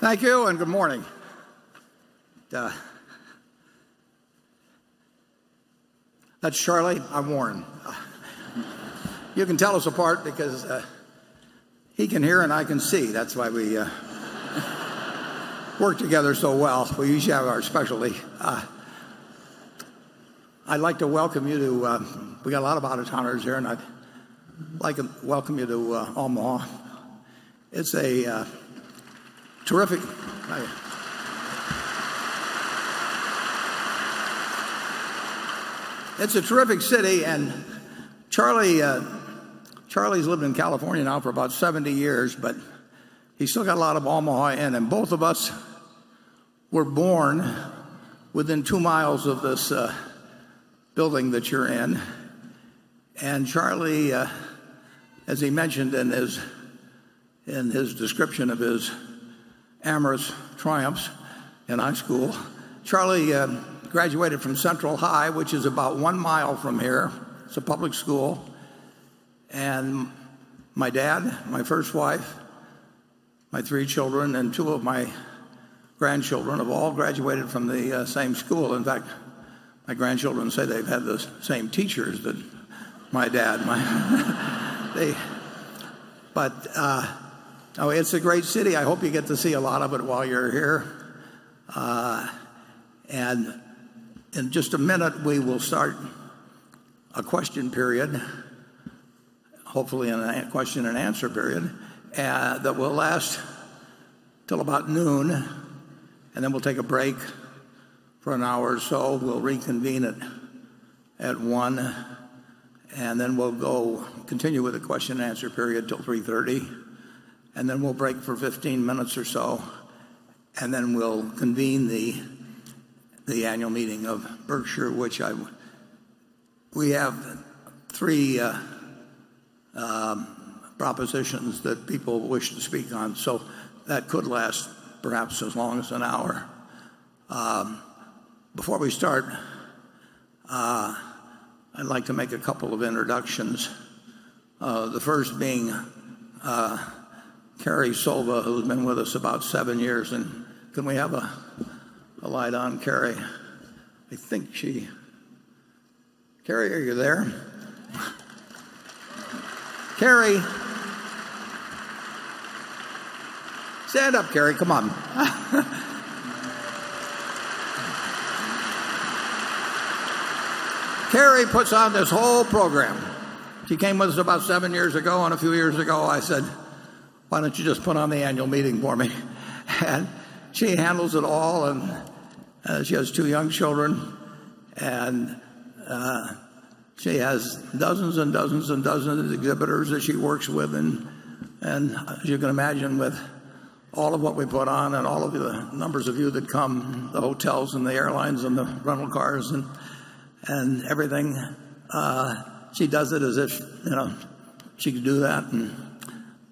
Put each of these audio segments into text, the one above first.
Thank you. Thank you, and good morning. That's Charlie. I'm Warren. You can tell us apart because he can hear and I can see. That's why we work together so well. We each have our specialty. I'd like to welcome you. We've got a lot of Out-of-Towners here, and I'd like to welcome you to Omaha. It's a terrific city. Charlie's lived in California now for about 70 years, but he's still got a lot of Omaha in him. Both of us were born within two miles of this building that you're in. Charlie, as he mentioned in his description of his amorous triumphs in high school, Charlie graduated from Central High, which is about one mile from here. It's a public school. My dad, my first wife, my three children, and two of my grandchildren have all graduated from the same school. In fact, my grandchildren say they've had the same teachers that my dad had. It's a great city. I hope you get to see a lot of it while you're here. In just a minute, we will start a question period, hopefully a question and answer period, that will last till about noon, and then we'll take a break for an hour or so. We'll reconvene at 1:00 P.M., and then we'll continue with the question and answer period till 3:30 P.M., and then we'll break for 15 minutes or so. Then we'll convene the annual meeting of Berkshire, which we have three propositions that people wish to speak on. That could last perhaps as long as an hour. Before we start, I'd like to make a couple of introductions. The first being Carrie Sova, who's been with us about seven years. Can we have a light on Carrie? I think Carrie, are you there? Carrie. Stand up, Carrie. Come on. Carrie puts on this whole program. She came with us about seven years ago, and a few years ago, I said, "Why don't you just put on the annual meeting for me?" She handles it all. She has two young children, and she has dozens and dozens and dozens of exhibitors that she works with. As you can imagine, with all of what we put on and all of the numbers of you that come, the hotels and the airlines and the rental cars and everything, she does it as if she could do that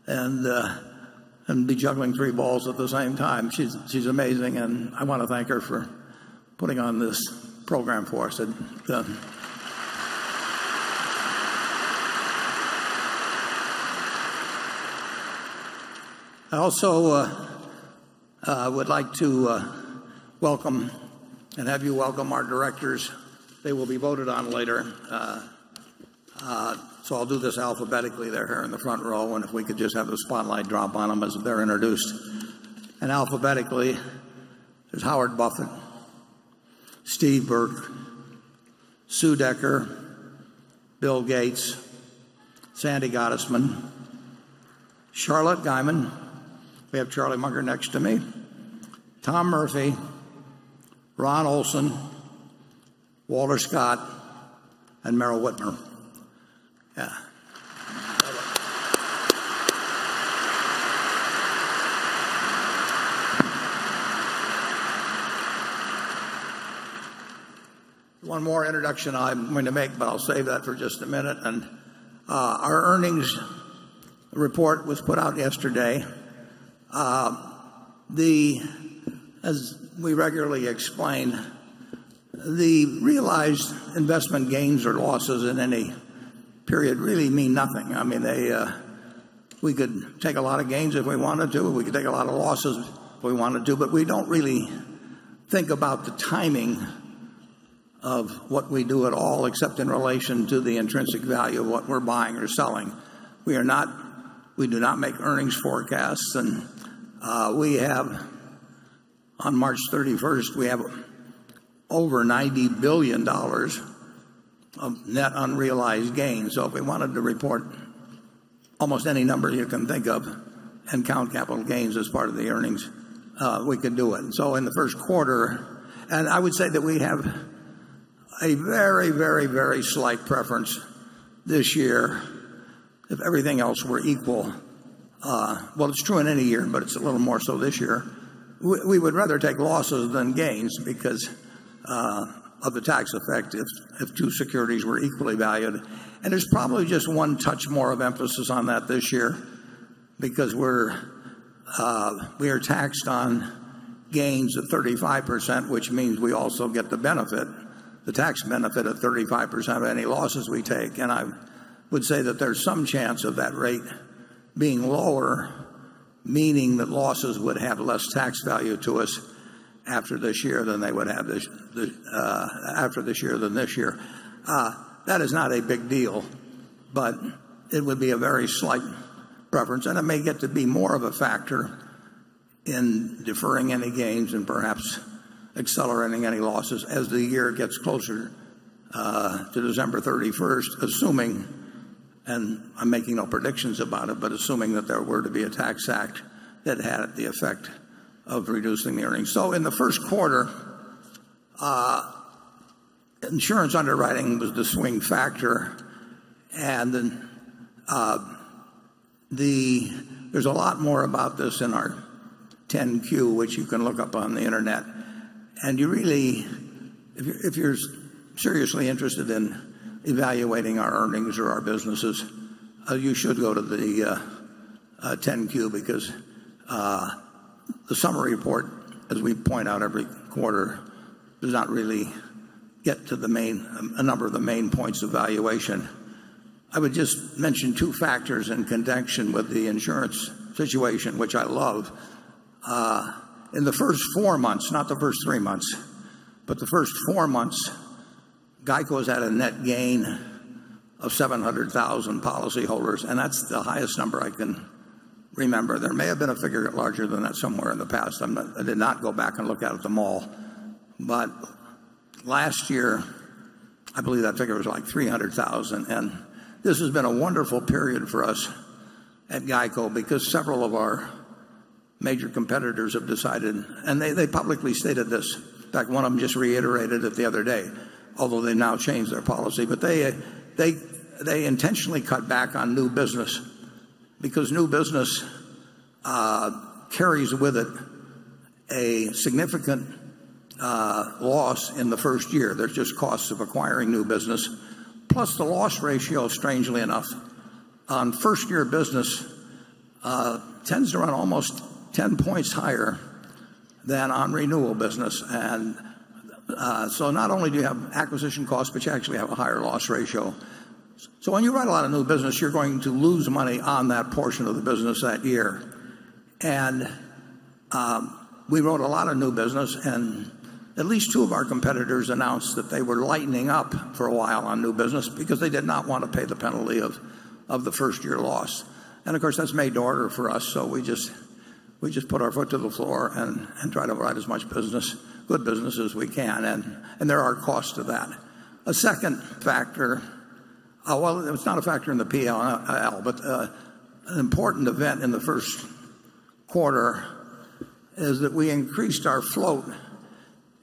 and be juggling three balls at the same time. She's amazing, and I want to thank her for putting on this program for us. I also would like to welcome and have you welcome our directors. They will be voted on later. I'll do this alphabetically. They're here in the front row, and if we could just have the spotlight drop on them as they're introduced. Alphabetically is Howard Buffett, Steve Burke, Sue Decker, Bill Gates, Sandy Gottesman, Charlotte Guyman. We have Charlie Munger next to me. Tom Murphy, Ron Olson, Walter Scott, and Meryl Witmer. Yeah. One more introduction I'm going to make, but I'll save that for just a minute. Our earnings report was put out yesterday. As we regularly explain, the realized investment gains or losses in any period really mean nothing. We could take a lot of gains if we wanted to. We could take a lot of losses if we wanted to. We don't really think about the timing of what we do at all, except in relation to the intrinsic value of what we're buying or selling. We do not make earnings forecasts. On March 31st, we have over $90 billion of net unrealized gains. If we wanted to report almost any number you can think of and count capital gains as part of the earnings, we could do it. I would say that we have a very slight preference this year if everything else were equal. Well, it's true in any year, but it's a little more so this year. We would rather take losses than gains because of the tax effect if two securities were equally valued. There's probably just one touch more of emphasis on that this year because we are taxed on gains of 35%, which means we also get the benefit, the tax benefit of 35% of any losses we take. I would say that there's some chance of that rate being lower, meaning that losses would have less tax value to us after this year than this year. That is not a big deal, but it would be a very slight preference, and it may get to be more of a factor in deferring any gains and perhaps accelerating any losses as the year gets closer to December 31st, assuming, and I'm making no predictions about it, but assuming that there were to be a tax act that had the effect of reducing the earnings. In the first quarter, insurance underwriting was the swing factor. There's a lot more about this in our 10-Q, which you can look up on the internet. If you're seriously interested in evaluating our earnings or our businesses, you should go to the 10-Q because the summary report, as we point out every quarter, does not really get to a number of the main points of valuation. I would just mention two factors in connection with the insurance situation, which I love. In the first four months, not the first three months, but the first four months, GEICO has had a net gain of 700,000 policy holders, and that's the highest number I can remember. There may have been a figure larger than that somewhere in the past. I did not go back and look at them all. Last year, I believe that figure was like 300,000. This has been a wonderful period for us at GEICO because several of our major competitors have decided, and they publicly stated this. In fact, one of them just reiterated it the other day, although they now changed their policy. They intentionally cut back on new business because new business carries with it a significant loss in the first year. There's just costs of acquiring new business. Plus the loss ratio, strangely enough, on first year business tends to run almost 10 points higher than on renewal business. Not only do you have acquisition costs, but you actually have a higher loss ratio. When you write a lot of new business, you're going to lose money on that portion of the business that year. We wrote a lot of new business, and at least two of our competitors announced that they were lightening up for a while on new business because they did not want to pay the penalty of the first year loss. Of course, that's made to order for us, so we just put our foot to the floor and try to write as much good business as we can. There are costs to that. A second factor. Well, it's not a factor in the P&L, but an important event in the first quarter is that we increased our float.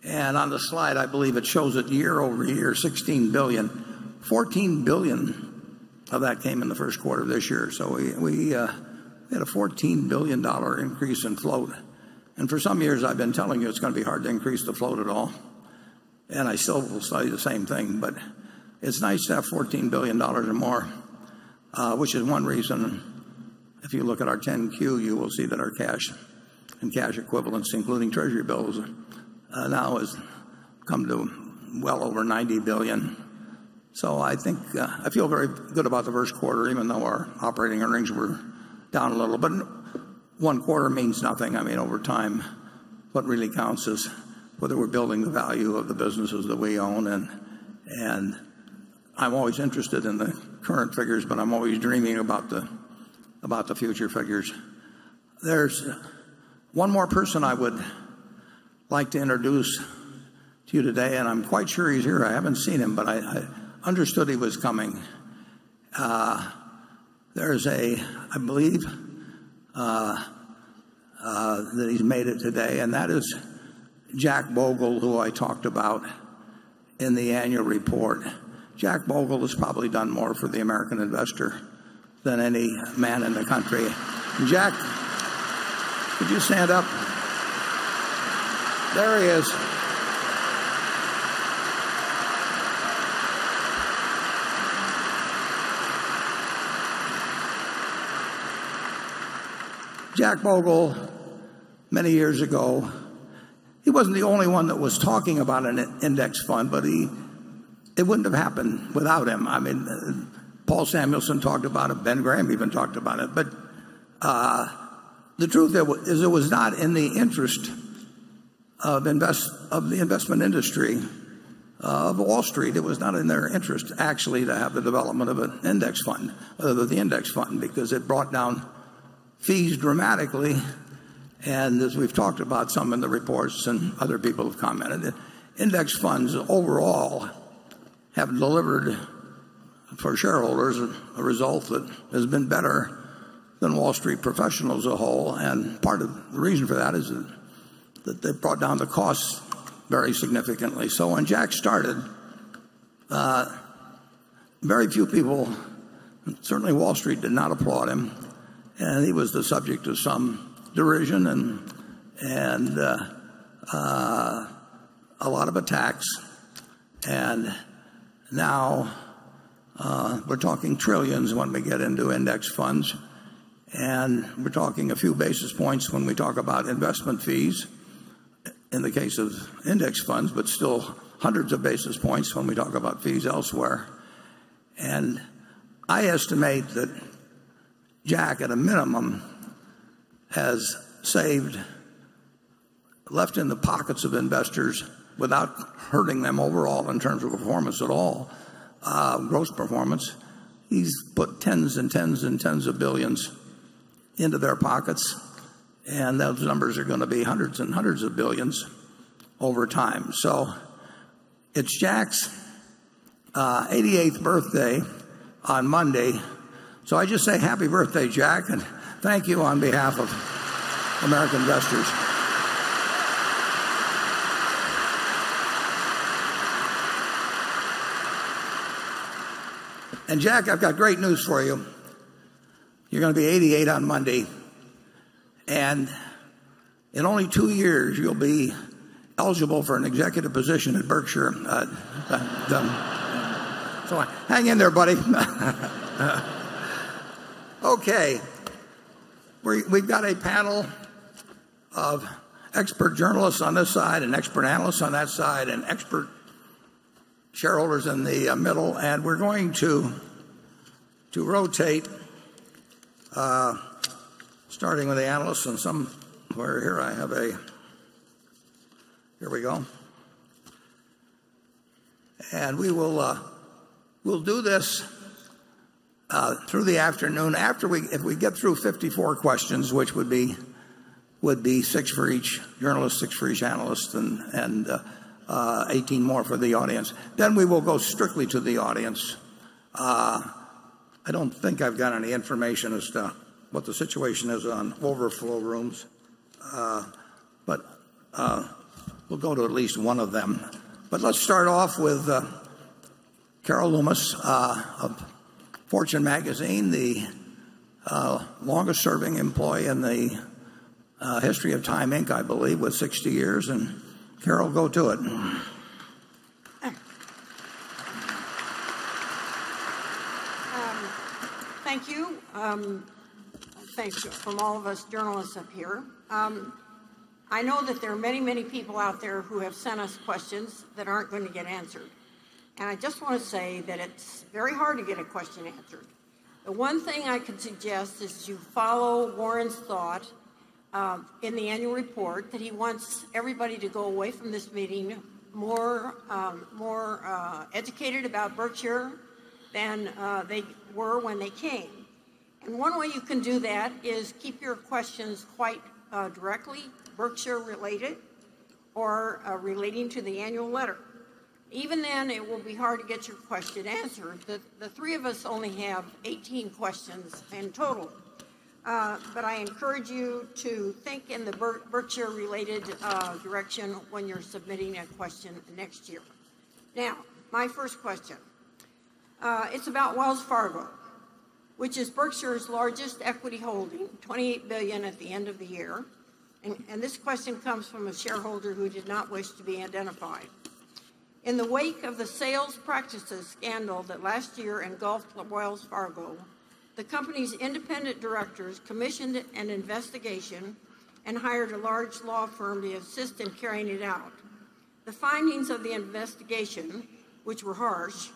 On the slide, I believe it shows it year-over-year, $16 billion. $14 billion of that came in the first quarter this year. We had a $14 billion increase in float. For some years, I've been telling you it's going to be hard to increase the float at all, and I still will say the same thing, but it's nice to have $14 billion or more. Which is one reason if you look at our 10-Q, you will see that our cash and cash equivalents, including Treasury bills, now has come to well over $90 billion. I feel very good about the first quarter, even though our operating earnings were down a little. One quarter means nothing. Over time, what really counts is whether we're building the value of the businesses that we own. I'm always interested in the current figures, but I'm always dreaming about the future figures. There's one more person I would like to introduce to you today, and I'm quite sure he's here. I haven't seen him, but I understood he was coming. I believe that he's made it today, and that is Jack Bogle, who I talked about in the annual report. Jack Bogle has probably done more for the American investor than any man in the country. Jack, could you stand up? There he is. Jack Bogle, many years ago, he wasn't the only one that was talking about an index fund, but it wouldn't have happened without him. Paul Samuelson talked about it. Ben Graham even talked about it. The truth is it was not in the interest of the investment industry of Wall Street. It was not in their interest, actually, to have the development of the index fund because it brought down fees dramatically. As we've talked about some in the reports and other people have commented, index funds overall have delivered for shareholders a result that has been better than Wall Street professionals as a whole. Part of the reason for that is that they've brought down the costs very significantly. When Jack started. Very few people, certainly Wall Street, did not applaud him, and he was the subject of some derision and a lot of attacks. Now we're talking trillions when we get into index funds, and we're talking a few basis points when we talk about investment fees in the case of index funds, but still hundreds of basis points when we talk about fees elsewhere. I estimate that Jack, at a minimum, has left in the pockets of investors without hurting them overall in terms of performance at all, gross performance. He's put tens and tens and tens of billions into their pockets, and those numbers are going to be hundreds and hundreds of billions over time. Jack's 88th birthday on Monday. I just say happy birthday, Jack, and thank you on behalf of American investors. Jack, I've got great news for you. You're going to be 88 on Monday, and in only two years, you'll be eligible for an executive position at Berkshire. Hang in there, buddy. Okay. We've got a panel of expert journalists on this side and expert analysts on that side, and expert shareholders in the middle. We're going to rotate, starting with the analysts somewhere here. Here we go. We'll do this through the afternoon. If we get through 54 questions, which would be six for each journalist, six for each analyst, and 18 more for the audience, then we will go strictly to the audience. I don't think I've got any information as to what the situation is on overflow rooms. We'll go to at least one of them. Let's start off with Carol Loomis of Fortune Magazine, the longest serving employee in the history of Time Inc., I believe, with 60 years. Carol, go to it. Thank you. Thanks from all of us journalists up here. I know that there are many, many people out there who have sent us questions that aren't going to get answered, and I just want to say that it's very hard to get a question answered. The one thing I could suggest is you follow Warren's thought in the annual report that he wants everybody to go away from this meeting more educated about Berkshire than they were when they came. One way you can do that is keep your questions quite directly Berkshire related or relating to the annual letter. Even then, it will be hard to get your question answered. The three of us only have 18 questions in total. I encourage you to think in the Berkshire related direction when you're submitting a question next year. My first question, it's about Wells Fargo, which is Berkshire's largest equity holding, $28 billion at the end of the year. This question comes from a shareholder who did not wish to be identified. In the wake of the sales practices scandal that last year engulfed Wells Fargo, the company's independent directors commissioned an investigation and hired a large law firm to assist in carrying it out. The findings of the investigation, which were harsh,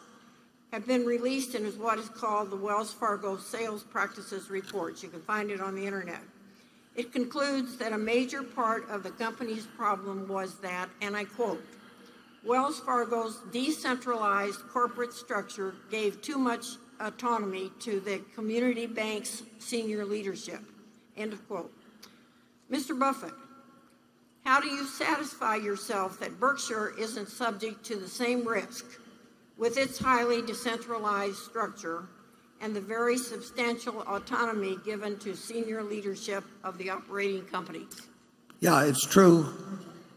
have been released in what is called the "Wells Fargo Sales Practices Report." You can find it on the Internet. It concludes that a major part of the company's problem was that, and I quote, "Wells Fargo's decentralized corporate structure gave too much autonomy to the community bank's senior leadership." End of quote. Mr. Buffett, how do you satisfy yourself that Berkshire isn't subject to the same risk with its highly decentralized structure and the very substantial autonomy given to senior leadership of the operating companies? Yeah, it's true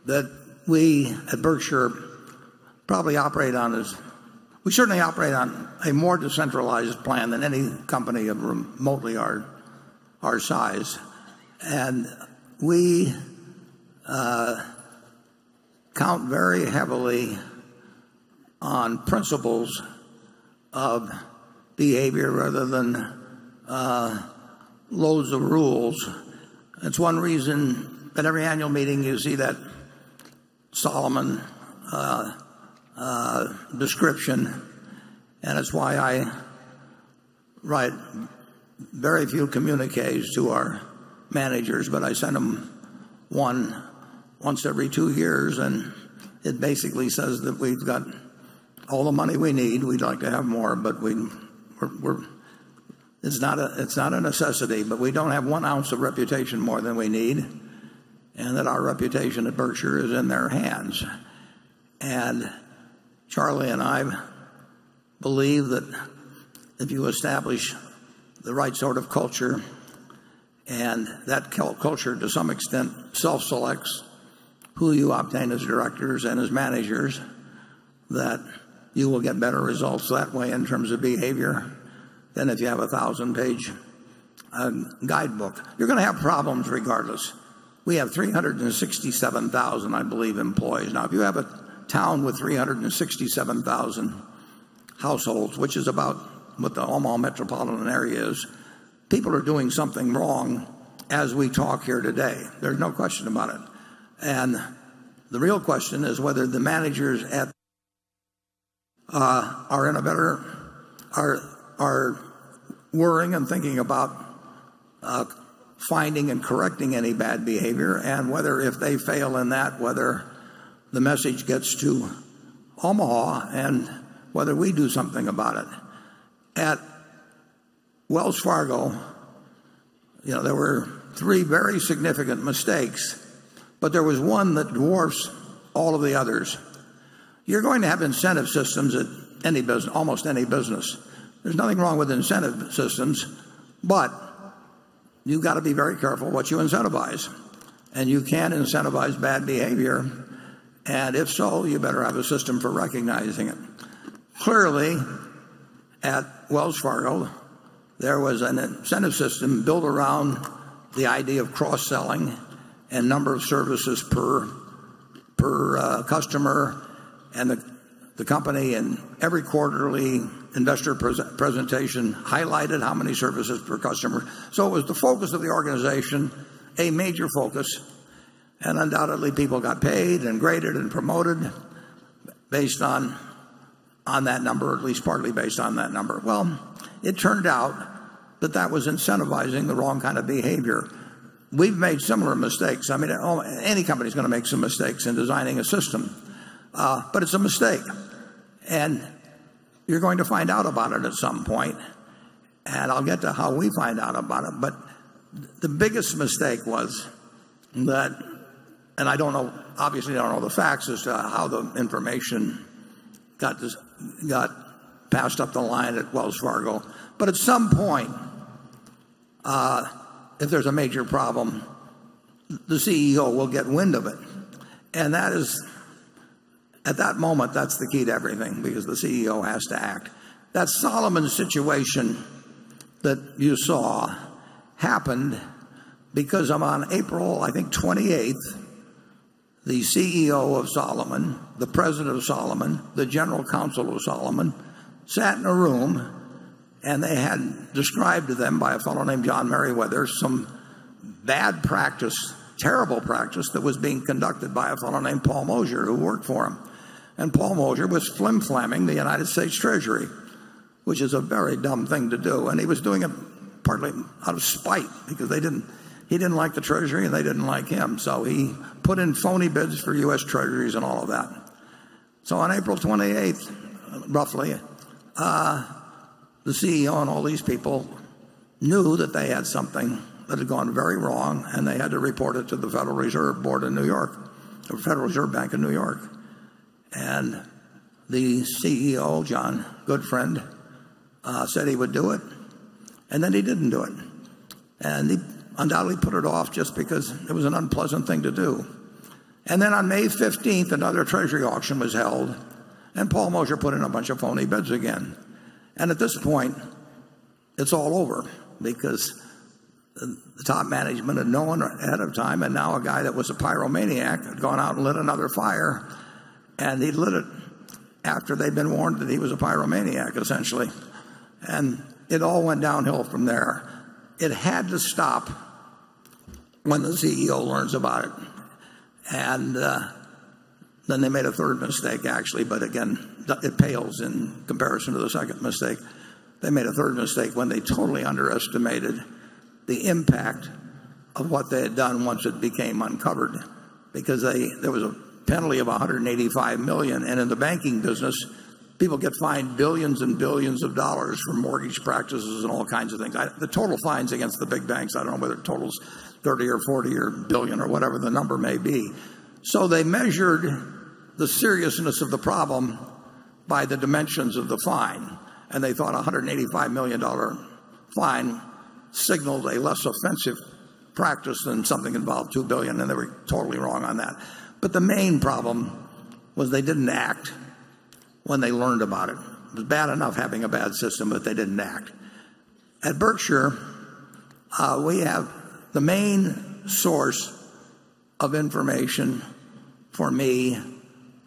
that we at Berkshire probably operate on this We certainly operate on a more decentralized plan than any company of remotely our size, and we count very heavily on principles of behavior rather than loads of rules. It's one reason that every annual meeting you see that Salomon description, and it's why I write very few communiques to our managers. I send them one once every two years, and it basically says that we've got all the money we need. We'd like to have more, but it's not a necessity, we don't have one ounce of reputation more than we need, and that our reputation at Berkshire is in their hands. Charlie and I believe that if you establish the right sort of culture That culture, to some extent, self-selects who you obtain as directors and as managers, that you will get better results that way in terms of behavior than if you have a 1,000-page guidebook. You're going to have problems regardless. We have 367,000, I believe, employees. Now, if you have a town with 367,000 households, which is about what the Omaha metropolitan area is, people are doing something wrong as we talk here today. There's no question about it. The real question is whether the managers are worrying and thinking about finding and correcting any bad behavior, and whether if they fail in that, whether the message gets to Omaha, and whether we do something about it. At Wells Fargo, there were three very significant mistakes, there was one that dwarfs all of the others. You're going to have incentive systems at almost any business. There's nothing wrong with incentive systems, you got to be very careful what you incentivize. You can incentivize bad behavior, and if so, you better have a system for recognizing it. Clearly, at Wells Fargo, there was an incentive system built around the idea of cross-selling and number of services per customer, and the company in every quarterly investor presentation highlighted how many services per customer. It was the focus of the organization, a major focus, and undoubtedly people got paid and graded and promoted based on that number, at least partly based on that number. Well, it turned out that that was incentivizing the wrong kind of behavior. We've made similar mistakes. Any company is going to make some mistakes in designing a system, it's a mistake, and you're going to find out about it at some point, and I'll get to how we find out about it. The biggest mistake was that, and obviously I don't know the facts as to how the information got passed up the line at Wells Fargo. At some point, if there's a major problem, the CEO will get wind of it, and at that moment, that's the key to everything because the CEO has to act. That Salomon situation that you saw happened because on April 28th, the CEO of Salomon, the president of Salomon, the general counsel of Salomon, sat in a room, and they had described to them by a fellow named John Meriwether some bad practice, terrible practice that was being conducted by a fellow named Paul Mozer, who worked for him. Paul Mozer was flimflamming the United States Treasury, which is a very dumb thing to do. He was doing it partly out of spite because he didn't like the Treasury, and they didn't like him. He put in phony bids for U.S. Treasuries and all of that. On April 28th, roughly, the CEO and all these people knew that they had something that had gone very wrong, and they had to report it to the Federal Reserve Board in New York, or Federal Reserve Bank of New York. The CEO, John Gutfreund, said he would do it, and then he didn't do it. He undoubtedly put it off just because it was an unpleasant thing to do. On May 15th, another Treasury auction was held, and Paul Mozer put in a bunch of phony bids again. At this point, it's all over because the top management had known ahead of time, and now a guy that was a pyromaniac had gone out and lit another fire, and he'd lit it after they'd been warned that he was a pyromaniac, essentially. It all went downhill from there. It had to stop when the CEO learns about it. They made a third mistake, actually. Again, it pales in comparison to the second mistake. They made a third mistake when they totally underestimated the impact of what they had done once it became uncovered because there was a penalty of $185 million. In the banking business, people get fined billions and billions of dollars for mortgage practices and all kinds of things. The total fines against the big banks, I don't know whether it totals $30 or $40 or billion or whatever the number may be. They measured the seriousness of the problem by the dimensions of the fine, and they thought a $185 million fine signaled a less offensive practice than something involving $2 billion, and they were totally wrong on that. The main problem was they didn't act when they learned about it. It was bad enough having a bad system, they didn't act. At Berkshire, we have the main source of information for me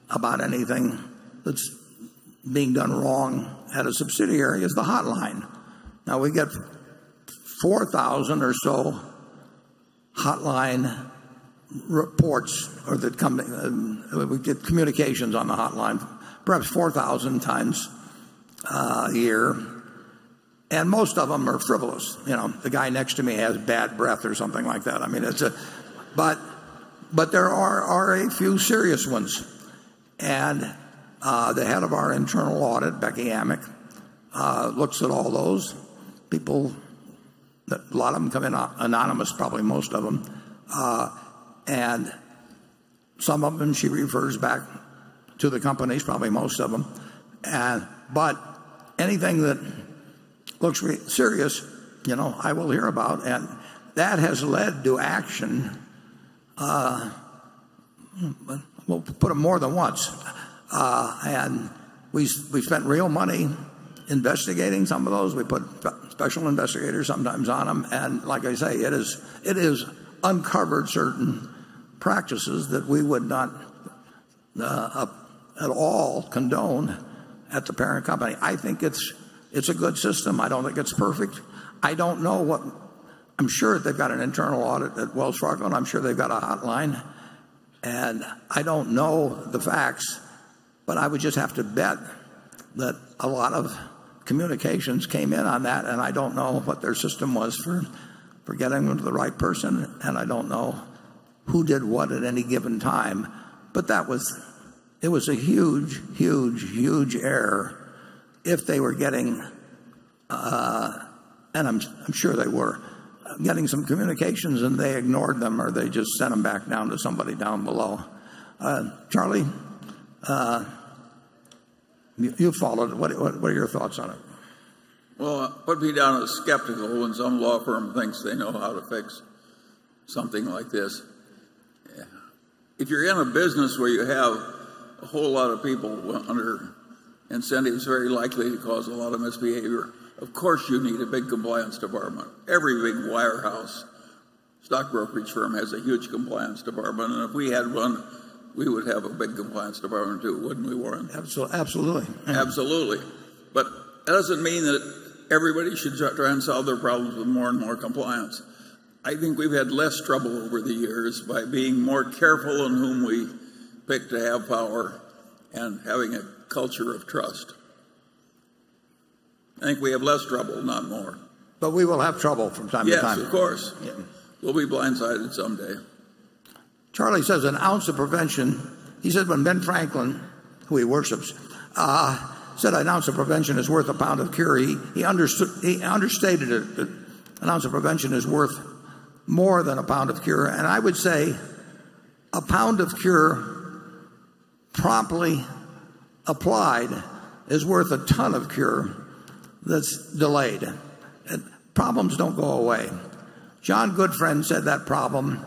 about anything that's being done wrong at a subsidiary is the hotline. We get 4,000 or so hotline reports. We get communications on the hotline, perhaps 4,000 times a year, and most of them are frivolous. The guy next to me has bad breath or something like that. There are a few serious ones. The head of our internal audit, Becky Amick, looks at all those. A lot of them come in anonymous, probably most of them. Some of them she refers back to the companies, probably most of them. Anything that looks serious, I will hear about. That has led to action, we'll put it more than once. We spent real money investigating some of those. We put special investigators sometimes on them. Like I say, it has uncovered certain practices that we would not at all condone at the parent company. I think it's a good system. I don't think it's perfect. I'm sure they've got an internal audit at Wells Fargo, and I'm sure they've got a hotline, and I don't know the facts, but I would just have to bet that a lot of communications came in on that, and I don't know what their system was for getting them to the right person, and I don't know who did what at any given time. It was a huge error if they were getting, and I'm sure they were, getting some communications and they ignored them, or they just sent them back down to somebody down below. Charlie, you followed it. What are your thoughts on it? Well, put me down as skeptical when some law firm thinks they know how to fix something like this. Yeah. If you're in a business where you have a whole lot of people under incentives very likely to cause a lot of misbehavior, of course you need a big compliance department. Every big wire house stock brokerage firm has a huge compliance department. If we had one, we would have a big compliance department, too, wouldn't we, Warren? Absolutely. Absolutely. It doesn't mean that everybody should try and solve their problems with more and more compliance. I think we've had less trouble over the years by being more careful in whom we pick to have power and having a culture of trust. I think we have less trouble, not more. We will have trouble from time to time. Yes, of course. Yeah. We'll be blindsided someday. Charlie says an ounce of prevention. He says when Ben Franklin, who he worships, said an ounce of prevention is worth a pound of cure, he understated it, that an ounce of prevention is worth more than a pound of cure. I would say a pound of cure promptly applied is worth a ton of cure that's delayed. Problems don't go away. John Gutfreund said that problem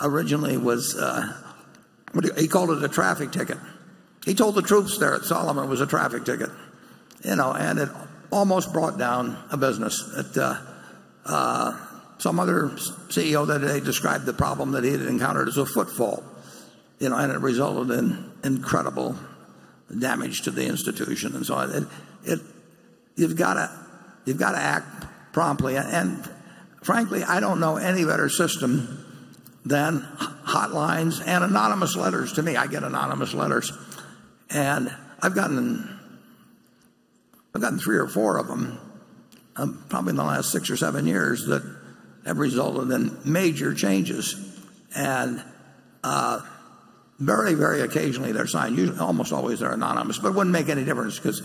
originally was, he called it a traffic ticket. He told the troops there at Salomon was a traffic ticket. It almost brought down a business. Some other CEO the other day described the problem that he had encountered as a foot fault, and it resulted in incredible damage to the institution and so on. You've got to act promptly. Frankly, I don't know any better system than hotlines and anonymous letters to me. I get anonymous letters. I've gotten three or four of them, probably in the last six or seven years that have resulted in major changes. Very occasionally they're signed, almost always they're anonymous, but it wouldn't make any difference because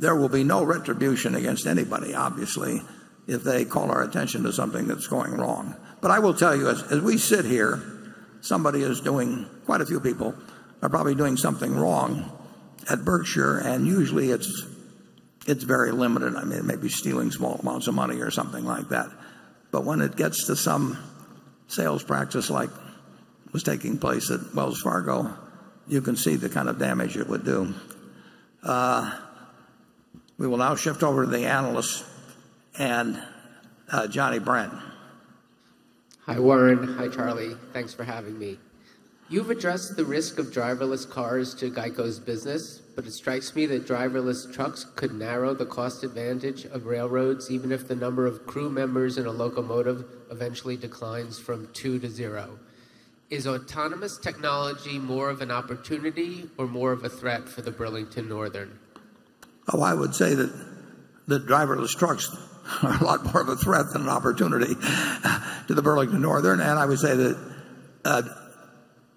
there will be no retribution against anybody, obviously, if they call our attention to something that's going wrong. I will tell you, as we sit here, somebody is doing, quite a few people are probably doing something wrong at Berkshire, and usually it's very limited. It may be stealing small amounts of money or something like that. But when it gets to some sales practice like was taking place at Wells Fargo, you can see the kind of damage it would do. We will now shift over to the analysts and Jonathan Brandt. Hi, Warren. Hi, Charlie. Thanks for having me. You've addressed the risk of driverless cars to GEICO's business, but it strikes me that driverless trucks could narrow the cost advantage of railroads, even if the number of crew members in a locomotive eventually declines from two to zero. Is autonomous technology more of an opportunity or more of a threat for the Burlington Northern? Oh, I would say that driverless trucks are a lot more of a threat than an opportunity to the Burlington Northern. I would say that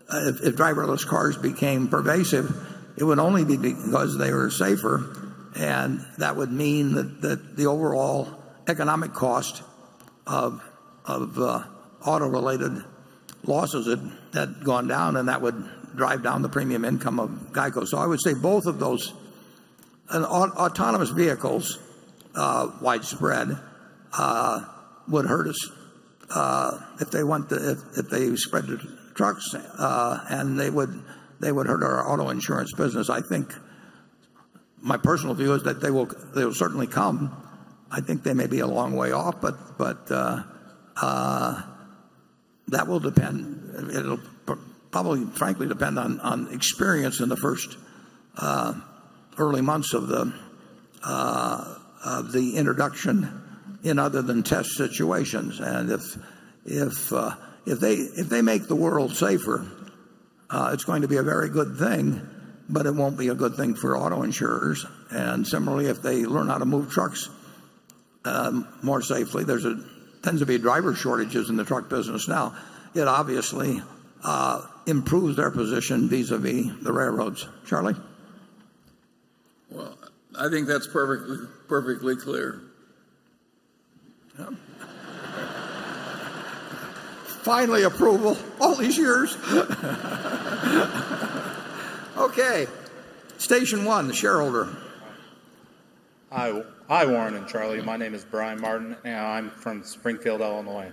if driverless cars became pervasive, it would only be because they were safer, and that would mean that the overall economic cost of auto-related losses had gone down, and that would drive down the premium income of GEICO. I would say both of those, autonomous vehicles widespread would hurt us, if they spread to trucks, and they would hurt our auto insurance business. I think my personal view is that they will certainly come. I think they may be a long way off, but that will depend. It'll probably frankly depend on experience in the first early months of the introduction in other than test situations. If they make the world safer, it's going to be a very good thing, but it won't be a good thing for auto insurers. Similarly, if they learn how to move trucks more safely, there tends to be driver shortages in the truck business now. It obviously improves their position vis-a-vis the railroads. Charlie? I think that's perfectly clear. Finally approval. All these years. Okay, station one, the shareholder. Hi, Warren and Charlie. My name is Brian Martin, and I'm from Springfield, Illinois.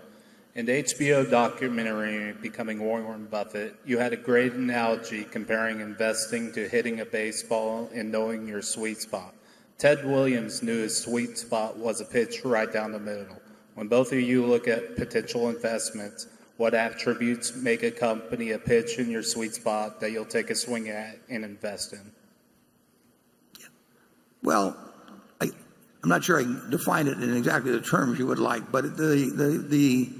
In the HBO documentary, "Becoming Warren Buffett," you had a great analogy comparing investing to hitting a baseball and knowing your sweet spot. Ted Williams knew his sweet spot was a pitch right down the middle. When both of you look at potential investments, what attributes make a company a pitch in your sweet spot that you'll take a swing at and invest in? Well, I'm not sure I can define it in exactly the terms you would like, but we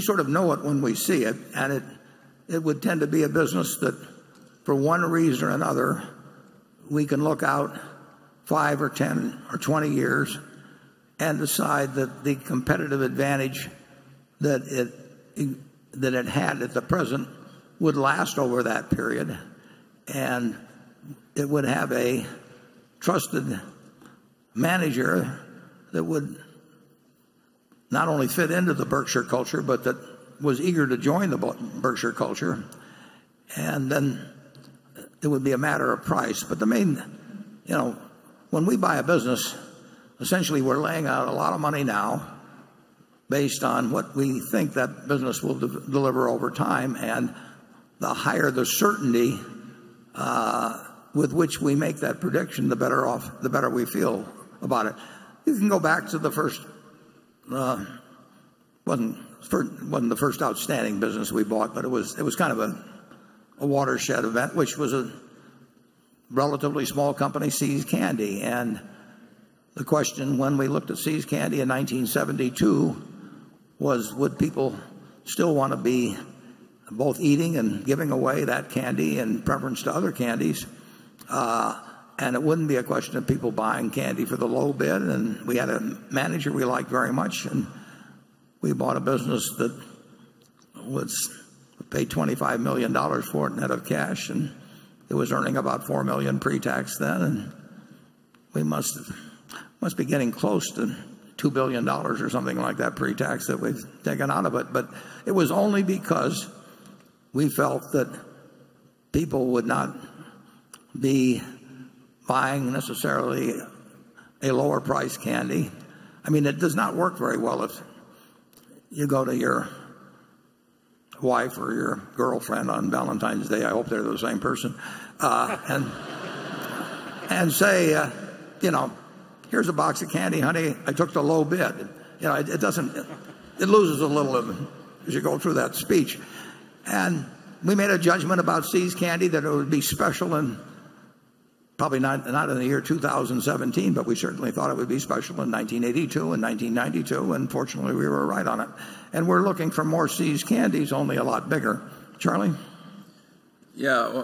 sort of know it when we see it, and it would tend to be a business that for one reason or another, we can look out five or 10 or 20 years and decide that the competitive advantage that it had at the present would last over that period, and it would have a trusted manager that would not only fit into the Berkshire culture, but that was eager to join the Berkshire culture. Then it would be a matter of price. When we buy a business, essentially, we're laying out a lot of money now based on what we think that business will deliver over time. The higher the certainty with which we make that prediction, the better we feel about it. You can go back to the first. It wasn't the first outstanding business we bought, but it was kind of a watershed event, which was a relatively small company, See's Candy. The question when we looked at See's Candy in 1972 was would people still want to be both eating and giving away that candy in preference to other candies? It wouldn't be a question of people buying candy for the low bid. We had a manager we liked very much, and we bought a business that was paid $25 million for it net of cash, and it was earning about $4 million pre-tax then. We must be getting close to $2 billion or something like that pre-tax that we've taken out of it. It was only because we felt that people would not be buying necessarily a lower priced candy. It does not work very well if you go to your wife or your girlfriend on Valentine's Day, I hope they're the same person and say, "Here's a box of candy, honey. I took the low bid." It loses a little as you go through that speech. We made a judgment about See's Candy that it would be special in probably not in the year 2017, but we certainly thought it would be special in 1982 and 1992. Fortunately, we were right on it. We're looking for more See's Candies, only a lot bigger. Charlie? Yeah.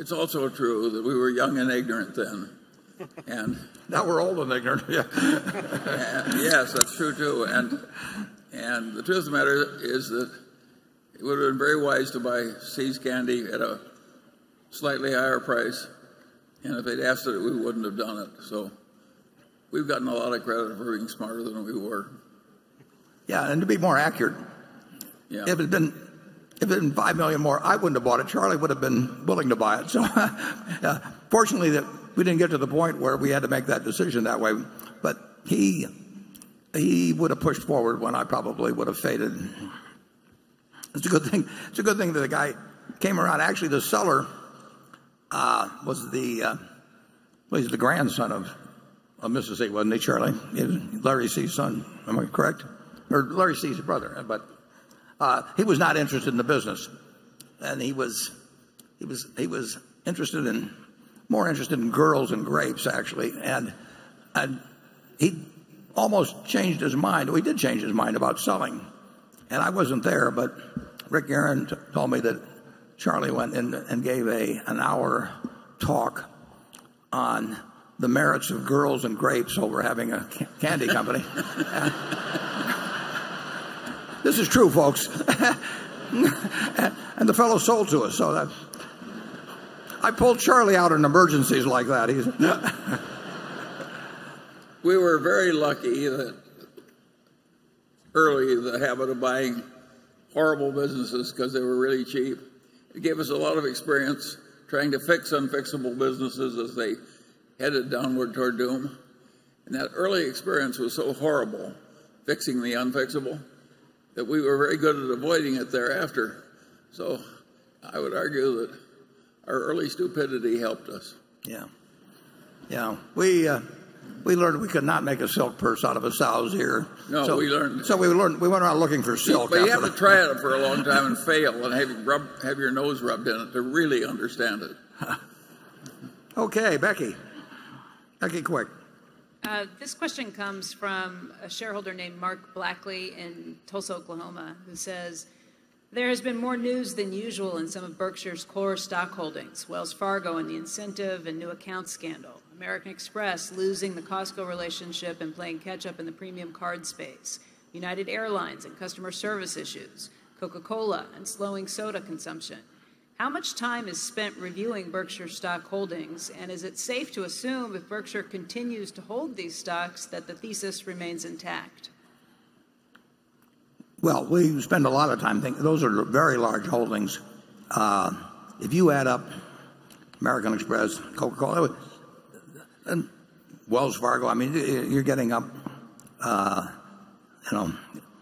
It's also true that we were young and ignorant then. Now we're old and ignorant. Yes, that's true, too. The truth of the matter is that it would have been very wise to buy See's Candies at a slightly higher price, and if they'd asked it, we wouldn't have done it. We've gotten a lot of credit for being smarter than we were. Yeah. To be more accurate. Yeah. If it'd been 5 million more, I wouldn't have bought it. Charlie would have been willing to buy it. Fortunately, we didn't get to the point where we had to make that decision that way. He would have pushed forward when I probably would have faded. It's a good thing that the guy came around. Actually, the seller was the grandson of Mr. See, wasn't he, Charlie? Larry See's son. Am I correct? Or Larry See's brother. He was not interested in the business. He was more interested in girls than grapes, actually. He almost changed his mind, well, he did change his mind about selling. I wasn't there, but Rick Guerin told me that Charlie went in and gave an hour talk on the merits of girls and grapes over having a candy company. This is true, folks. The fellow sold to us. I pull Charlie out in emergencies like that. We were very lucky early in the habit of buying horrible businesses because they were really cheap. It gave us a lot of experience trying to fix unfixable businesses as they headed downward toward doom. That early experience was so horrible, fixing the unfixable, that we were very good at avoiding it thereafter. I would argue that our early stupidity helped us. Yeah. We learned we could not make a silk purse out of a sow's ear. No, we learned that. We went around looking for silk after that. You have to try it for a long time and fail and have your nose rubbed in it to really understand it. Okay, Becky. Becky Quick. This question comes from a shareholder named Mark Blackley in Tulsa, Oklahoma, who says, "There has been more news than usual in some of Berkshire's core stock holdings. Wells Fargo and the incentive and new account scandal. American Express losing the Costco relationship and playing catch up in the premium card space. United Airlines and customer service issues. Coca-Cola and slowing soda consumption." How much time is spent reviewing Berkshire's stock holdings? Is it safe to assume if Berkshire continues to hold these stocks, that the thesis remains intact? Well, we spend a lot of time thinking. Those are very large holdings. If you add up American Express, Coca-Cola, and Wells Fargo, you're getting up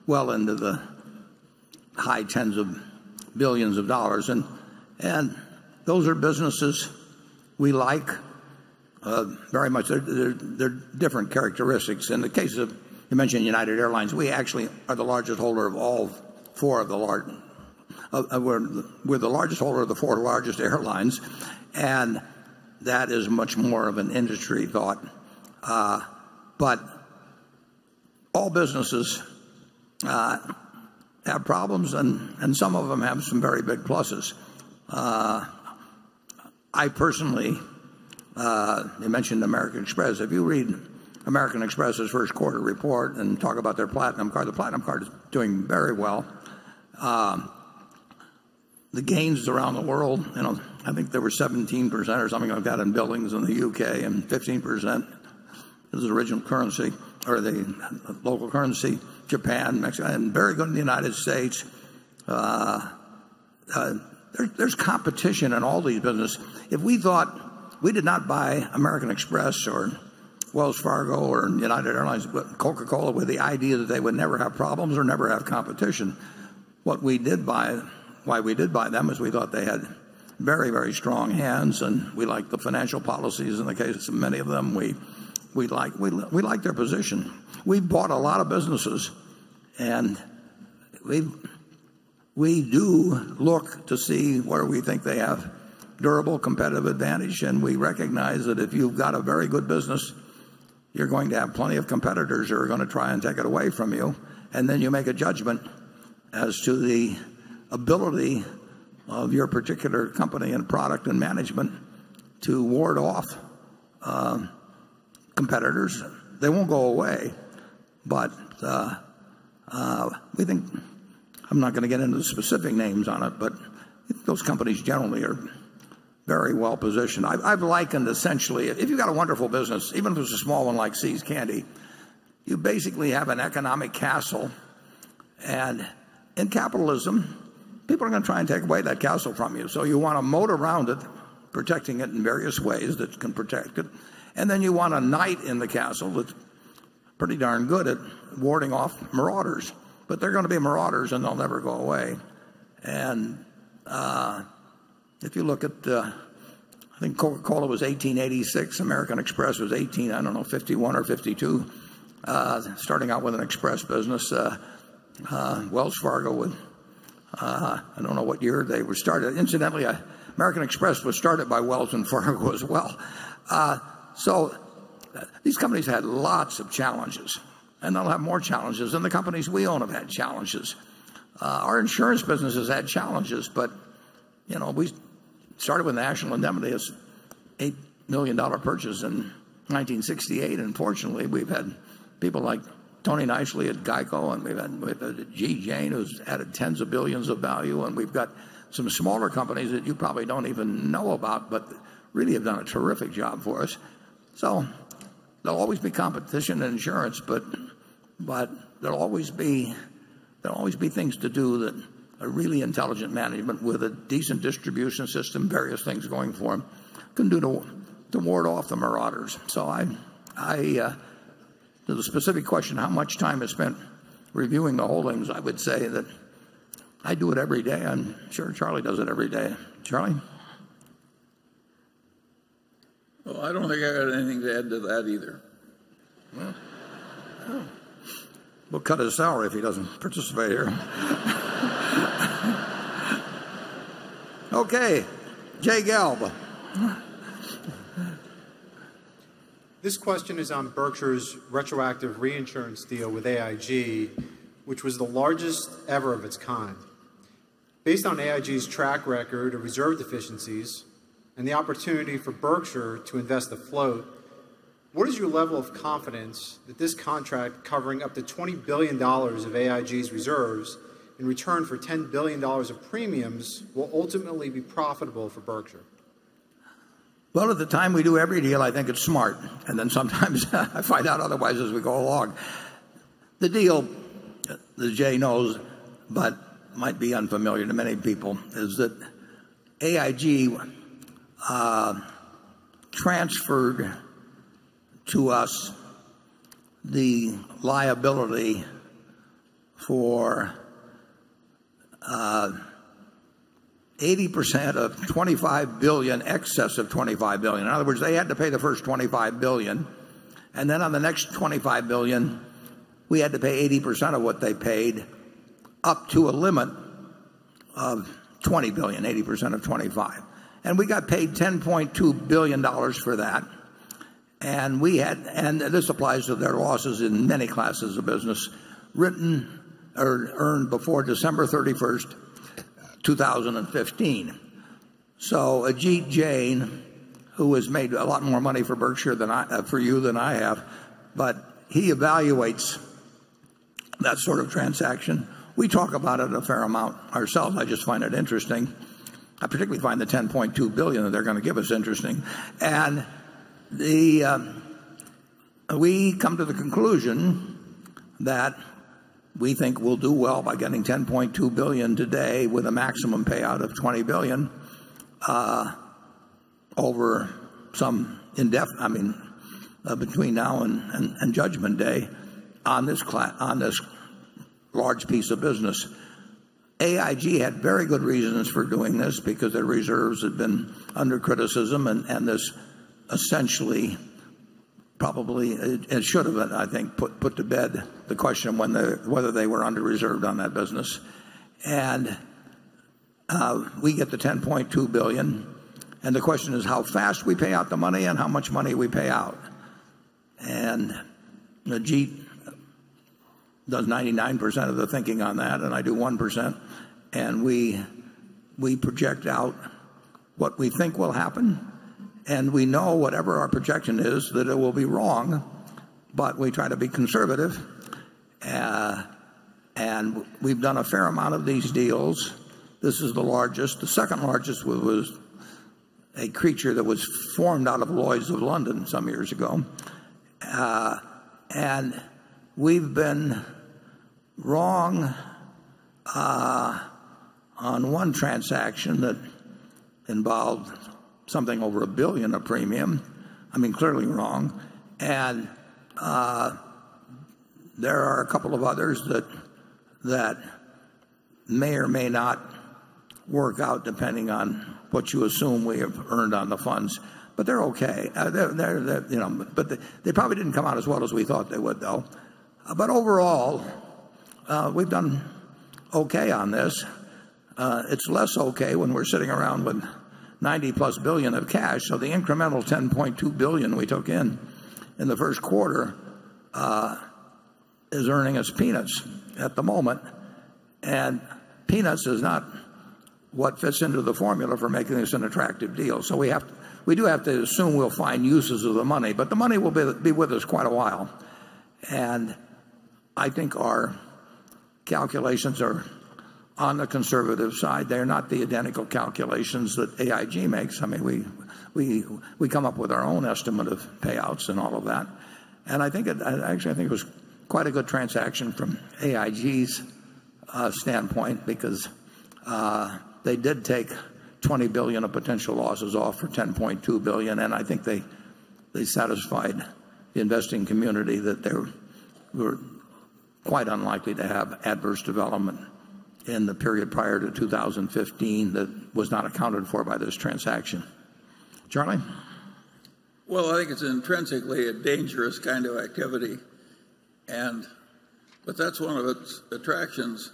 well into the high tens of billions of dollars. Those are businesses we like very much. They have different characteristics. In the case of, you mentioned United Airlines, we actually are the largest holder of the four largest airlines, and that is much more of an industry thought. All businesses have problems, and some of them have some very big pluses. You mentioned American Express. If you read American Express's first quarter report and talk about their platinum card, the platinum card is doing very well. The gains around the world, I think there were 17% or something of that in billings in the U.K. and 15% is the original currency or the local currency, Japan, Mexico, and very good in the U.S. There's competition in all these businesses. We did not buy American Express or Wells Fargo or United Airlines, Coca-Cola, with the idea that they would never have problems or never have competition. Why we did buy them is we thought they had very strong hands, and we liked the financial policies in the case of many of them. We liked their position. We bought a lot of businesses, and we do look to see where we think they have durable competitive advantage. We recognize that if you've got a very good business, you're going to have plenty of competitors who are going to try and take it away from you. Then you make a judgment as to the ability of your particular company and product and management to ward off competitors. They won't go away. We think I'm not going to get into specific names on it, but those companies generally are very well positioned. I've likened essentially if you've got a wonderful business, even if it's a small one like See's Candies, you basically have an economic castle, and in capitalism, people are going to try and take away that castle from you. You want a moat around it, protecting it in various ways that can protect it, and then you want a knight in the castle that's pretty darn good at warding off marauders. There are going to be marauders, and they'll never go away. If you look at the, I think Coca-Cola was 1886, American Express was 1851 or 1852, starting out with an express business. Wells Fargo, I don't know what year they were started. Incidentally, American Express was started by Wells and Fargo as well. These companies had lots of challenges, and they'll have more challenges. The companies we own have had challenges. Our insurance businesses had challenges, but we started with National Indemnity as an $8 million purchase in 1968. Fortunately, we've had people like Tony Nicely at GEICO, and we've had Ajit Jain, who's added tens of billions of value, and we've got some smaller companies that you probably don't even know about but really have done a terrific job for us. There'll always be competition in insurance, but there'll always be things to do that a really intelligent management with a decent distribution system, various things going for them, can do to ward off the marauders. To the specific question, how much time is spent reviewing the holdings? I would say that I do it every day. I'm sure Charlie does it every day. Charlie? Well, I don't think I got anything to add to that either. We'll cut his salary if he doesn't participate here. Okay. Jay Gelb. This question is on Berkshire's retroactive reinsurance deal with AIG, which was the largest ever of its kind. Based on AIG's track record of reserve deficiencies and the opportunity for Berkshire to invest afloat, what is your level of confidence that this contract covering up to $20 billion of AIG's reserves in return for $10 billion of premiums will ultimately be profitable for Berkshire? Well, at the time we do every deal, I think it's smart, and then sometimes I find out otherwise as we go along. The deal, as Jay knows but might be unfamiliar to many people, is that AIG transferred to us the liability for 80% of excess of $25 billion. In other words, they had to pay the first $25 billion, and then on the next $25 billion, we had to pay 80% of what they paid up to a limit of $20 billion, 80% of 25. We got paid $10.2 billion for that. This applies to their losses in many classes of business earned before December 31st, 2015. Ajit Jain, who has made a lot more money for you than I have, but he evaluates that sort of transaction. We talk about it a fair amount ourselves. I just find it interesting. I particularly find the $10.2 billion that they're going to give us interesting. We come to the conclusion that we think we'll do well by getting $10.2 billion today with a maximum payout of $20 billion over some indefinite between now and Judgment Day on this large piece of business. AIG had very good reasons for doing this because their reserves had been under criticism, and this essentially, probably, it should have, I think, put to bed the question of whether they were under-reserved on that business. We get the $10.2 billion, and the question is how fast we pay out the money and how much money we pay out. Ajit does 99% of the thinking on that, and I do 1%, and we project out what we think will happen, and we know whatever our projection is that it will be wrong, but we try to be conservative. We've done a fair amount of these deals. This is the largest. The second largest was a creature that was formed out of Lloyd's of London some years ago. We've been wrong on one transaction that involved something over $1 billion of premium, clearly wrong. There are a couple of others that may or may not work out depending on what you assume we have earned on the funds, but they're okay. They probably didn't come out as well as we thought they would, though. Overall, we've done okay on this. It's less okay when we're sitting around with $90 plus billion of cash. The incremental $10.2 billion we took in in the first quarter, is earning us peanuts at the moment. Peanuts is not what fits into the formula for making this an attractive deal. We do have to assume we'll find uses of the money, but the money will be with us quite a while. I think our calculations are on the conservative side. They're not the identical calculations that AIG makes. We come up with our own estimate of payouts and all of that. Actually, I think it was quite a good transaction from AIG's standpoint because they did take $20 billion of potential losses off for $10.2 billion, and I think they satisfied the investing community that they were quite unlikely to have adverse development in the period prior to 2015 that was not accounted for by this transaction. Charlie? Well, I think it's intrinsically a dangerous kind of activity. That's one of its attractions.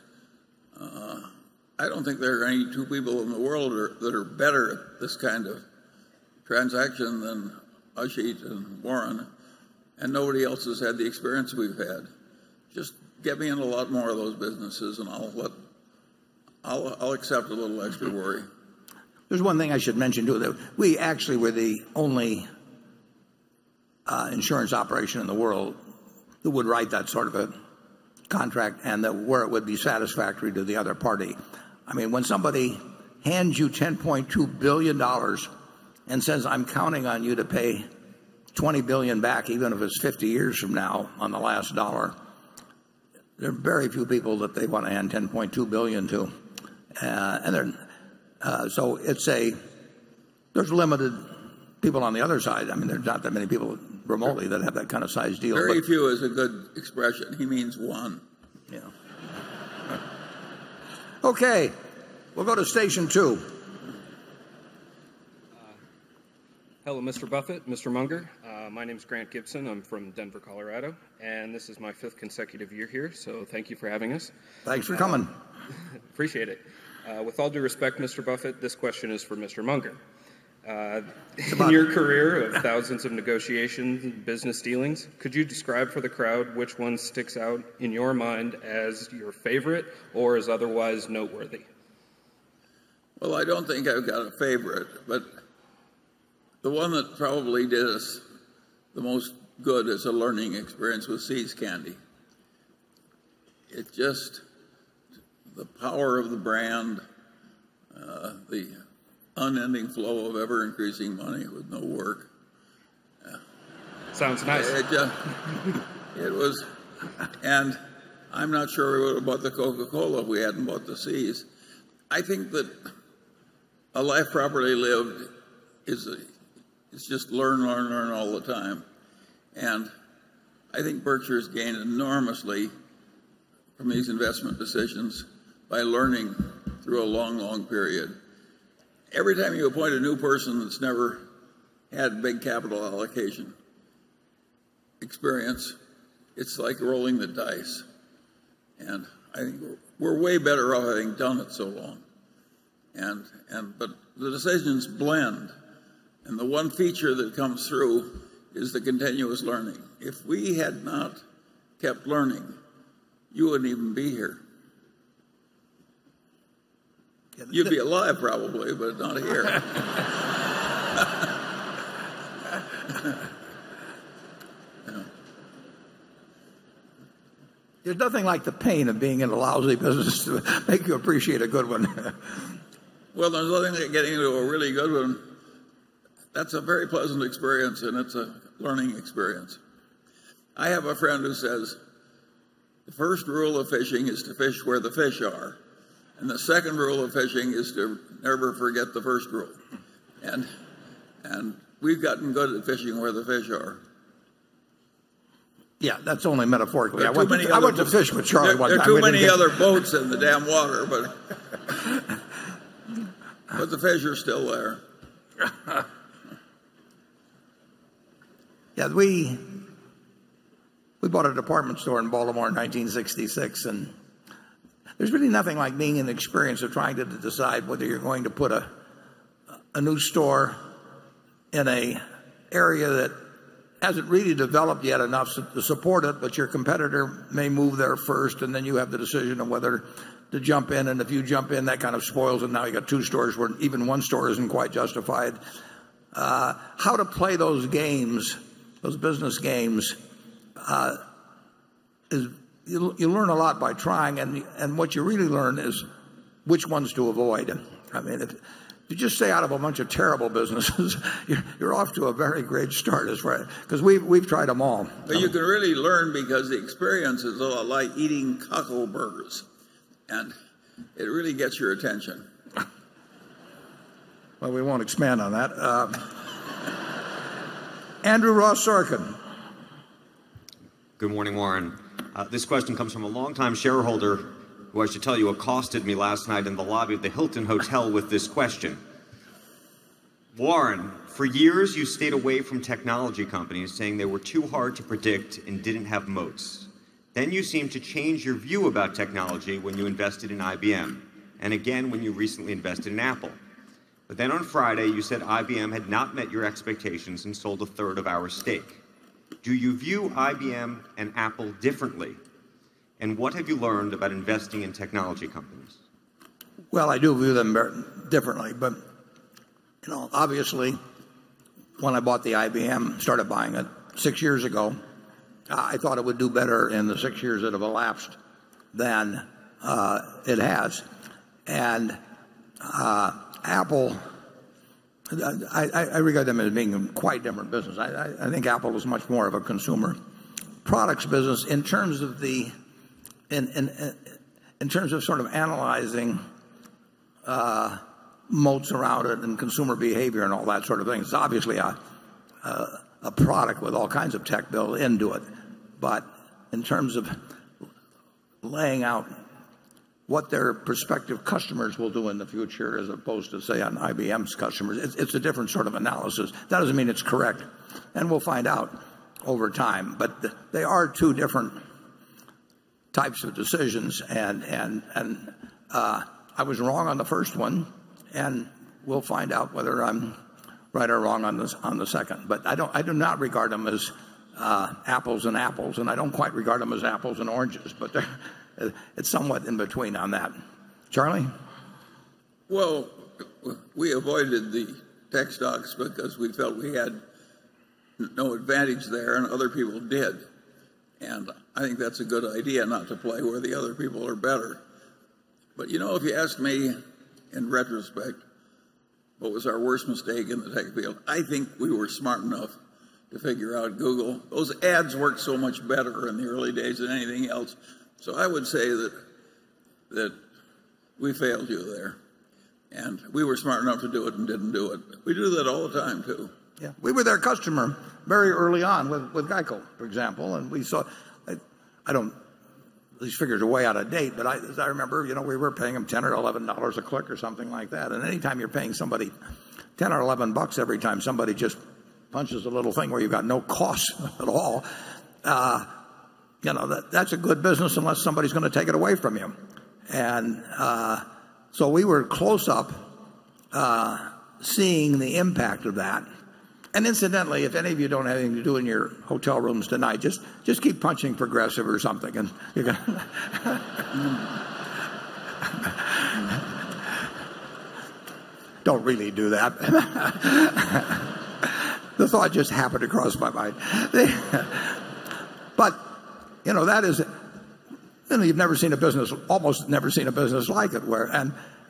I don't think there are any two people in the world that are better at this kind of transaction than Ajit and Warren, and nobody else has had the experience we've had. Just get me in a lot more of those businesses, and I'll accept a little extra worry. There's one thing I should mention, too. We actually were the only insurance operation in the world who would write that sort of a contract and that where it would be satisfactory to the other party. When somebody hands you $10.2 billion and says, "I'm counting on you to pay $20 billion back, even if it's 50 years from now on the last dollar," there are very few people that they want to hand $10.2 billion to. There's limited people on the other side. There's not that many people remotely that have that kind of size deal. Very few is a good expression. He means one. Yeah. Okay, we'll go to station two. Hello, Mr. Buffett, Mr. Munger. My name's Grant Gibson. I'm from Denver, Colorado, and this is my fifth consecutive year here, so thank you for having us. Thanks for coming. Appreciate it. With all due respect, Mr. Buffett, this question is for Mr. Munger. It's a button. In your career of thousands of negotiations and business dealings, could you describe for the crowd which one sticks out in your mind as your favorite or is otherwise noteworthy? Well, I don't think I've got a favorite, but the one that probably did us the most good as a learning experience was See's Candies. It's just the power of the brand, the unending flow of ever-increasing money with no work. Sounds nice. I'm not sure we would've bought the Coca-Cola if we hadn't bought the See's. I think that a life properly lived is just learn all the time, I think Berkshire's gained enormously from these investment decisions by learning through a long period. Every time you appoint a new person that's never had big capital allocation experience, it's like rolling the dice, I think we're way better off having done it so long. The decisions blend, the one feature that comes through is the continuous learning. If we had not kept learning, you wouldn't even be here. You'd be alive probably, but not here. Yeah. There's nothing like the pain of being in a lousy business to make you appreciate a good one. Well, there's nothing like getting into a really good one. That's a very pleasant experience, and it's a learning experience. I have a friend who says, "The first rule of fishing is to fish where the fish are, and the second rule of fishing is to never forget the first rule." We've gotten good at fishing where the fish are. Yeah. That's only metaphorically. I went to fish with Charlie one time. There are too many other boats in the damn water but the fish are still there. Yeah. We bought a department store in Baltimore in 1966. There's really nothing like being in the experience of trying to decide whether you're going to put a new store in an area that hasn't really developed yet enough to support it. Your competitor may move there first. Then you have the decision of whether to jump in. If you jump in, that kind of spoils it. Now you've got two stores where even one store isn't quite justified. How to play those games, those business games, you learn a lot by trying. What you really learn is which ones to avoid. If you just stay out of a bunch of terrible businesses, you're off to a very great start because we've tried them all. You can really learn because the experience is a little like eating cockleburs. It really gets your attention. Well, we won't expand on that. Andrew Ross Sorkin. Good morning, Warren. This question comes from a longtime shareholder who I should tell you accosted me last night in the lobby of the Hilton Hotels & Resorts with this question. Warren, for years you stayed away from technology companies, saying they were too hard to predict and didn't have moats. Then you seemed to change your view about technology when you invested in IBM, and again when you recently invested in Apple. On Friday, you said IBM had not met your expectations and sold a third of our stake. Do you view IBM and Apple differently, and what have you learned about investing in technology companies? Well, I do view them differently, but obviously when I bought the IBM, started buying it six years ago, I thought it would do better in the six years that have elapsed than it has. Apple, I regard them as being quite different business. I think Apple is much more of a consumer products business in terms of sort of analyzing moats around it and consumer behavior and all that sort of thing. It's obviously a product with all kinds of tech built into it, but in terms of laying out what their prospective customers will do in the future, as opposed to, say, on IBM's customers, it's a different sort of analysis. That doesn't mean it's correct, and we'll find out over time. They are two different types of decisions, and I was wrong on the first one, and we'll find out whether I'm right or wrong on the second. I do not regard them as apples and apples, and I don't quite regard as apples and oranges, but it's somewhat in between on that. Charlie? Well, we avoided the tech stocks because we felt we had no advantage there, and other people did. I think that's a good idea not to play where the other people are better. If you ask me in retrospect, what was our worst mistake in the tech field, I think we were smart enough to figure out Google. Those ads worked so much better in the early days than anything else. I would say that we failed you there, and we were smart enough to do it and didn't do it. We do that all the time, too. Yeah. We were their customer very early on with GEICO, for example, These figures are way out of date, but as I remember, we were paying them $10 or $11 a click or something like that. Anytime you're paying somebody $10 or $11 every time somebody just punches a little thing where you've got no cost at all, that's a good business unless somebody's going to take it away from you. We were close up seeing the impact of that. Incidentally, if any of you don't have anything to do in your hotel rooms tonight, just keep punching Progressive or something. Don't really do that. The thought just happened to cross my mind. You've almost never seen a business like it.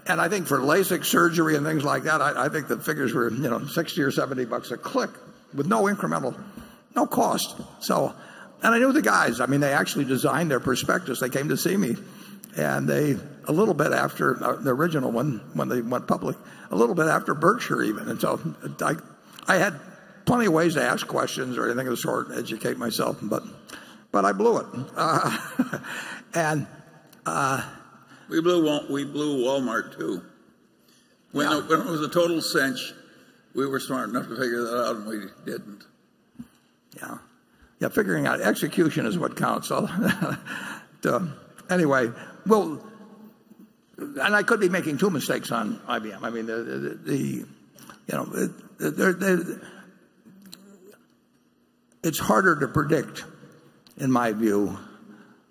I think for LASIK surgery and things like that, I think the figures were $60 or $70 a click with no incremental, no cost. I knew the guys. I mean, they actually designed their prospectus. They came to see me a little bit after the original one when they went public, a little bit after Berkshire even. I had plenty of ways to ask questions or anything of the sort and educate myself, I blew it. We blew Walmart, too. Yeah. When it was a total cinch, we were smart enough to figure that out, and we didn't. Figuring out execution is what counts. Anyway, I could be making 2 mistakes on IBM. It's harder to predict, in my view,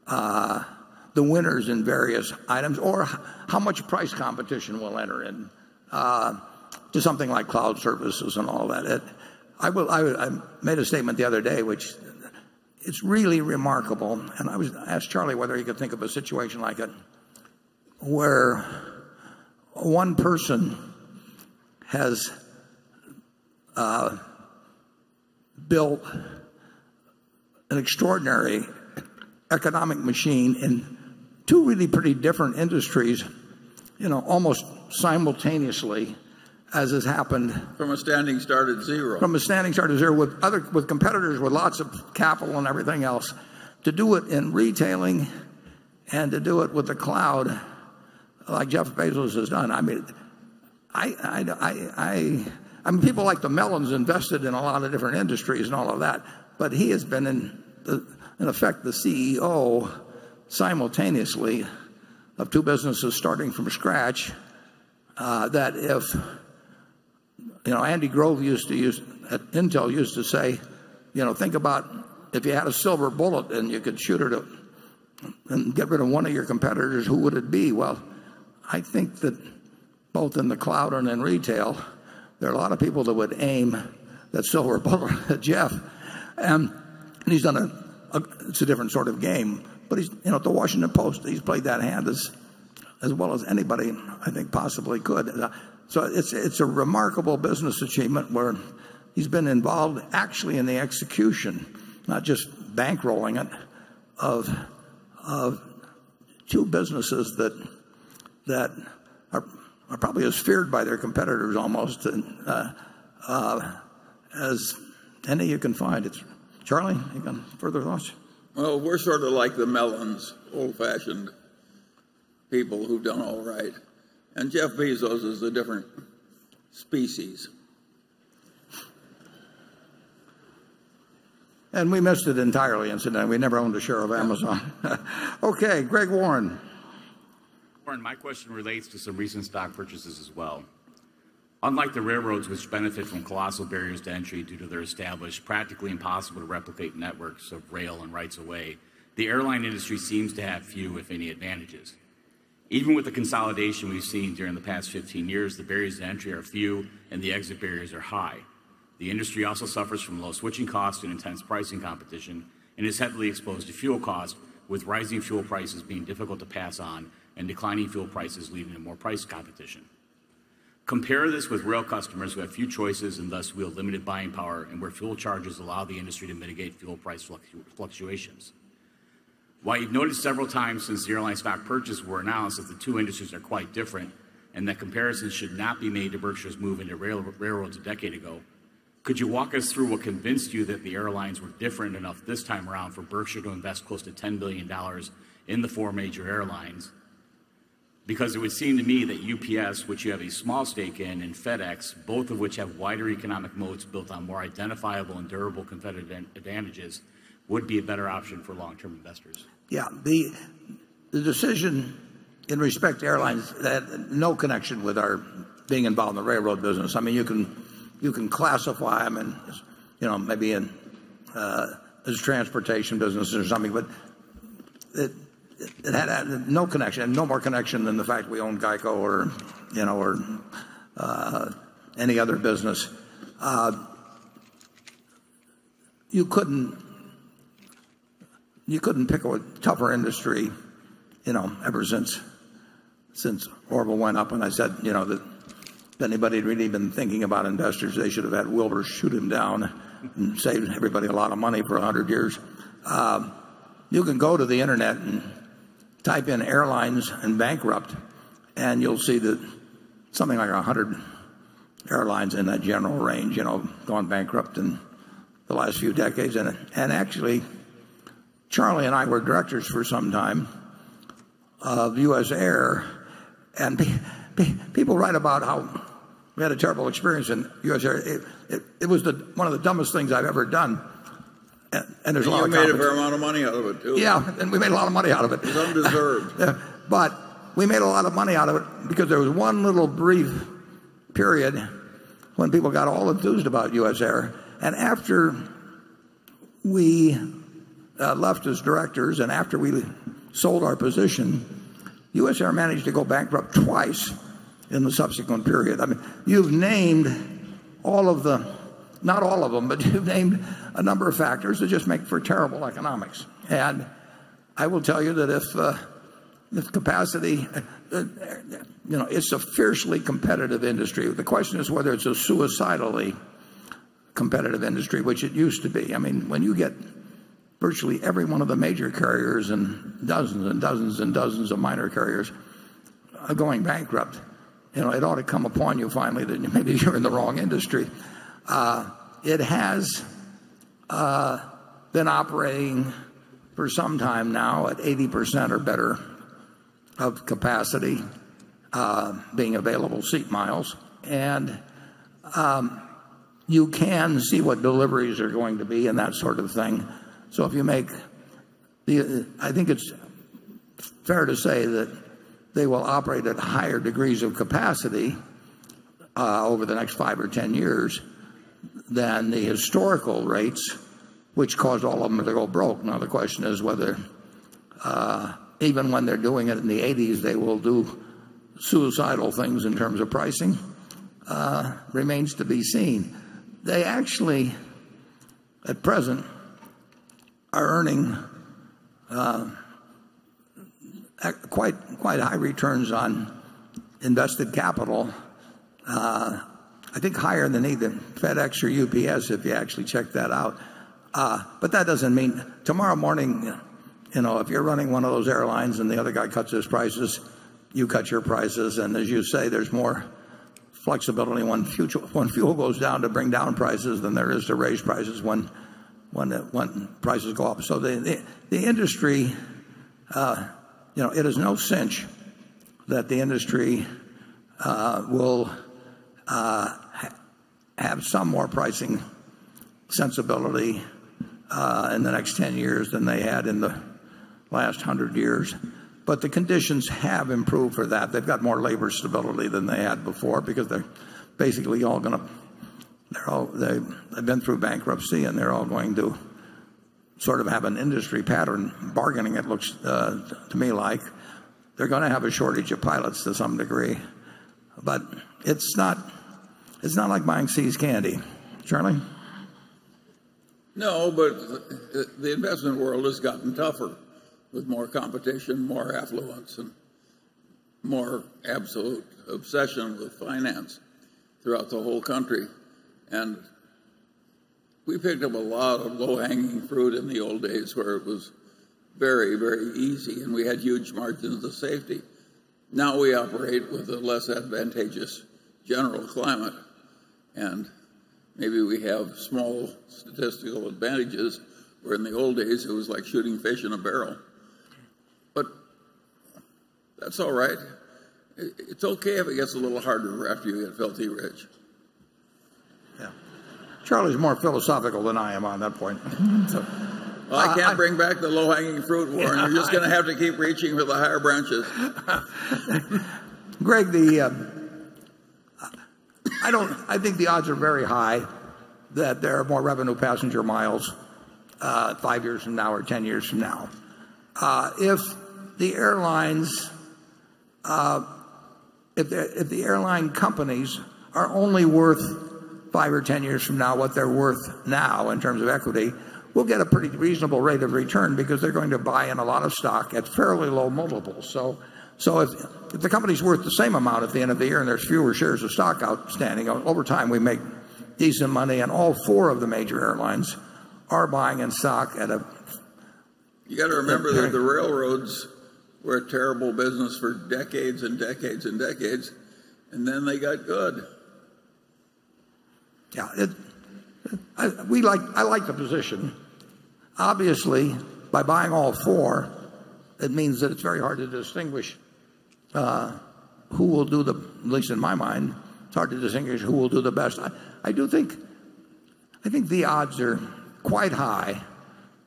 the winners in various items or how much price competition we'll enter into something like cloud services and all that. I made a statement the other day which it's really remarkable, I asked Charlie whether he could think of a situation like it where one person has built an extraordinary economic machine in 2 really pretty different industries almost simultaneously as has happened From a standing start at 0 from a standing start at 0 with competitors with lots of capital and everything else. To do it in retailing and to do it with the cloud like Jeff Bezos has done, I mean people like the Mellons invested in a lot of different industries and all of that, but he has been in effect the CEO simultaneously of 2 businesses starting from scratch. Andy Grove at Intel used to say, "Think about if you had a silver bullet and you could shoot it and get rid of 1 of your competitors, who would it be?" Well, I think that both in the cloud and in retail, there are a lot of people that would aim that silver bullet at Jeff. It's a different sort of game. At The Washington Post, he's played that hand as well as anybody I think possibly could. It's a remarkable business achievement where he's been involved actually in the execution, not just bankrolling it, of 2 businesses that are probably as feared by their competitors almost as any you can find. Charlie, any further thoughts? Well, we're sort of like the Mellons, old-fashioned people who've done all right, and Jeff Bezos is a different species. We missed it entirely, incidentally. We never owned a share of Amazon. Okay, Gregg Warren. Warren, my question relates to some recent stock purchases as well. Unlike the railroads which benefit from colossal barriers to entry due to their established, practically impossible to replicate networks of rail and rights of way, the airline industry seems to have few, if any, advantages. Even with the consolidation we've seen during the past 15 years, the barriers to entry are few and the exit barriers are high. The industry also suffers from low switching costs and intense pricing competition, and is heavily exposed to fuel cost, with rising fuel prices being difficult to pass on and declining fuel prices leading to more price competition. Compare this with rail customers who have few choices and thus wield limited buying power, and where fuel charges allow the industry to mitigate fuel price fluctuations. While you've noted several times since the airlines stock purchase were announced that the two industries are quite different and that comparisons should not be made to Berkshire's move into railroads a decade ago, could you walk us through what convinced you that the airlines were different enough this time around for Berkshire to invest close to $10 billion in the four major airlines? It would seem to me that UPS, which you have a small stake in, and FedEx, both of which have wider economic moats built on more identifiable and durable competitive advantages, would be a better option for long-term investors. Yeah. The decision in respect to airlines had no connection with our being involved in the railroad business. I mean, you can classify them maybe as a transportation business or something, but it had no connection. It had no more connection than the fact we own GEICO or any other business. You couldn't pick a tougher industry ever since Orville went up and I said that if anybody had really been thinking about investors, they should have had Wilbur shoot him down and saved everybody a lot of money for 100 years. You can go to the internet and type in airlines and bankrupt, and you'll see that something like 100 airlines, in that general range, have gone bankrupt in the last few decades. Actually, Charlie and I were directors for some time of USAir, and people write about how we had a terrible experience in USAir. It was one of the dumbest things I've ever done, and there's- Well, we made a fair amount of money out of it, too. Yeah. We made a lot of money out of it. It was undeserved. We made a lot of money out of it because there was one little brief period when people got all enthused about USAir. After we left as directors and after we sold our position, USAir managed to go bankrupt twice in the subsequent period. I mean, you've named a number of factors that just make for terrible economics, and I will tell you that it's a fiercely competitive industry. The question is whether it's a suicidally competitive industry, which it used to be. I mean, when you get virtually every one of the major carriers and dozens and dozens and dozens of minor carriers going bankrupt, it ought to come upon you finally that maybe you're in the wrong industry. It has been operating for some time now at 80% or better of capacity being available seat miles. You can see what deliveries are going to be and that sort of thing. If you make the I think it's fair to say that they will operate at higher degrees of capacity over the next 5 or 10 years than the historical rates which caused all of them to go broke. The question is whether, even when they're doing it in the '80s, they will do suicidal things in terms of pricing, remains to be seen. They actually, at present, are earning quite high returns on invested capital. I think higher than even FedEx or UPS, if you actually check that out. That doesn't mean tomorrow morning, if you're running one of those airlines and the other guy cuts his prices, you cut your prices, and as you say, there's more flexibility when fuel goes down to bring down prices than there is to raise prices when prices go up. It is no cinch that the industry will have some more pricing sensibility in the next 10 years than they had in the last 100 years. The conditions have improved for that. They've got more labor stability than they had before because they're basically all going to. They've been through bankruptcy, and they're all going to sort of have an industry pattern bargaining, it looks to me like. They're going to have a shortage of pilots to some degree, but it's not like buying See's Candies. Charlie? No. The investment world has gotten tougher with more competition, more affluence, and more absolute obsession with finance throughout the whole country. We picked up a lot of low-hanging fruit in the old days where it was very, very easy, and we had huge margins of safety. Now we operate with a less advantageous general climate, maybe we have small statistical advantages, where in the old days, it was like shooting fish in a barrel. That's all right. It's okay if it gets a little harder after you get filthy rich. Yeah. Charlie's more philosophical than I am on that point. Well, I can't bring back the low-hanging fruit, Warren. You're just going to have to keep reaching for the higher branches. Gregg, I think the odds are very high that there are more revenue passenger miles five years from now or 10 years from now. If the airline companies are only worth five or 10 years from now what they're worth now in terms of equity, we'll get a pretty reasonable rate of return because they're going to buy in a lot of stock at fairly low multiples. If the company's worth the same amount at the end of the year and there's fewer shares of stock outstanding, over time, we make decent money, and all four of the major airlines are buying in stock. You got to remember that the railroads were a terrible business for decades and decades and decades. Then they got good. Yeah. I like the position. Obviously, by buying all four, it means that it's very hard to distinguish who will do the best. I think the odds are quite high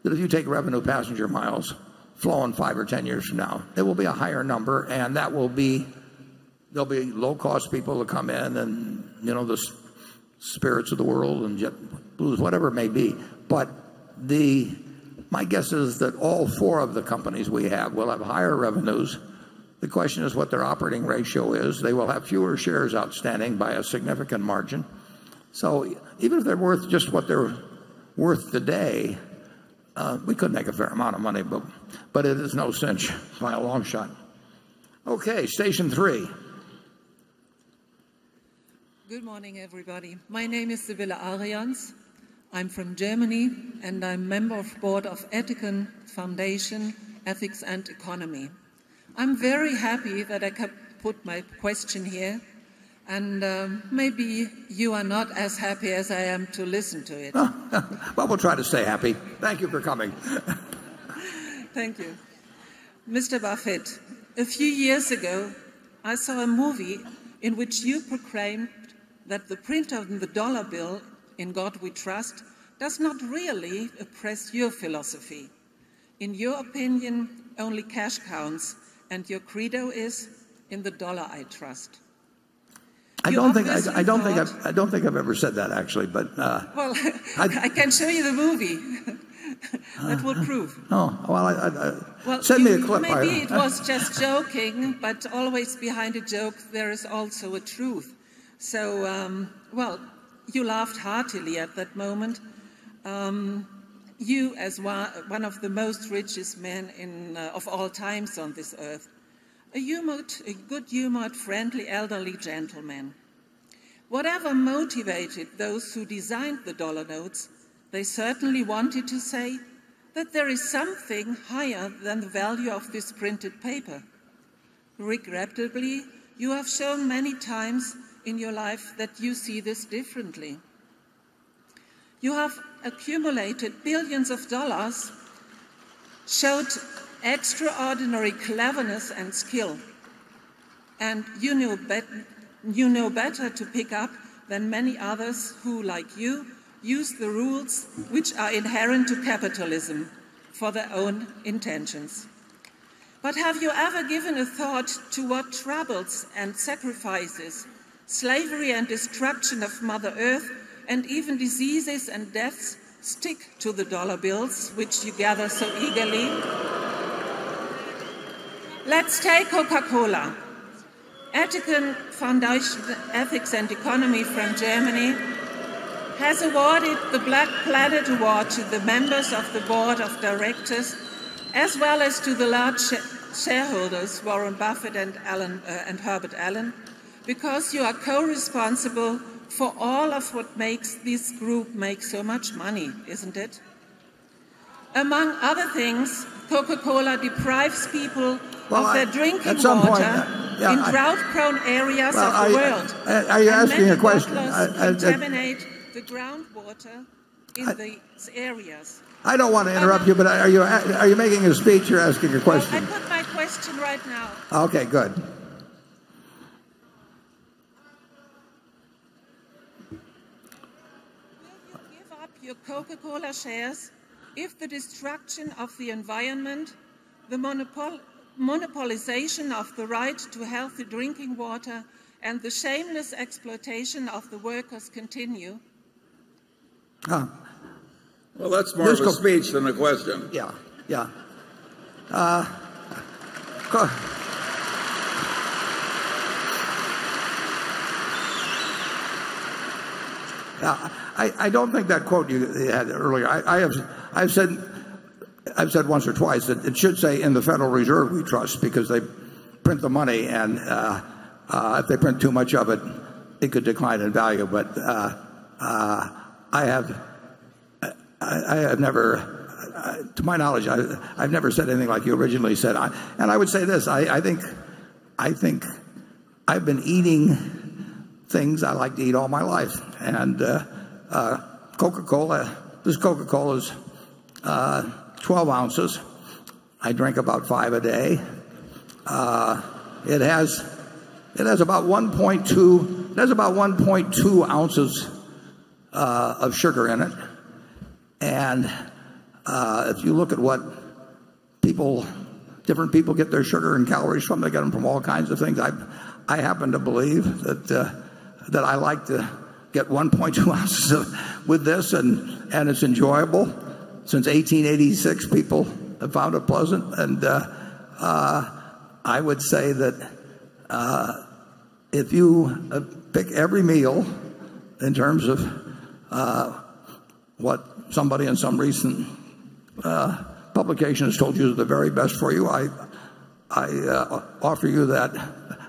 that if you take revenue passenger miles flown five or 10 years from now, it will be a higher number, and there'll be low-cost people to come in and the Spirit Airlines and JetBlue, whatever it may be. My guess is that all four of the companies we have will have higher revenues. The question is what their operating ratio is. They will have fewer shares outstanding by a significant margin. Even if they're worth just what they're worth today, we could make a fair amount of money. But it is no cinch by a long shot. Okay, station three. Good morning, everybody. My name is Sibylle Arians. I'm from Germany, and I'm member of board of ethecon Foundation Ethics & Economy. I'm very happy that I can put my question here. Maybe you are not as happy as I am to listen to it. Well, we'll try to stay happy. Thank you for coming. Thank you. Mr. Buffett, a few years ago, I saw a movie in which you proclaimed that the print on the dollar bill, "In God we trust," does not really oppress your philosophy. In your opinion, only cash counts, and your credo is, "In the dollar I trust. I don't think I've ever said that, actually. Well, I can show you the movie. That will prove. Oh, well, send me a clip. Always behind a joke, there is also a truth. Well, you laughed heartily at that moment. You, as one of the most richest men of all times on this earth, a good humored, friendly, elderly gentleman. Whatever motivated those who designed the dollar notes, they certainly wanted to say that there is something higher than the value of this printed paper. Regrettably, you have shown many times in your life that you see this differently. You have accumulated billions of dollars, showed extraordinary cleverness and skill. You know better to pick up than many others who, like you, use the rules which are inherent to capitalism for their own intentions. Have you ever given a thought to what troubles and sacrifices, slavery and destruction of Mother Earth, and even diseases and deaths stick to the dollar bills which you gather so eagerly? Let's take Coca-Cola. ethecon Foundation Ethics & Economy from Germany has awarded the Black Planet Award to the members of the board of directors, as well as to the large shareholders, Warren Buffett and Herbert Allen, because you are co-responsible for all of what makes this group make so much money, isn't it? Among other things, Coca-Cola deprives people- Well, at some point- of their drinking water in drought-prone areas of the world. Are you asking a question? The bottlers contaminate the groundwater in these areas. I don't want to interrupt you, are you making a speech or asking a question? I put my question right now. Okay, good. Will you give up your Coca-Cola shares if the destruction of the environment, the monopolization of the right to healthy drinking water, and the shameless exploitation of the workers continue? Huh. Well, that's more of a speech than a question. Yeah. I don't think that quote you had earlier. I've said once or twice that it should say "In the Federal Reserve we trust" because they print the money, and if they print too much of it could decline in value. To my knowledge, I've never said anything like you originally said. I would say this, I think I've been eating things I like to eat all my life. This Coca-Cola is 12 ounces. I drink about five a day. It has about 1.2 ounces of sugar in it. If you look at what different people get their sugar and calories from, they get them from all kinds of things. I happen to believe that I like to get 1.2 ounces with this, and it's enjoyable. Since 1886, people have found it pleasant. I would say that if you pick every meal in terms of what somebody in some recent publication has told you is the very best for you, I offer you that.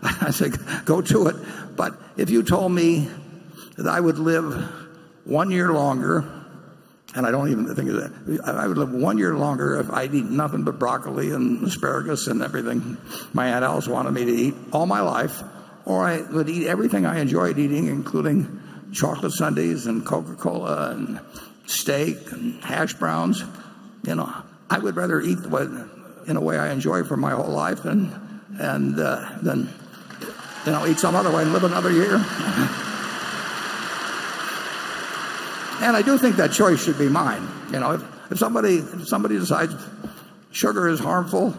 I say go to it. If you told me that I would live one year longer, and I don't even think of that, I would live one year longer if I'd eat nothing but broccoli and asparagus and everything my Aunt Alice wanted me to eat all my life, or I would eat everything I enjoyed eating, including chocolate sundaes and Coca-Cola and steak and hash browns. I would rather eat in a way I enjoy for my whole life than eat some other way and live another year. I do think that choice should be mine. If somebody decides sugar is harmful,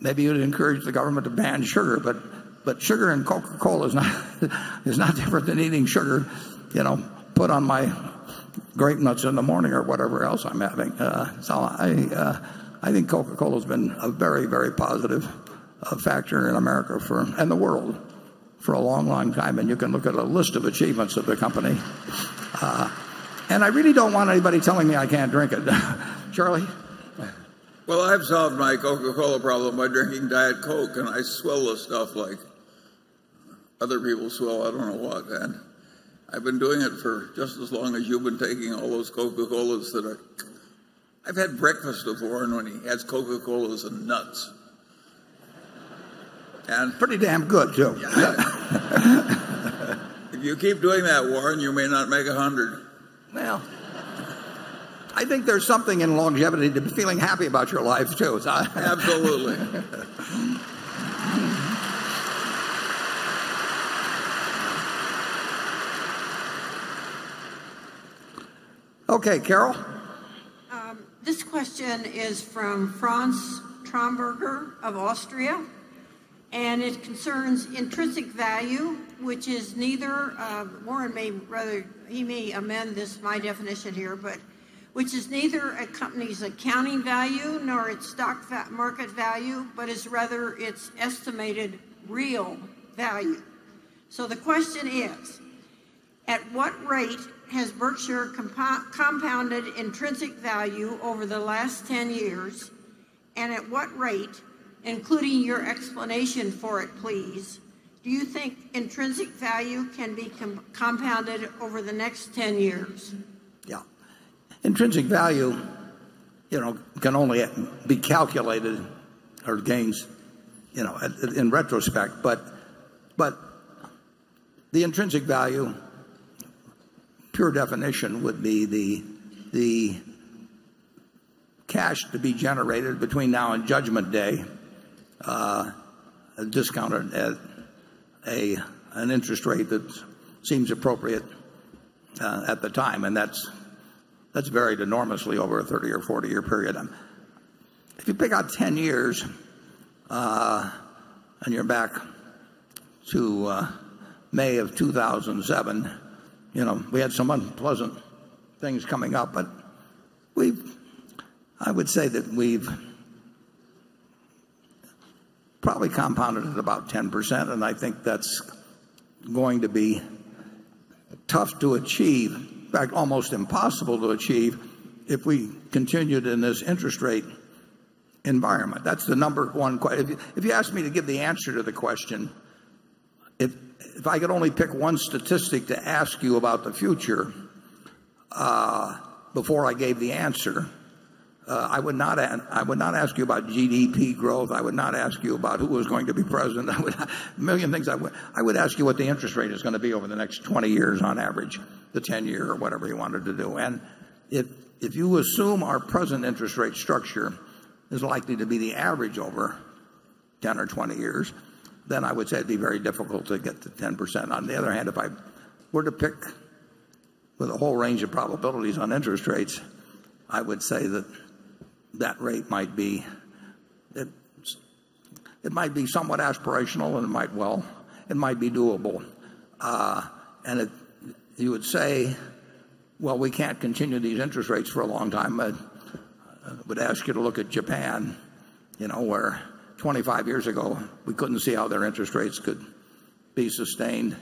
maybe you'd encourage the government to ban sugar. Sugar in Coca-Cola is not different than eating sugar put on my Grape-Nuts in the morning or whatever else I'm having. I think Coca-Cola's been a very, very positive factor in America and the world for a long, long time, and you can look at a list of achievements of the company. I really don't want anybody telling me I can't drink it. Charlie? Well, I've solved my Coca-Cola problem by drinking Diet Coke. I swill the stuff like other people swill I don't know what. I've been doing it for just as long as you've been taking all those Coca-Colas. I've had breakfast with Warren when he has Coca-Colas and nuts. Pretty damn good, too. Yeah. If you keep doing that, Warren, you may not make 100. Well, I think there's something in longevity to feeling happy about your life, too. Absolutely. Okay, Carol? This question is from Franz Tromberger of Austria, and it concerns intrinsic value, Warren may amend my definition here, but which is neither a company's accounting value nor its stock market value, but is rather its estimated real value. The question is: at what rate has Berkshire compounded intrinsic value over the last 10 years, and at what rate, including your explanation for it, please, do you think intrinsic value can be compounded over the next 10 years? Yeah. Intrinsic value can only be calculated or gains in retrospect. The intrinsic value pure definition would be the cash to be generated between now and judgment day, discounted at an interest rate that seems appropriate at the time. That's varied enormously over a 30 or 40-year period. If you pick out 10 years, and you're back to May of 2007, we had some unpleasant things coming up. I would say that we've probably compounded at about 10%, and I think that's going to be tough to achieve. In fact, almost impossible to achieve if we continued in this interest rate environment. That's the number one question. If you ask me to give the answer to the question, if I could only pick one statistic to ask you about the future, before I gave the answer, I would not ask you about GDP growth. I would not ask you about who was going to be president. A million things I would ask you what the interest rate is going to be over the next 20 years on average, the 10-year or whatever you wanted to do. If you assume our present interest rate structure is likely to be the average over 10 or 20 years, then I would say it'd be very difficult to get to 10%. On the other hand, if I were to pick with a whole range of probabilities on interest rates, I would say that that rate might be somewhat aspirational, and it might be doable. You would say, "Well, we can't continue these interest rates for a long time." I would ask you to look at Japan, where 25 years ago we couldn't see how their interest rates could be sustained,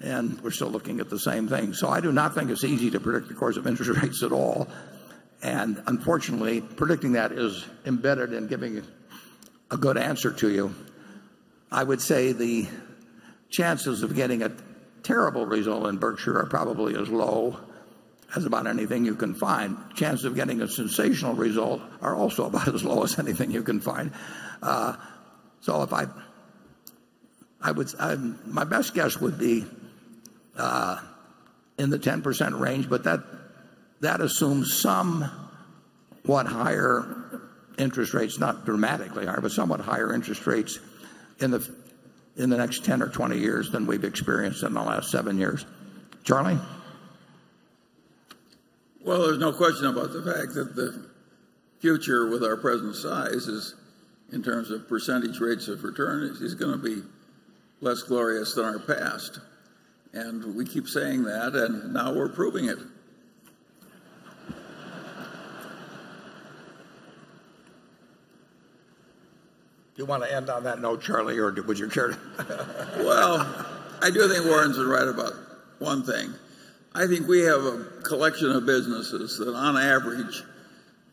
and we're still looking at the same thing. I do not think it's easy to predict the course of interest rates at all, and unfortunately, predicting that is embedded in giving a good answer to you. I would say the chances of getting a terrible result in Berkshire are probably as low as about anything you can find. Chances of getting a sensational result are also about as low as anything you can find. My best guess would be in the 10% range, but that assumes somewhat higher interest rates, not dramatically higher, but somewhat higher interest rates in the next 10 or 20 years than we've experienced in the last seven years. Charlie? Well, there's no question about the fact that the future with our present size is, in terms of percentage rates of return, is going to be less glorious than our past. We keep saying that, and now we're proving it. Do you want to end on that note, Charlie, or would you care to? Well, I do think Warren's right about one thing. I think we have a collection of businesses that on average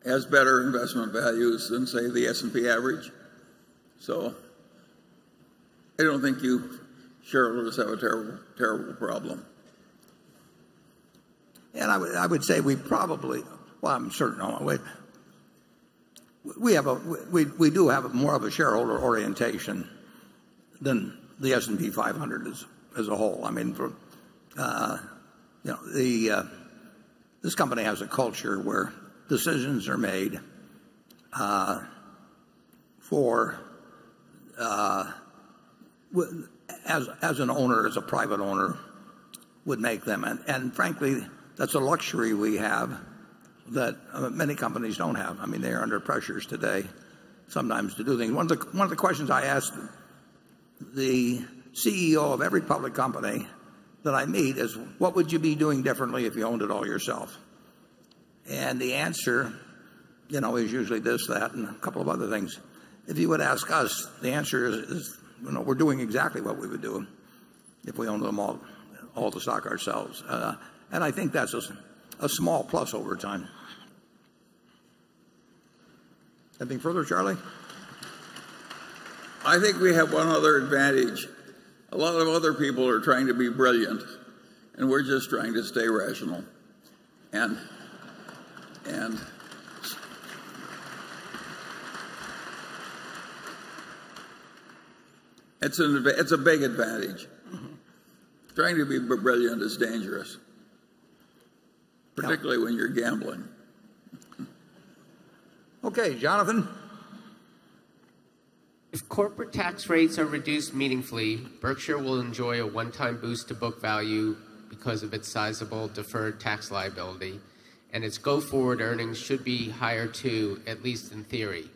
has better investment values than, say, the S&P average. I don't think you shareholders have a terrible problem. I would say we probably, well, I'm certain, we do have more of a shareholder orientation than the S&P 500 as a whole. This company has a culture where decisions are made as an owner, as a private owner would make them. Frankly, that's a luxury we have that many companies don't have. They are under pressures today sometimes to do things. One of the questions I ask the CEO of every public company that I meet is, "What would you be doing differently if you owned it all yourself?" The answer is usually this, that, and a couple of other things. If you would ask us, the answer is we're doing exactly what we would do if we owned all the stock ourselves. I think that's a small plus over time. Anything further, Charlie? I think we have one other advantage. A lot of other people are trying to be brilliant, we're just trying to stay rational. It's a big advantage. Trying to be brilliant is dangerous, particularly when you're gambling. Okay, Jonathan. If corporate tax rates are reduced meaningfully, Berkshire will enjoy a one-time boost to book value because of its sizable deferred tax liability, its go-forward earnings should be higher too, at least in theory.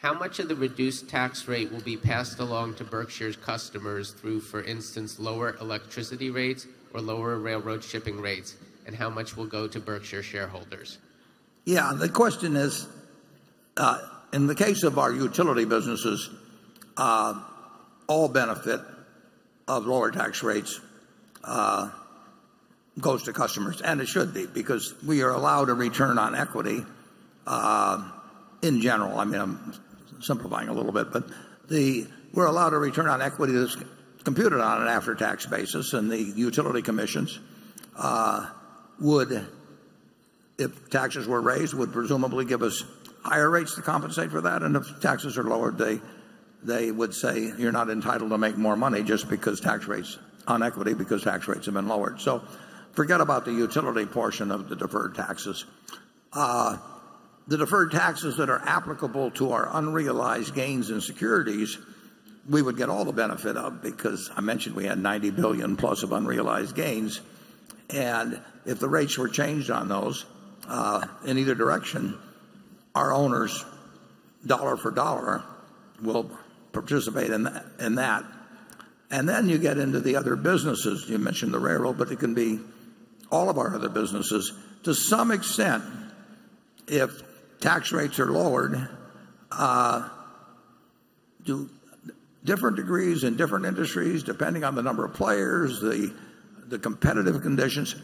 How much of the reduced tax rate will be passed along to Berkshire's customers through, for instance, lower electricity rates or lower railroad shipping rates? How much will go to Berkshire shareholders? Yeah, the question is, in the case of our utility businesses, all benefit of lower tax rates goes to customers, and it should be because we are allowed a return on equity in general. I am simplifying a little bit, we are allowed a return on equity that is computed on an after-tax basis, and the utility commissions would presumably give us higher rates to compensate for that. If taxes are lowered, they would say you are not entitled to make more money on equity just because tax rates have been lowered. Forget about the utility portion of the deferred taxes. The deferred taxes that are applicable to our unrealized gains in securities, we would get all the benefit of because I mentioned we had $90 billion plus of unrealized gains. If the rates were changed on those, in either direction, our owners, dollar for dollar, will participate in that. Then you get into the other businesses. You mentioned the railroad, but it can be all of our other businesses. To some extent, if tax rates are lowered, to different degrees in different industries, depending on the number of players, the competitive conditions,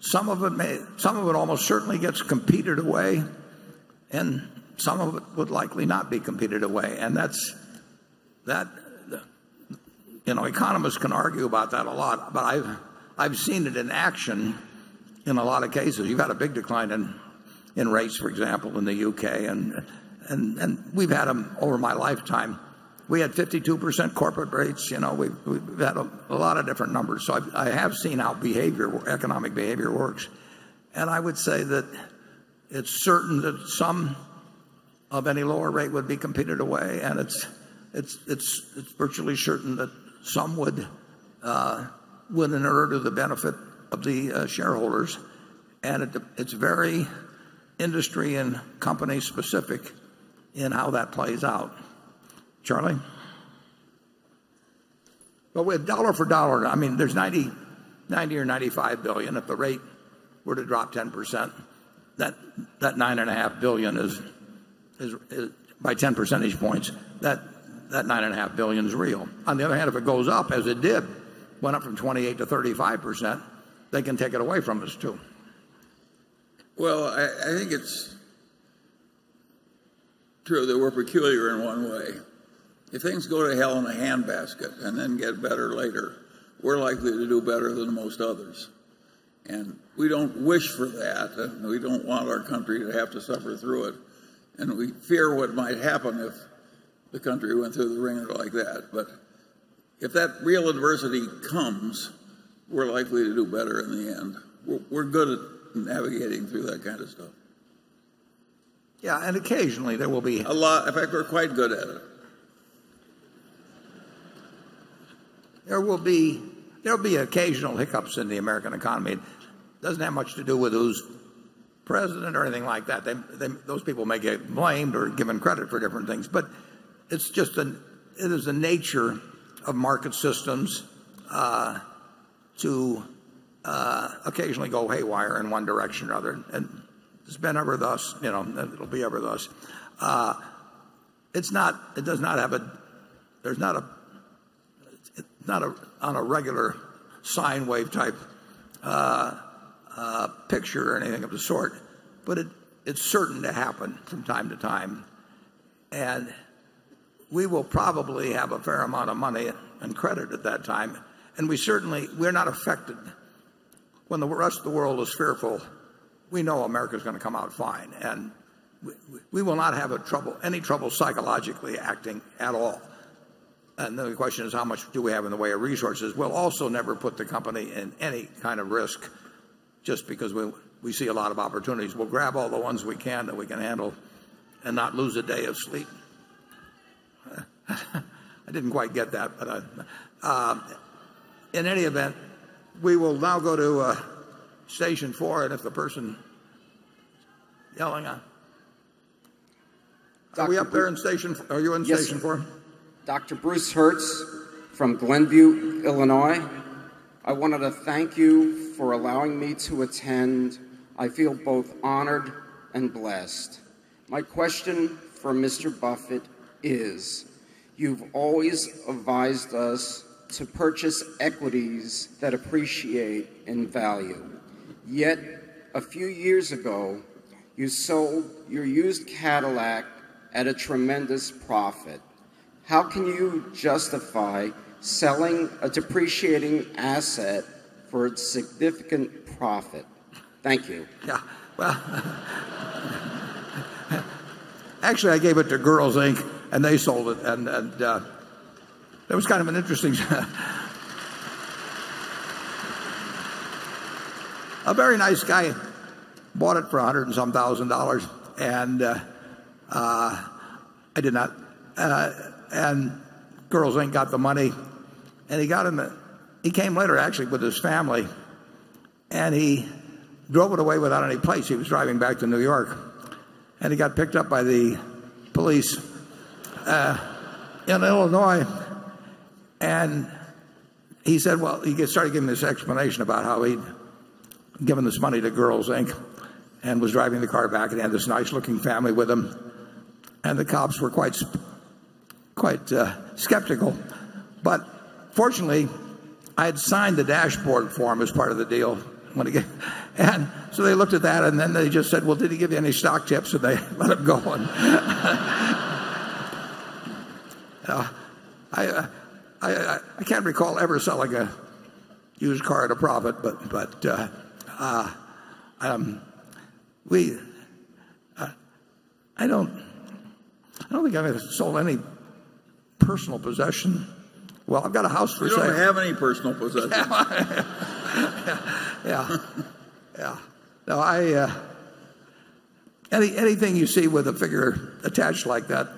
some of it almost certainly gets competed away. Some of it would likely not be competed away. Economists can argue about that a lot, I have seen it in action in a lot of cases. You have had a big decline in rates, for example, in the U.K. We have had them over my lifetime. We had 52% corporate rates. We have had a lot of different numbers. I have seen how economic behavior works, and I would say that it is certain that some of any lower rate would be competed away, and it is virtually certain that some would inure to the benefit of the shareholders, and it is very industry and company specific in how that plays out. Charlie? With dollar for dollar, there is $90 or $95 billion. If the rate were to drop 10%, that $9.5 billion is by 10 percentage points. That $9.5 billion is real. On the other hand, if it goes up as it did, went up from 28% to 35%, they can take it away from us, too. Well, I think it is true that we are peculiar in one way. If things go to hell in a handbasket and then get better later, we are likely to do better than most others. We do not wish for that, we do not want our country to have to suffer through it, we fear what might happen if the country went through the ringer like that. If that real adversity comes, we are likely to do better in the end. We are good at navigating through that kind of stuff. Yeah, occasionally there will be. A lot. In fact, we're quite good at it. There will be occasional hiccups in the American economy. It doesn't have much to do with who's president or anything like that. Those people may get blamed or given credit for different things, but it is the nature of market systems to occasionally go haywire in one direction or other. It's been ever thus, and it'll be ever thus. It's not on a regular sine wave type picture or anything of the sort, but it's certain to happen from time to time, and we will probably have a fair amount of money and credit at that time, and we're not affected. When the rest of the world is fearful, we know America's going to come out fine, and we will not have any trouble psychologically acting at all. Then the question is, how much do we have in the way of resources? We'll also never put the company in any kind of risk just because we see a lot of opportunities. We'll grab all the ones we can that we can handle and not lose a day of sleep. I didn't quite get that. In any event, we will now go to station 4, and if the person yelling Are you up there? Are you in station 4? Yes. Dr. Bruce Hertz from Glenview, Illinois. I wanted to thank you for allowing me to attend. I feel both honored and blessed. My question for Mr. Buffett is, you've always advised us to purchase equities that appreciate in value, yet a few years ago, you sold your used Cadillac at a tremendous profit. How can you justify selling a depreciating asset for a significant profit? Thank you. Yeah. Well actually, I gave it to Girls Inc., and they sold it. That was kind of an interesting A very nice guy bought it for $100 and some thousand, and Girls Inc. got the money, and he came later actually with his family, and he drove it away without any plates. He was driving back to New York, and he got picked up by the police in Illinois. He started giving this explanation about how he'd given this money to Girls Inc. and was driving the car back, and he had this nice-looking family with him. The cops were quite skeptical. Fortunately, I had signed the dashboard for him as part of the deal. They looked at that, and then they just said, "Well, did he give you any stock tips?" They let him go. I can't recall ever selling a used car at a profit, but I don't think I've ever sold any personal possession. Well, I've got a house for sale. You don't have any personal possessions. Yeah. Anything you see with a figure attached like that.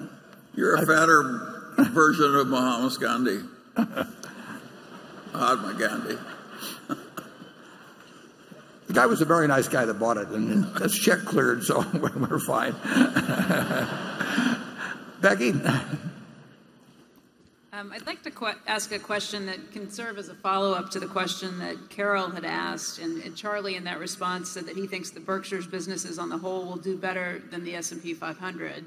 You're a fatter version of Mahatma Gandhi. Mahatma Gandhi. The guy was a very nice guy that bought it, and the check cleared, so we're fine. Becky? I'd like to ask a question that can serve as a follow-up to the question that Carol had asked, and Charlie in that response said that he thinks that Berkshire's businesses on the whole will do better than the S&P 500.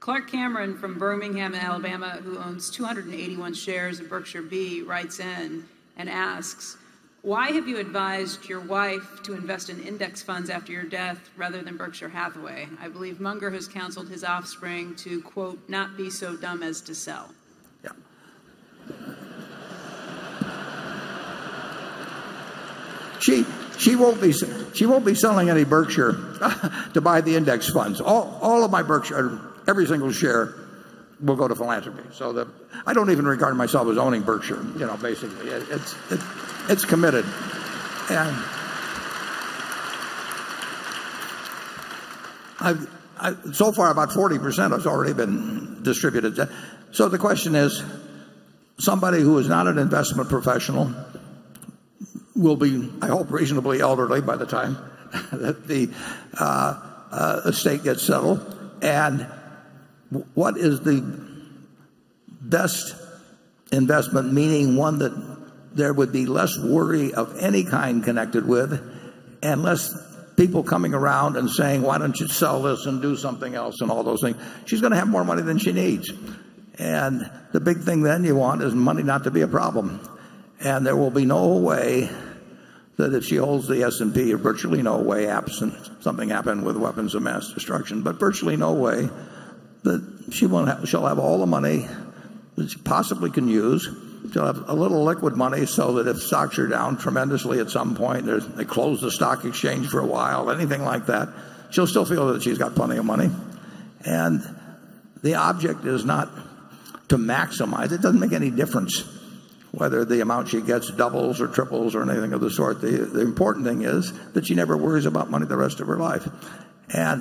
Clark Cameron from Birmingham, Alabama, who owns 281 shares of Berkshire B, writes in and asks, "Why have you advised your wife to invest in index funds after your death rather than Berkshire Hathaway? I believe Munger has counseled his offspring to, quote, 'not be so dumb as to sell.' Yeah. She won't be selling any Berkshire to buy the index funds. All of my Berkshire, every single share will go to philanthropy. I don't even regard myself as owning Berkshire, basically. It's committed. Far, about 40% has already been distributed. The question is, somebody who is not an investment professional will be, I hope, reasonably elderly by the time that the estate gets settled. What is the best investment, meaning one that there would be less worry of any kind connected with, and less people coming around and saying, "Why don't you sell this and do something else?" and all those things. She's going to have more money than she needs. The big thing then you want is money not to be a problem. There will be no way that if she holds the S&P, or virtually no way, absent something happened with weapons of mass destruction, but virtually no way that she won't have all the money that she possibly can use to have a little liquid money so that if stocks are down tremendously at some point, they close the stock exchange for a while, anything like that, she'll still feel that she's got plenty of money. The object is not to maximize. It doesn't make any difference whether the amount she gets doubles or triples or anything of the sort. The important thing is that she never worries about money the rest of her life. I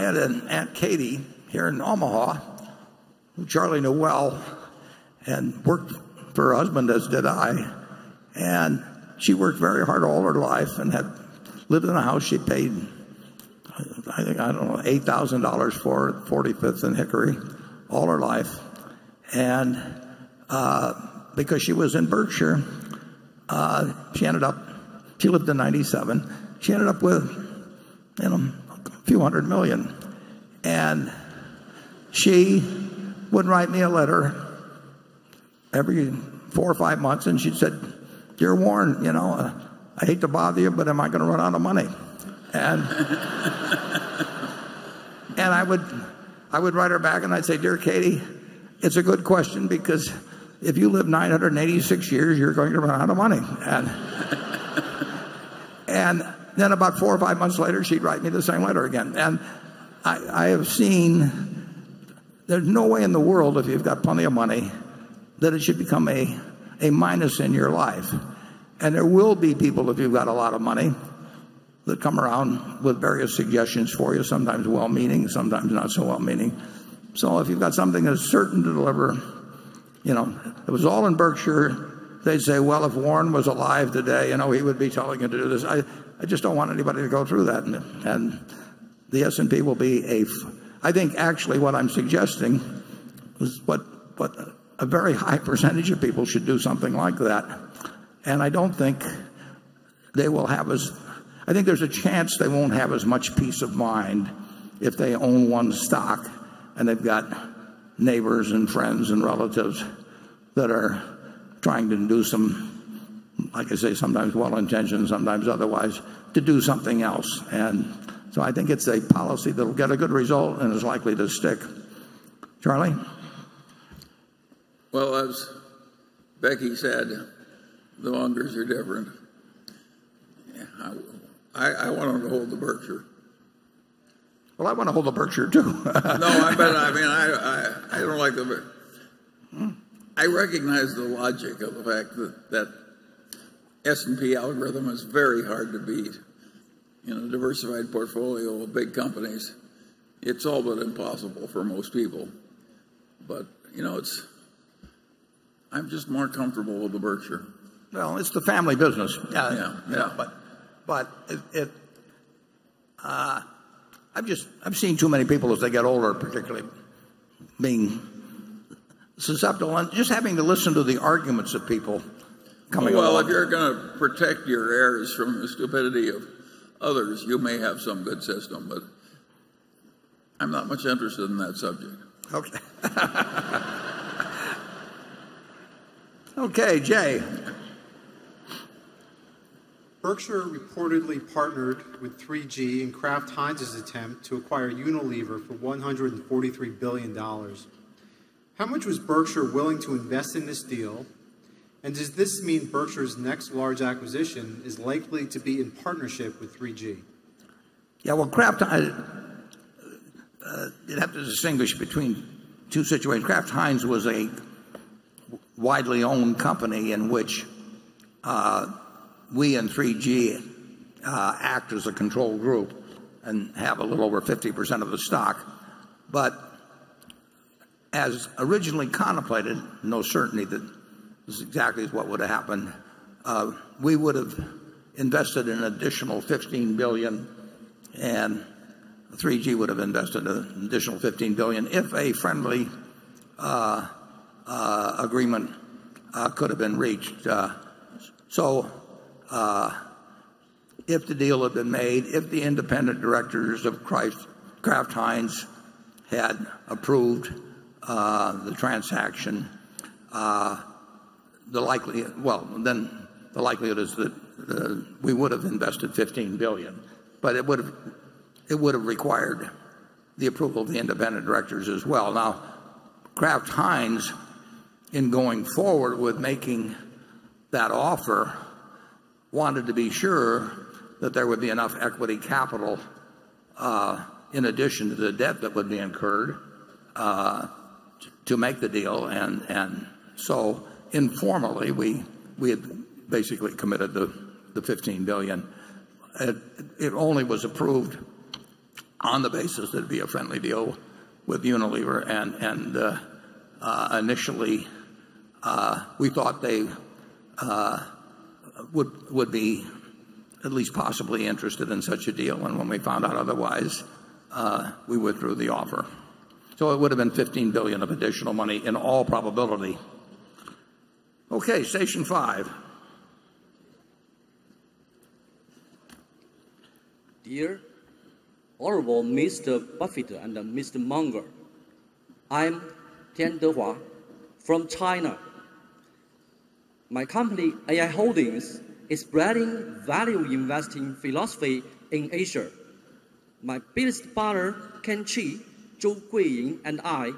had an Aunt Katy here in Omaha, who Charlie knew well and worked for her husband, as did I, and she worked very hard all her life and had lived in a house she paid, I think, $8,000 for at 45th and Hickory all her life. Because she was in Berkshire, she lived to 97. She ended up with a few hundred million, and she would write me a letter every four or five months, and she said, "Dear Warren, I hate to bother you, but am I going to run out of money?" I would write her back and I'd say, "Dear Katy, it's a good question because if you live 986 years, you're going to run out of money." Then about four or five months later, she'd write me the same letter again. I have seen there's no way in the world if you've got plenty of money that it should become a minus in your life. There will be people, if you've got a lot of money, that come around with various suggestions for you, sometimes well-meaning, sometimes not so well-meaning. If you've got something that's certain to deliver, it was all in Berkshire, they'd say, "Well, if Warren was alive today, he would be telling you to do this." I just don't want anybody to go through that, and the S&P will be. I think actually what I'm suggesting is a very high percentage of people should do something like that, and I think there's a chance they won't have as much peace of mind if they own one stock and they've got neighbors and friends and relatives that are trying to do some, like I say, sometimes well-intentioned, sometimes otherwise, to do something else. I think it's a policy that will get a good result and is likely to stick. Charlie? Well, as Becky said, the Mungers are different. Yeah. I want them to hold the Berkshire. Well, I want to hold the Berkshire, too. I recognize the logic of the fact that S&P algorithm is very hard to beat. A diversified portfolio of big companies, it's all but impossible for most people. I'm just more comfortable with the Berkshire. Well, it's the family business. Yeah. Yeah. I've seen too many people as they get older, particularly being susceptible and just having to listen to the arguments of people coming along. Well, if you're going to protect your heirs from the stupidity of others, you may have some good system, but I'm not much interested in that subject. Okay. Okay, Jay Berkshire reportedly partnered with 3G in Kraft Heinz's attempt to acquire Unilever for $143 billion. How much was Berkshire willing to invest in this deal? Does this mean Berkshire's next large acquisition is likely to be in partnership with 3G? Well, you'd have to distinguish between two situations. Kraft Heinz was a widely owned company in which we and 3G act as a control group and have a little over 50% of the stock. As originally contemplated, no certainty that this exactly is what would have happened, we would have invested an additional $15 billion, 3G would have invested an additional $15 billion if a friendly agreement could have been reached. If the deal had been made, if the independent directors of Kraft Heinz had approved the transaction, the likelihood is that we would have invested $15 billion, but it would have required the approval of the independent directors as well. Kraft Heinz, in going forward with making that offer, wanted to be sure that there would be enough equity capital in addition to the debt that would be incurred to make the deal, informally, we had basically committed the $15 billion. It only was approved on the basis that it'd be a friendly deal with Unilever, initially we thought they would be at least possibly interested in such a deal. When we found out otherwise, we withdrew the offer. It would have been $15 billion of additional money in all probability. Okay, station 5. Dear honorable Mr. Buffett and Mr. Munger, I am Tian Dehua from China. My company, AI Holdings, is spreading value investing philosophy in Asia. My business partner, Ken Chi, Zhou Guiying, and I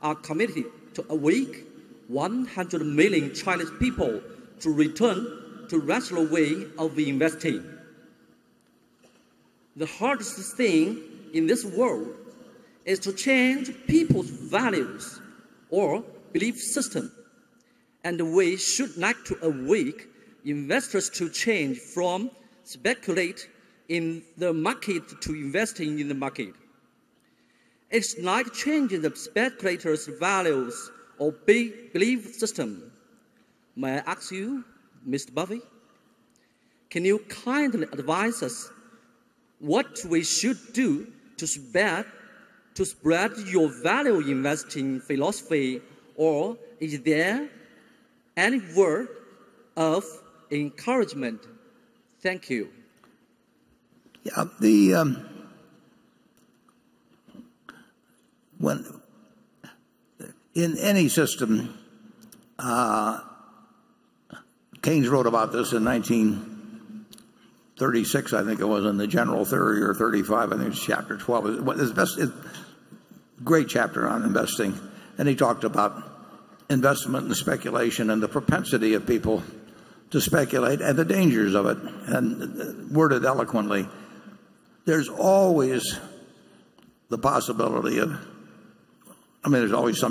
are committed to awake 100 million Chinese people to return to rational way of investing. The hardest thing in this world is to change people's values or belief system, we should like to awake investors to change from speculate in the market to investing in the market. It's like changing the speculators' values or belief system. May I ask you, Mr. Buffett, can you kindly advise us what we should do to spread your value investing philosophy, is there any word of encouragement? Thank you. Yeah. In any system, Keynes wrote about this in 1936, I think it was, in the "General Theory," or 1935. I think it's chapter 12. He talked about investment and speculation and the propensity of people to speculate and the dangers of it, and worded eloquently. There's always some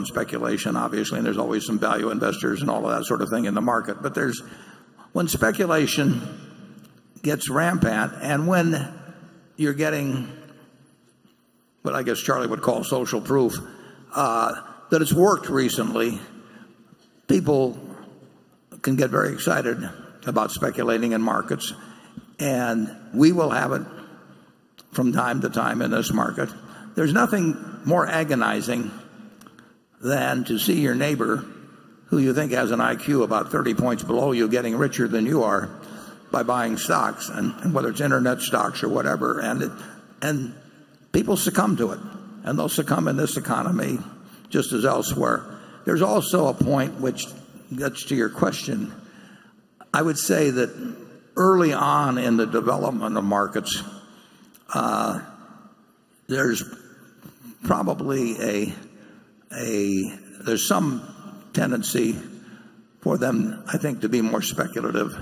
speculation, obviously, and there's always some value investors and all of that sort of thing in the market. When speculation gets rampant and when you're getting what I guess Charlie would call social proof that it's worked recently, people can get very excited about speculating in markets, and we will have it from time to time in this market. There's nothing more agonizing than to see your neighbor, who you think has an IQ about 30 points below you, getting richer than you are by buying stocks, and whether it's internet stocks or whatever. People succumb to it, and they'll succumb in this economy just as elsewhere. There's also a point which gets to your question. I would say that early on in the development of markets there's some tendency for them, I think, to be more speculative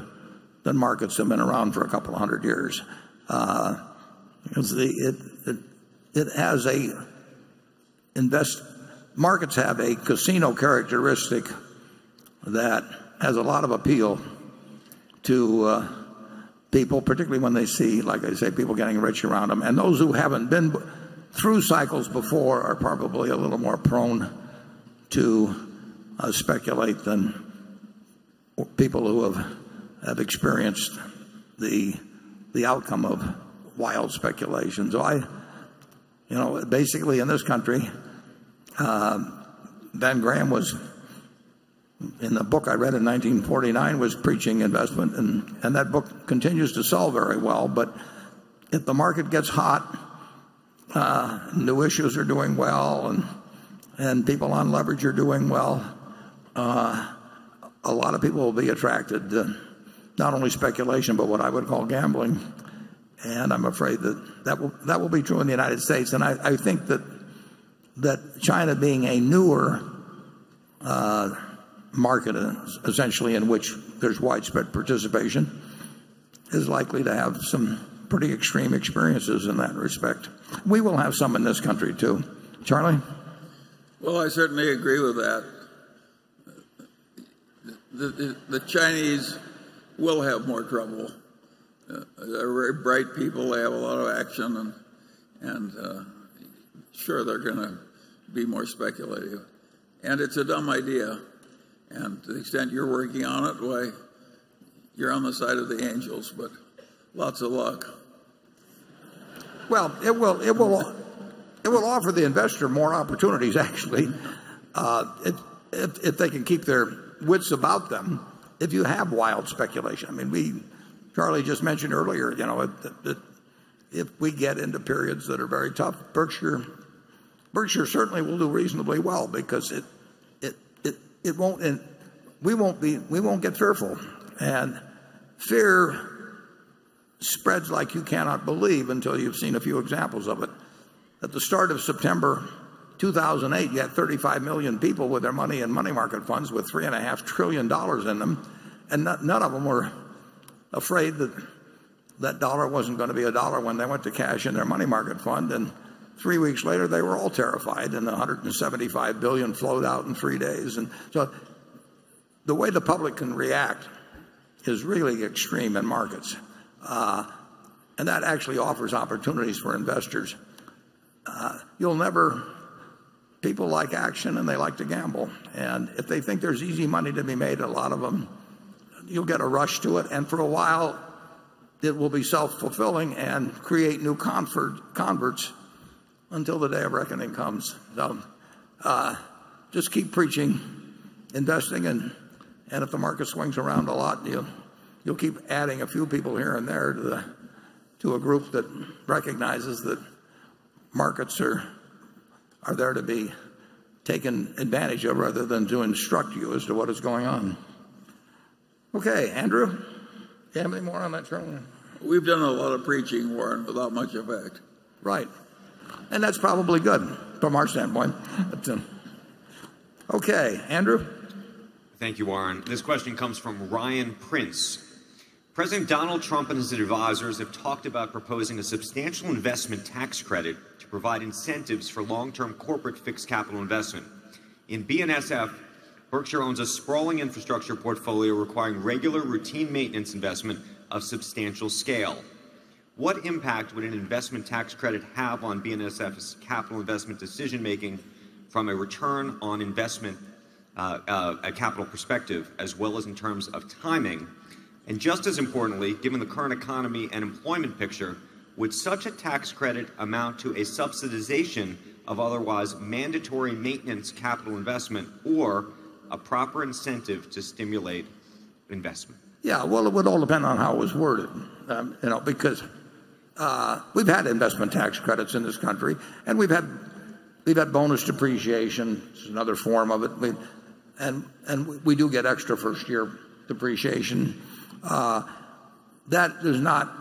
than markets that have been around for a couple of hundred years. Markets have a casino characteristic that has a lot of appeal to people, particularly when they see, like I say, people getting rich around them. Those who haven't been through cycles before are probably a little more prone to speculate than people who have experienced the outcome of wild speculation. Basically, in this country Ben Graham was, in the book I read in 1949, was preaching investment, and that book continues to sell very well. If the market gets hot New issues are doing well and people on leverage are doing well. A lot of people will be attracted to not only speculation, but what I would call gambling. I'm afraid that will be true in the U.S. I think that China being a newer market, essentially, in which there's widespread participation, is likely to have some pretty extreme experiences in that respect. We will have some in this country, too. Charlie? Well, I certainly agree with that. The Chinese will have more trouble. They're very bright people. They have a lot of action, sure they're going to be more speculative. It's a dumb idea. To the extent you're working on it, why, you're on the side of the angels, but lots of luck. Well, it will offer the investor more opportunities, actually, if they can keep their wits about them, if you have wild speculation. Charlie just mentioned earlier, if we get into periods that are very tough, Berkshire certainly will do reasonably well because we won't get fearful. Fear spreads like you cannot believe until you've seen a few examples of it. At the start of September 2008, you had 35 million people with their money in money market funds with $3.5 trillion in them, and none of them were afraid that that dollar wasn't going to be a dollar when they went to cash in their money market fund. Three weeks later, they were all terrified, and the $175 billion flowed out in three days. The way the public can react is really extreme in markets. That actually offers opportunities for investors. People like action, and they like to gamble. If they think there's easy money to be made, a lot of them, you'll get a rush to it. For a while, it will be self-fulfilling and create new converts until the day of reckoning comes. Just keep preaching, investing, and if the market swings around a lot, you'll keep adding a few people here and there to a group that recognizes that markets are there to be taken advantage of rather than to instruct you as to what is going on. Okay, Andrew? You have any more on that, Charlie? We've done a lot of preaching, Warren, without much effect. Right. That's probably good from our standpoint. Okay. Andrew? Thank you, Warren. This question comes from Ryan Prince. President Donald Trump and his advisers have talked about proposing a substantial investment tax credit to provide incentives for long-term corporate fixed capital investment. In BNSF, Berkshire owns a sprawling infrastructure portfolio requiring regular routine maintenance investment of substantial scale. What impact would an investment tax credit have on BNSF's capital investment decision-making from a return on investment capital perspective, as well as in terms of timing? Just as importantly, given the current economy and employment picture, would such a tax credit amount to a subsidization of otherwise mandatory maintenance capital investment or a proper incentive to stimulate investment? Yeah. Well, it would all depend on how it was worded because we've had investment tax credits in this country, we've had bonus depreciation, which is another form of it, and we do get extra first-year depreciation. That does not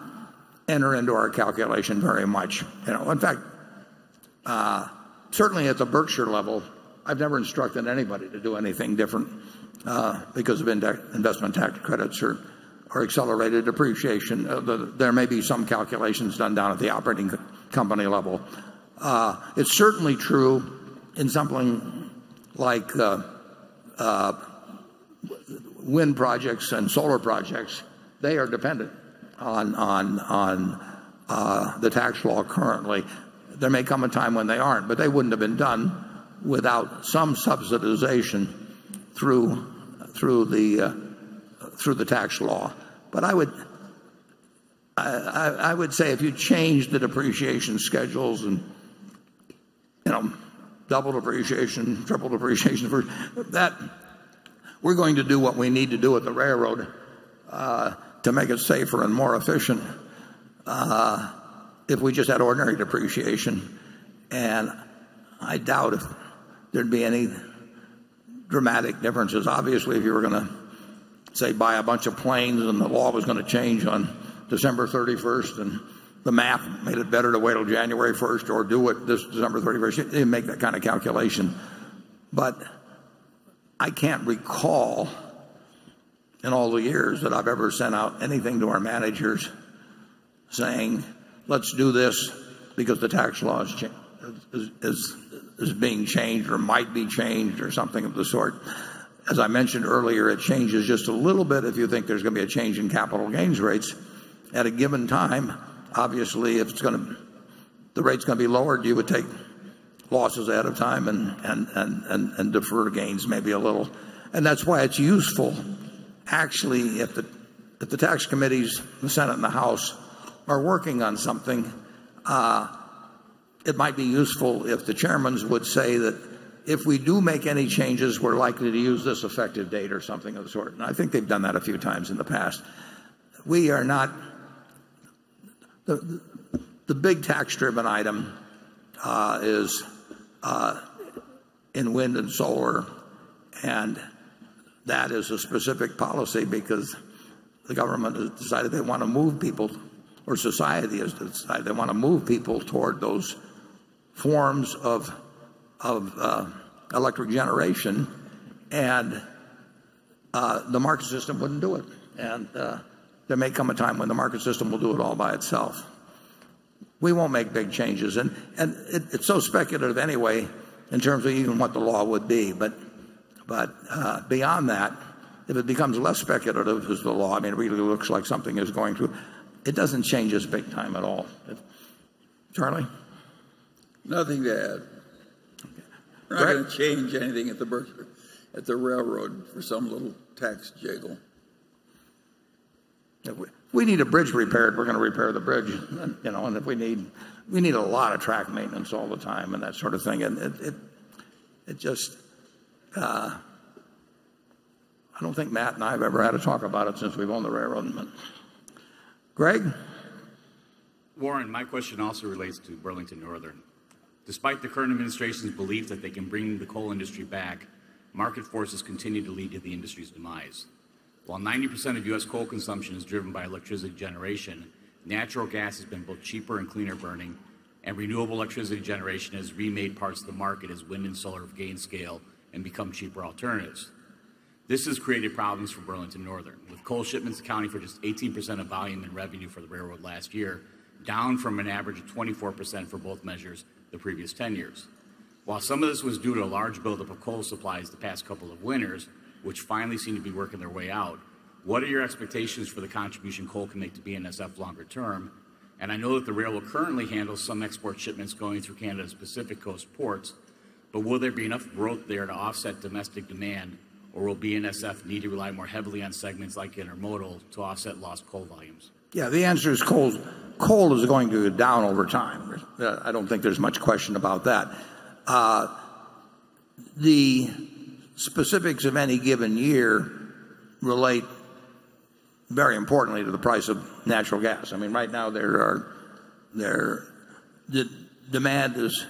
enter into our calculation very much. In fact, certainly at the Berkshire level, I've never instructed anybody to do anything different because of investment tax credits or accelerated depreciation, although there may be some calculations done down at the operating company level. It's certainly true in something like wind projects and solar projects. They are dependent on the tax law currently. There may come a time when they aren't, but they wouldn't have been done without some subsidization through the tax law. I would say if you change the depreciation schedules and double depreciation, triple depreciation, we're going to do what we need to do at the railroad to make it safer and more efficient if we just had ordinary depreciation. I doubt if there'd be any dramatic differences. Obviously, if you were going to, say, buy a bunch of planes and the law was going to change on December 31st, and the math made it better to wait till January 1st or do it this December 31st, you make that kind of calculation. I can't recall in all the years that I've ever sent out anything to our managers saying, "Let's do this because the tax law is being changed or might be changed or something of the sort." As I mentioned earlier, it changes just a little bit if you think there's going to be a change in capital gains rates at a given time. Obviously, if the rate's going to be lower, you would take losses ahead of time and defer gains maybe a little. That's why it's useful, actually, if the tax committees in the Senate and the House are working on something it might be useful if the chairmen would say that if we do make any changes, we're likely to use this effective date or something of the sort, and I think they've done that a few times in the past. The big tax-driven item is in wind and solar, that is a specific policy because the government has decided they want to move people, or society has decided they want to move people toward those forms of electric generation, the market system wouldn't do it. There may come a time when the market system will do it all by itself. We won't make big changes. It's so speculative anyway in terms of even what the law would be. Beyond that, if it becomes less speculative as to the law, it really looks like something is going through, it doesn't change us big time at all. Charlie? Nothing to add. Okay. Gregg? We're not going to change anything at the railroad for some little tax jiggle. If we need a bridge repaired, we're going to repair the bridge. We need a lot of track maintenance all the time and that sort of thing. I don't think Matt and I have ever had a talk about it since we've owned the railroad. Gregg? Warren, my question also relates to Burlington Northern. Despite the current administration's belief that they can bring the coal industry back, market forces continue to lead to the industry's demise. 90% of U.S. coal consumption is driven by electricity generation, natural gas has been both cheaper and cleaner burning, and renewable electricity generation has remade parts of the market as wind and solar have gained scale and become cheaper alternatives. This has created problems for Burlington Northern, with coal shipments accounting for just 18% of volume and revenue for the railroad last year, down from an average of 24% for both measures the previous 10 years. Some of this was due to a large buildup of coal supplies the past couple of winters, which finally seem to be working their way out, what are your expectations for the contribution coal can make to BNSF longer term? I know that the rail will currently handle some export shipments going through Canada's Pacific Coast ports, but will there be enough growth there to offset domestic demand, or will BNSF need to rely more heavily on segments like intermodal to offset lost coal volumes? Yeah, the answer is coal is going to go down over time. I don't think there's much question about that. The specifics of any given year relate very importantly to the price of natural gas. Right now, the demand is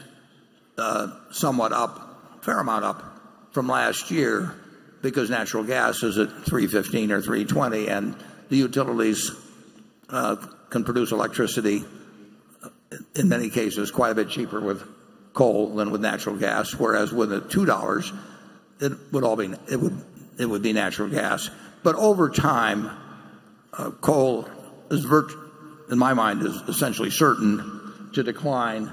somewhat up, a fair amount up from last year because natural gas is at $3.15 or $3.20, and the utilities can produce electricity, in many cases, quite a bit cheaper with coal than with natural gas. Whereas with the $2, it would be natural gas. Over time, coal, in my mind, is essentially certain to decline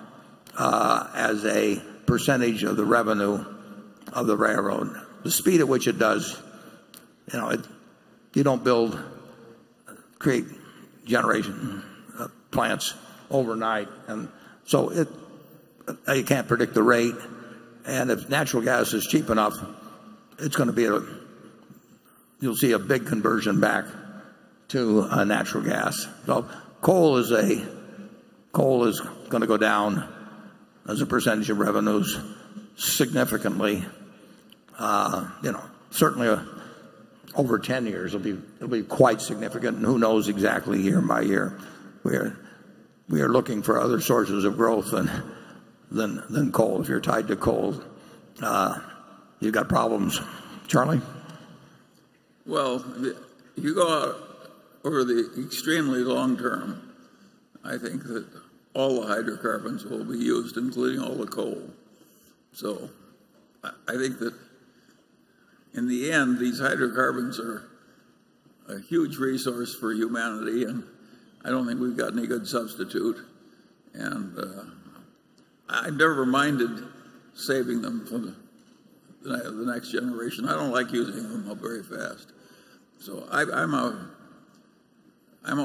as a percentage of the revenue of the railroad. The speed at which it does, you don't create generation plants overnight, and so you can't predict the rate. If natural gas is cheap enough, you'll see a big conversion back to natural gas. Coal is going to go down as a percentage of revenues significantly. Certainly over 10 years, it will be quite significant, and who knows exactly year by year. We are looking for other sources of growth than coal. If you are tied to coal, you got problems. Charlie? You go out over the extremely long term, I think that all the hydrocarbons will be used, including all the coal. I think that in the end, these hydrocarbons are a huge resource for humanity, and I do not think we have got any good substitute, and I am never reminded saving them for the next generation. I do not like using them up very fast. I am off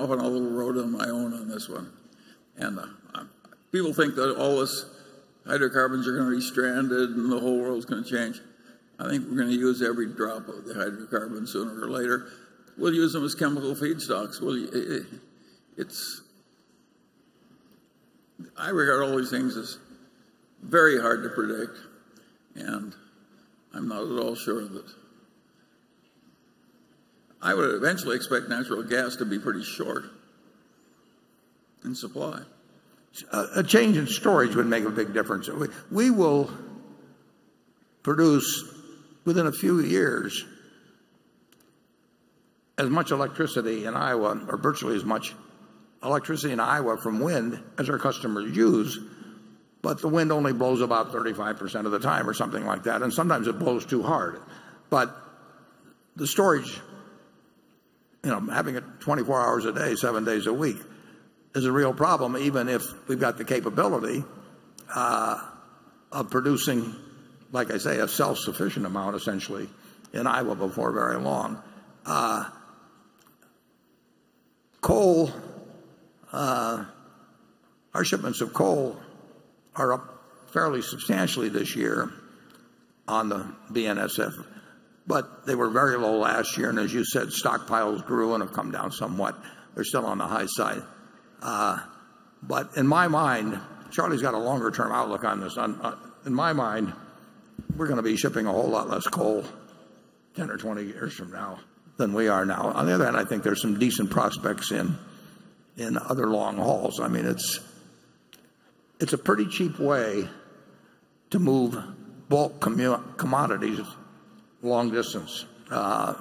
on a little road on my own on this one. People think that all these hydrocarbons are going to be stranded and the whole world is going to change. I think we are going to use every drop of the hydrocarbon sooner or later. We will use them as chemical feedstocks. I regard all these things as very hard to predict, and I am not at all sure of it. I would eventually expect natural gas to be pretty short in supply. A change in storage would make a big difference. We will produce, within a few years, as much electricity in Iowa, or virtually as much electricity in Iowa from wind as our customers use, but the wind only blows about 35% of the time or something like that, and sometimes it blows too hard. The storage, having it 24 hours a day, seven days a week, is a real problem, even if we have got the capability of producing, like I say, a self-sufficient amount, essentially, in Iowa before very long. Our shipments of coal are up fairly substantially this year on the BNSF, but they were very low last year. As you said, stockpiles grew and have come down somewhat. They are still on the high side. Charlie has got a longer-term outlook on this. In my mind, we are going to be shipping a whole lot less coal 10 or 20 years from now than we are now. On the other hand, I think there is some decent prospects in other long hauls. It is a pretty cheap way to move bulk commodities long distance,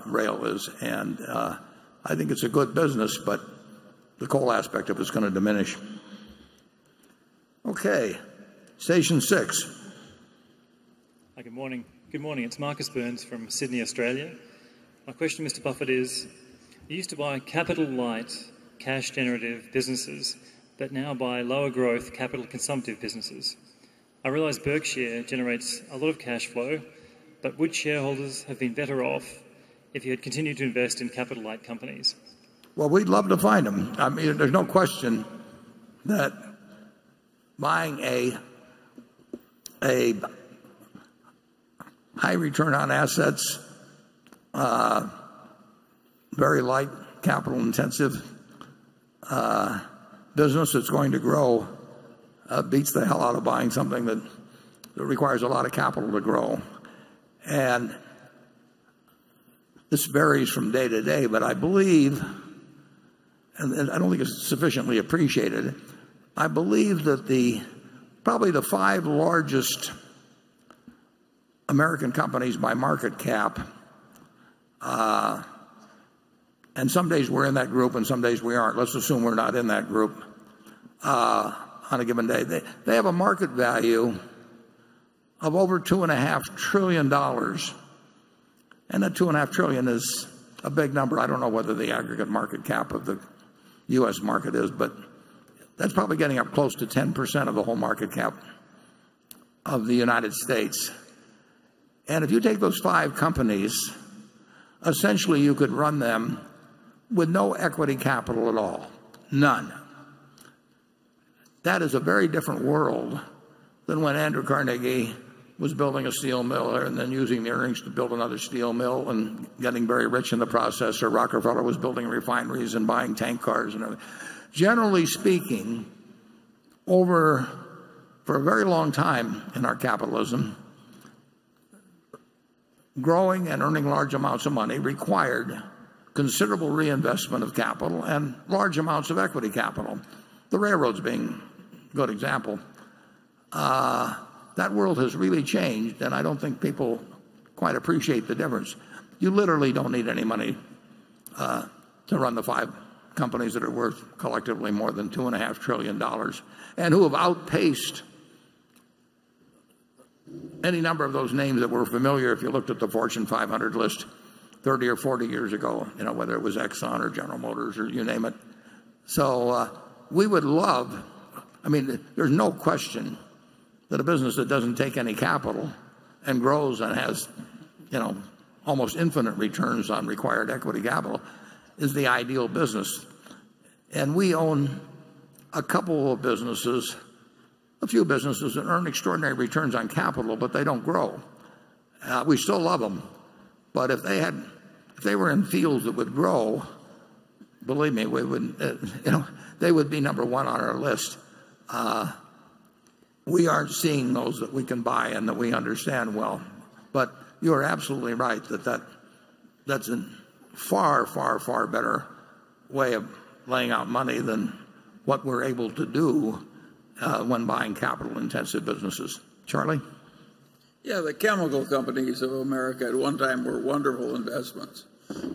rail is, and I think it is a good business, but the coal aspect of it is going to diminish. Okay. Station six. Hi, good morning. Good morning. It is Marcus Burns from Sydney, Australia. My question, Mr. Buffett is, you used to buy capital-light, cash-generative businesses, but now buy lower growth capital-consumptive businesses. I realize Berkshire generates a lot of cash flow, but would shareholders have been better off if you had continued to invest in capital-light companies? Well, we would love to find them. There is no question that buying a high return on assets, very light capital-intensive business that is going to grow beats the hell out of buying something that requires a lot of capital to grow. This varies from day to day, but I believe, and I don't think it is sufficiently appreciated, I believe that probably the five largest American companies by market cap, and some days we are in that group and some days we aren't. Let's assume we are not in that group on a given day. They have a market value of over $2.5 trillion. That $2.5 trillion is a big number. I don't know whether the aggregate market cap of the U.S. market is, but that is probably getting up close to 10% of the whole market cap of the United States. If you take those five companies, essentially you could run them with no equity capital at all. None. That is a very different world than when Andrew Carnegie was building a steel mill and then using the earnings to build another steel mill and getting very rich in the process, or Rockefeller was building refineries and buying tank cars and everything. Generally speaking, for a very long time in our capitalism, growing and earning large amounts of money required considerable reinvestment of capital and large amounts of equity capital, the railroads being a good example. That world has really changed, and I don't think people quite appreciate the difference. You literally don't need any money to run the five companies that are worth collectively more than $2.5 trillion, and who have outpaced any number of those names that were familiar if you looked at the Fortune 500 list 30 or 40 years ago, whether it was Exxon or General Motors or you name it. We would love. There is no question that a business that doesn't take any capital and grows and has almost infinite returns on required equity capital is the ideal business. We own a couple of businesses, a few businesses that earn extraordinary returns on capital, but they don't grow. We still love them. If they were in fields that would grow, believe me, they would be number one on our list. We aren't seeing those that we can buy and that we understand well. You are absolutely right that that's a far, far, far better way of laying out money than what we're able to do when buying capital-intensive businesses. Charlie? Yeah. The chemical companies of America at one time were wonderful investments.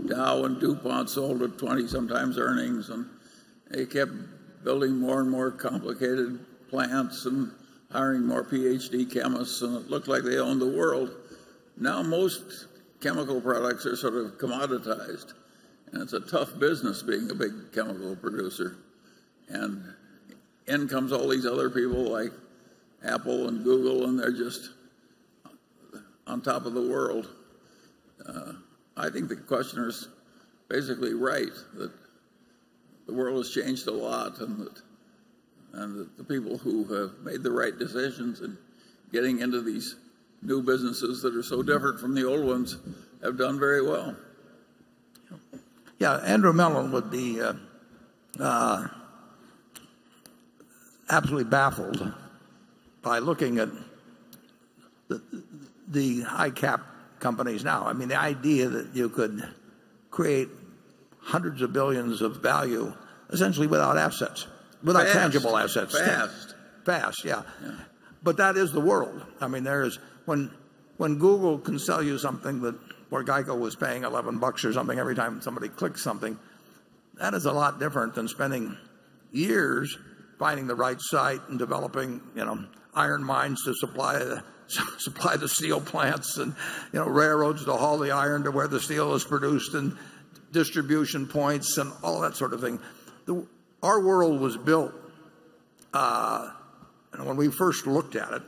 Dow and DuPont sold at 20 times earnings, and they kept building more and more complicated plants and hiring more PhD chemists, and it looked like they owned the world. Now, most chemical products are sort of commoditized, and it's a tough business being a big chemical producer. In comes all these other people like Apple and Google, and they're just on top of the world. I think the questioner is basically right that the world has changed a lot and that the people who have made the right decisions in getting into these new businesses that are so different from the old ones have done very well. Yeah. Andrew Mellon would be absolutely baffled by looking at the high cap companies now. The idea that you could create hundreds of billions of value essentially without assets- Fast without tangible assets. Fast. Fast. Yeah. Yeah. That is the world. When Google can sell you something where GEICO was paying $11 or something every time somebody clicks something, that is a lot different than spending years finding the right site and developing iron mines to supply the steel plants and railroads to haul the iron to where the steel is produced and distribution points and all that sort of thing. Our world was built, and when we first looked at it,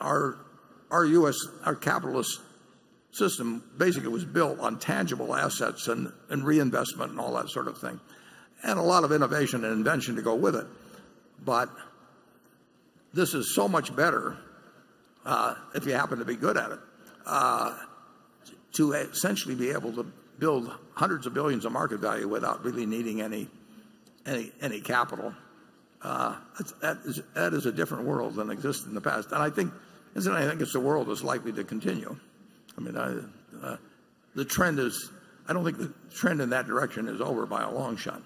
our capitalist system basically was built on tangible assets and reinvestment and all that sort of thing, and a lot of innovation and invention to go with it. This is so much better if you happen to be good at it. To essentially be able to build hundreds of billions of market value without really needing any capital, that is a different world than existed in the past. Incidentally, I think it's a world that's likely to continue. I don't think the trend in that direction is over by a long shot.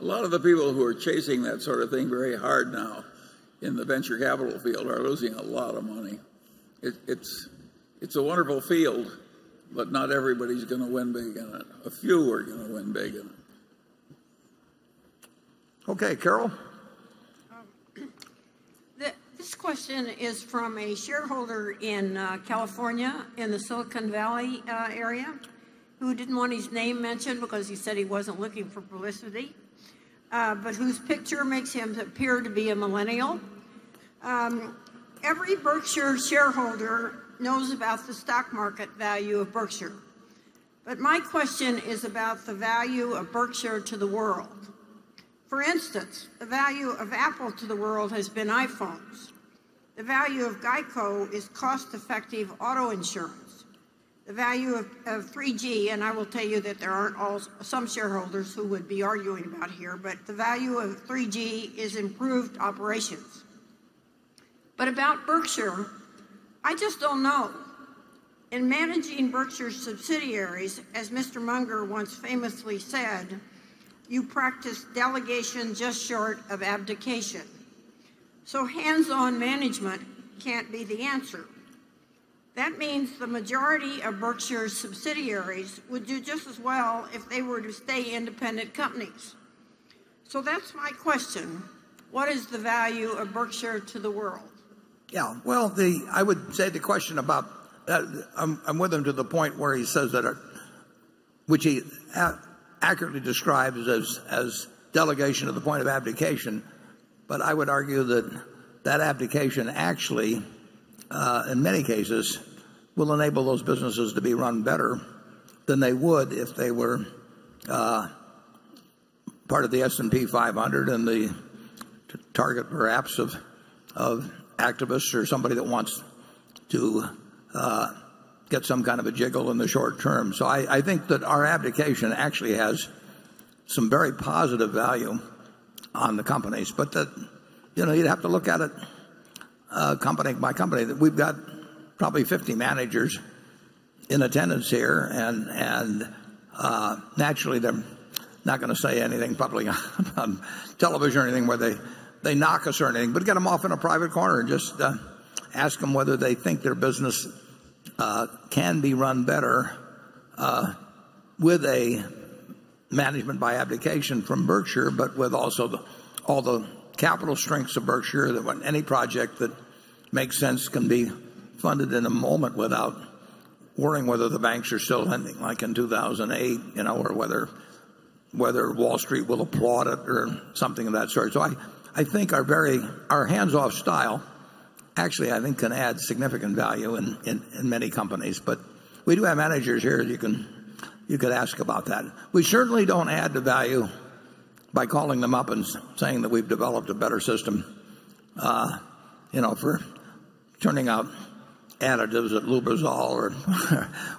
A lot of the people who are chasing that sort of thing very hard now in the venture capital field are losing a lot of money. It's a wonderful field, but not everybody's going to win big in it. A few are going to win big in it. Okay, Carol? This question is from a shareholder in California, in the Silicon Valley area, who didn't want his name mentioned because he said he wasn't looking for publicity, but whose picture makes him appear to be a millennial. Every Berkshire shareholder knows about the stock market value of Berkshire. My question is about the value of Berkshire to the world. For instance, the value of Apple to the world has been iPhones. The value of GEICO is cost-effective auto insurance. The value of 3G, and I will tell you that there are some shareholders who would be arguing about here, but the value of 3G is improved operations. About Berkshire, I just don't know. In managing Berkshire's subsidiaries, as Mr. Munger once famously said, "You practice delegation just short of abdication." Hands-on management can't be the answer. That means the majority of Berkshire's subsidiaries would do just as well if they were to stay independent companies. That's my question. What is the value of Berkshire to the world? Yeah. I would say the question about that, I'm with him to the point where he says that, which he accurately describes as delegation to the point of abdication, but I would argue that that abdication actually, in many cases, will enable those businesses to be run better than they would if they were part of the S&P 500 and the target perhaps of activists or somebody that wants to get some kind of a jiggle in the short term. I think that our abdication actually has some very positive value on the companies. You'd have to look at it company by company, that we've got probably 50 managers in attendance here, and naturally, they're not going to say anything publicly on television or anything where they knock us or anything. Get them off in a private corner and just ask them whether they think their business can be run better with a management by abdication from Berkshire, but with also all the capital strengths of Berkshire, that any project that makes sense can be funded in a moment without worrying whether the banks are still lending, like in 2008, or whether Wall Street will applaud it or something of that sort. I think our hands-off style actually, I think, can add significant value in many companies. But we do have managers here you could ask about that. We certainly don't add the value by calling them up and saying that we've developed a better system for turning out additives at Lubrizol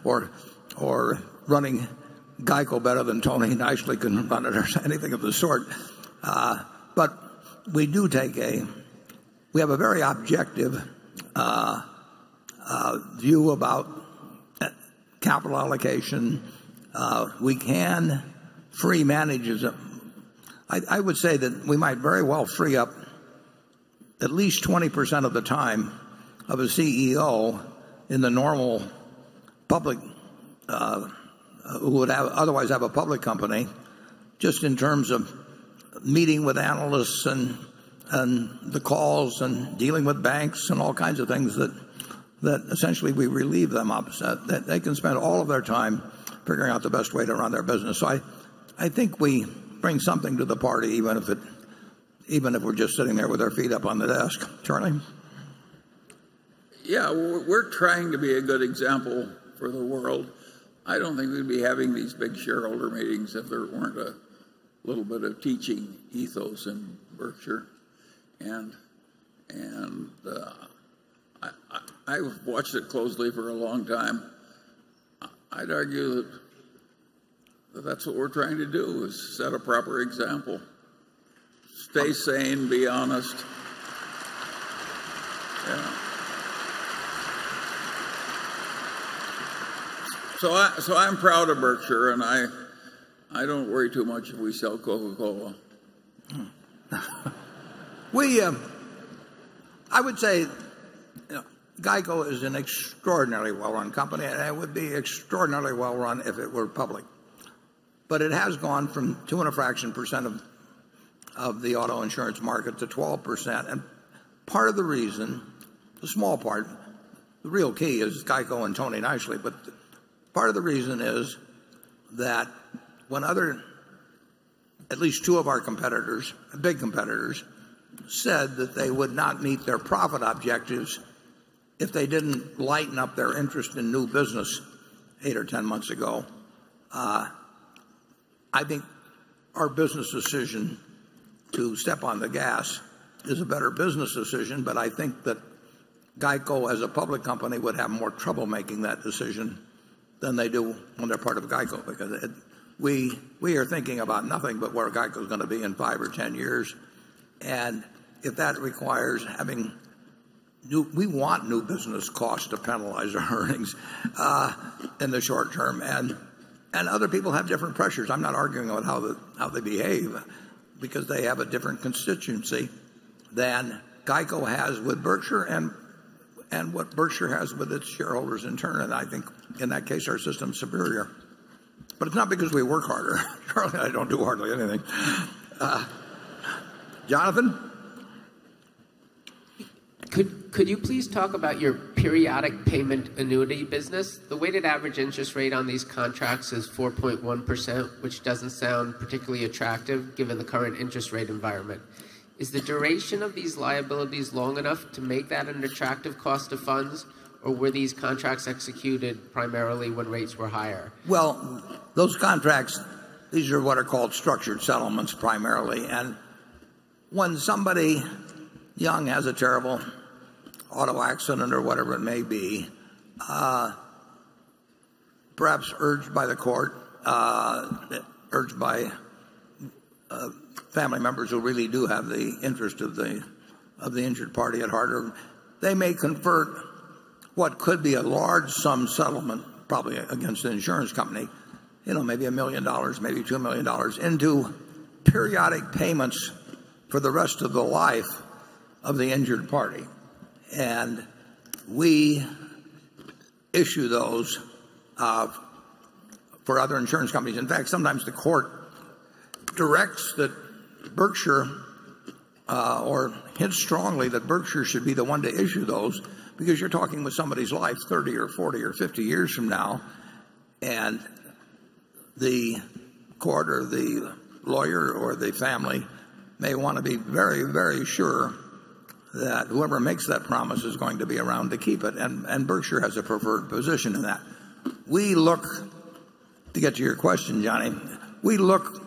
or running GEICO better than Tony Nicely can run it or anything of the sort. But we have a very objective view about capital allocation. I would say that we might very well free up at least 20% of the time of a CEO who would otherwise have a public company, just in terms of meeting with analysts and the calls and dealing with banks and all kinds of things that essentially we relieve them of, so that they can spend all of their time figuring out the best way to run their business. I think we bring something to the party, even if we're just sitting there with our feet up on the desk. Charlie? Yeah, we're trying to be a good example for the world. I don't think we'd be having these big shareholder meetings if there weren't a little bit of teaching ethos in Berkshire. I've watched it closely for a long time. I'd argue that that's what we're trying to do, is set a proper example. Stay sane, be honest. Yeah. I'm proud of Berkshire, and I don't worry too much if we sell Coca-Cola. I would say GEICO is an extraordinarily well-run company, and it would be extraordinarily well-run if it were public. But it has gone from two and a fraction percent of the auto insurance market to 12%. Part of the reason, a small part, the real key is GEICO and Tony Nicely, but part of the reason is that when at least two of our big competitors said that they would not meet their profit objectives if they didn't lighten up their interest in new business eight or 10 months ago, I think our business decision to step on the gas is a better business decision, but I think that GEICO, as a public company, would have more trouble making that decision than they do when they're part of GEICO, because we are thinking about nothing but where GEICO's going to be in five or 10 years. If that requires new business cost to penalize our earnings in the short term. Other people have different pressures. I'm not arguing on how they behave because they have a different constituency than GEICO has with Berkshire and what Berkshire has with its shareholders in turn. I think in that case, our system's superior. It's not because we work harder. Charlie and I don't do hardly anything. Jonathan? Could you please talk about your periodic payment annuity business? The weighted average interest rate on these contracts is 4.1%, which doesn't sound particularly attractive given the current interest rate environment. Is the duration of these liabilities long enough to make that an attractive cost of funds? Were these contracts executed primarily when rates were higher? Well, those contracts, these are what are called structured settlements primarily. When somebody young has a terrible auto accident or whatever it may be, perhaps urged by the court, urged by family members who really do have the interest of the injured party at heart, they may convert what could be a large sum settlement, probably against an insurance company, maybe $1 million, maybe $2 million, into periodic payments for the rest of the life of the injured party. We issue those for other insurance companies. In fact, sometimes the court directs that Berkshire or hints strongly that Berkshire should be the one to issue those because you're talking with somebody's life 30 or 40 or 50 years from now, and the court or the lawyer or the family may want to be very sure that whoever makes that promise is going to be around to keep it. Berkshire has a preferred position in that. To get to your question, Johnny, we look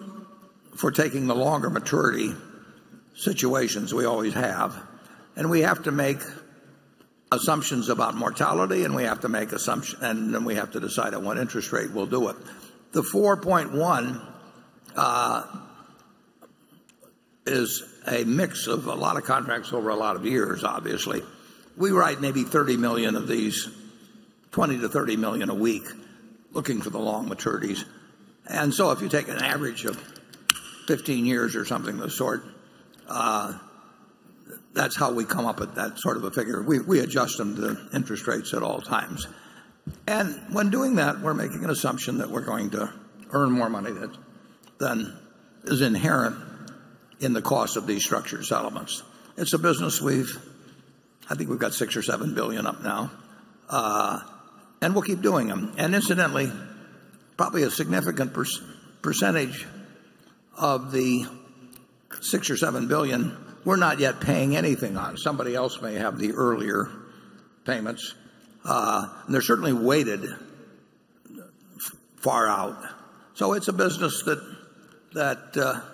for taking the longer maturity situations, we always have. We have to make assumptions about mortality, and then we have to decide at what interest rate we'll do it. The 4.1 is a mix of a lot of contracts over a lot of years obviously. We write maybe $30 million of these, $20 million-$30 million a week, looking for the long maturities. If you take an average of 15 years or something of the sort, that's how we come up with that sort of a figure. We adjust them to interest rates at all times. When doing that, we're making an assumption that we're going to earn more money than is inherent in the cost of these structured settlements. I think we've got $6 billion or $7 billion up now. We'll keep doing them. Incidentally, probably a significant percentage of the $6 billion or $7 billion, we're not yet paying anything on. Somebody else may have the earlier payments. They're certainly weighted far out. It's a business that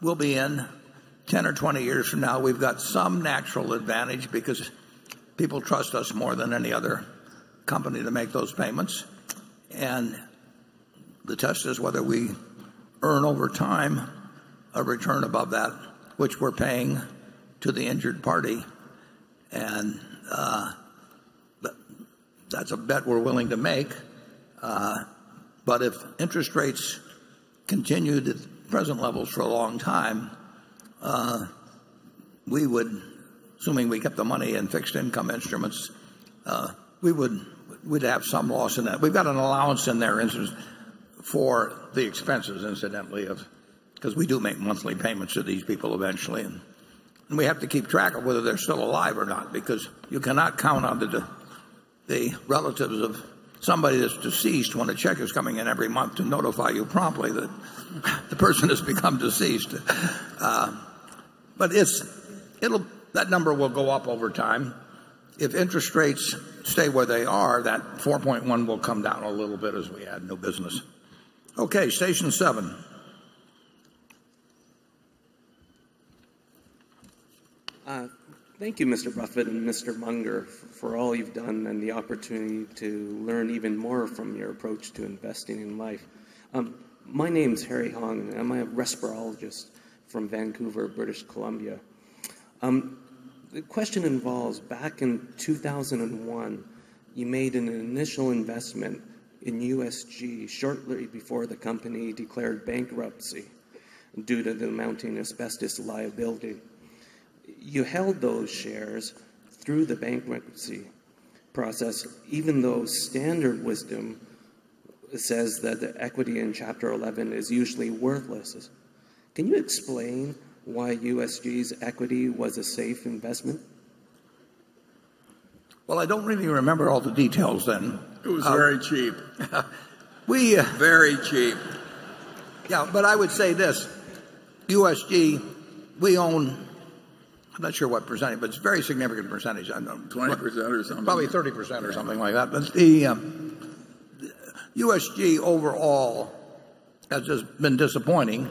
we'll be in 10 or 20 years from now. We've got some natural advantage because people trust us more than any other company to make those payments. The test is whether we earn over time a return above that which we're paying to the injured party. That's a bet we're willing to make. If interest rates continued at present levels for a long time, we would, assuming we kept the money in fixed income instruments we'd have some loss in that. We've got an allowance in there, for the expenses, incidentally, because we do make monthly payments to these people eventually. We have to keep track of whether they're still alive or not because you cannot count on the relatives of somebody that's deceased when a check is coming in every month to notify you promptly that the person has become deceased. That number will go up over time. If interest rates stay where they are, that 4.1 will come down a little bit as we add new business. Okay, station 7. Thank you, Mr. Buffett and Mr. Munger, for all you've done and the opportunity to learn even more from your approach to investing in life. My name's Harry Hong. I'm a respirologist from Vancouver, British Columbia. The question involves back in 2001, you made an initial investment in USG shortly before the company declared bankruptcy due to the mounting asbestos liability. You held those shares through the bankruptcy process even though standard wisdom says that the equity in Chapter 11 is usually worthless. Can you explain why USG's equity was a safe investment? Well, I don't really remember all the details then. It was very cheap. We- Very cheap. Yeah, I would say this, USG, we own I'm not sure what percentage, but it's a very significant percentage. I don't know. 20% or something. Probably 30% or something like that. USG overall has just been disappointing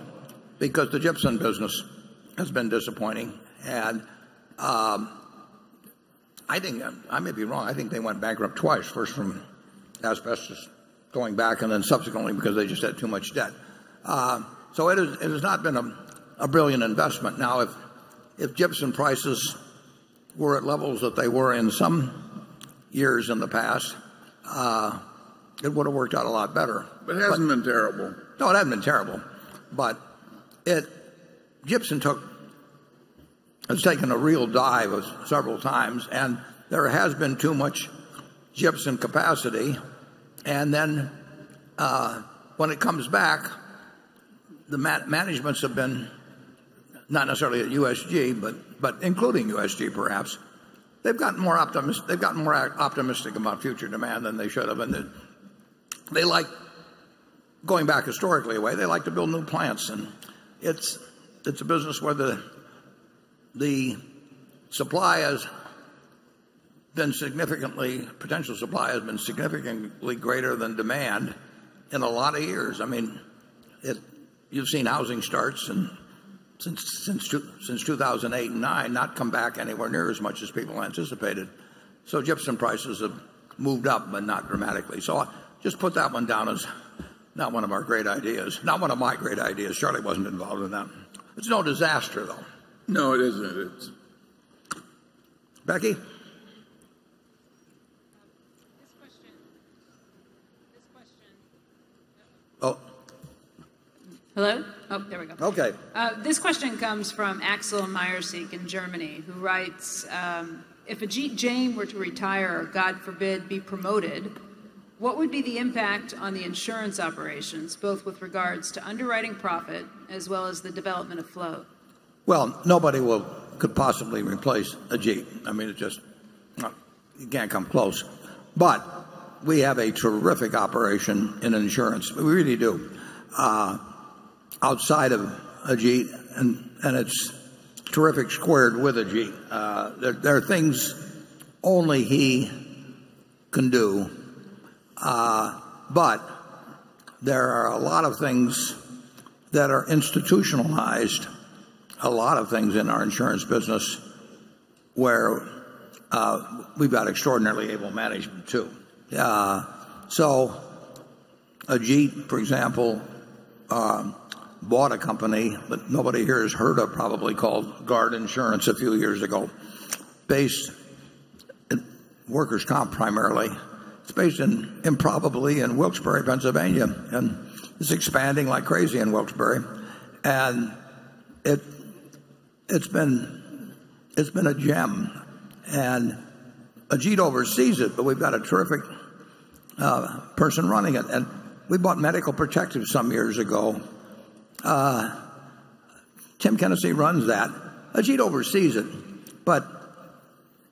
because the gypsum business has been disappointing. I think I may be wrong. I think they went bankrupt twice. First from asbestos going back, and then subsequently because they just had too much debt. It has not been a brilliant investment. Now if gypsum prices were at levels that they were in some years in the past, it would've worked out a lot better. It hasn't been terrible. No, it hasn't been terrible, but gypsum has taken a real dive several times, and there has been too much gypsum capacity. Then when it comes back, the managements have been, not necessarily at USG but including USG perhaps, they've gotten more optimistic about future demand than they should have. Going back historically a way, they like to build new plants, and it's a business where the potential supply has been significantly greater than demand in a lot of years. You've seen housing starts since 2008 and 2009 not come back anywhere near as much as people anticipated. Gypsum prices have moved up, but not dramatically. Just put that one down as not one of our great ideas. Not one of my great ideas. Charlie wasn't involved in that. It's no disaster, though. No, it isn't. Becky? Hello? There we go. Okay. This question comes from Axel Myersich in Germany, who writes, "If Ajit Jain were to retire, God forbid, be promoted, what would be the impact on the insurance operations, both with regards to underwriting profit as well as the development of float? Nobody could possibly replace Ajit. It just can't come close. We have a terrific operation in insurance. We really do outside of Ajit, and it's terrific squared with Ajit. There are things only he can do, but there are a lot of things that are institutionalized, a lot of things in our insurance business where we've got extraordinarily able management, too. Ajit, for example, bought a company that nobody here has heard of, probably called Guard Insurance a few years ago. Workers' comp primarily. It's based improbably in Wilkes-Barre, Pennsylvania, and it's expanding like crazy in Wilkes-Barre. It's been a gem. Ajit oversees it, but we've got a terrific person running it. We bought Medical Protective some years ago. Tim Kenesey runs that. Ajit oversees it,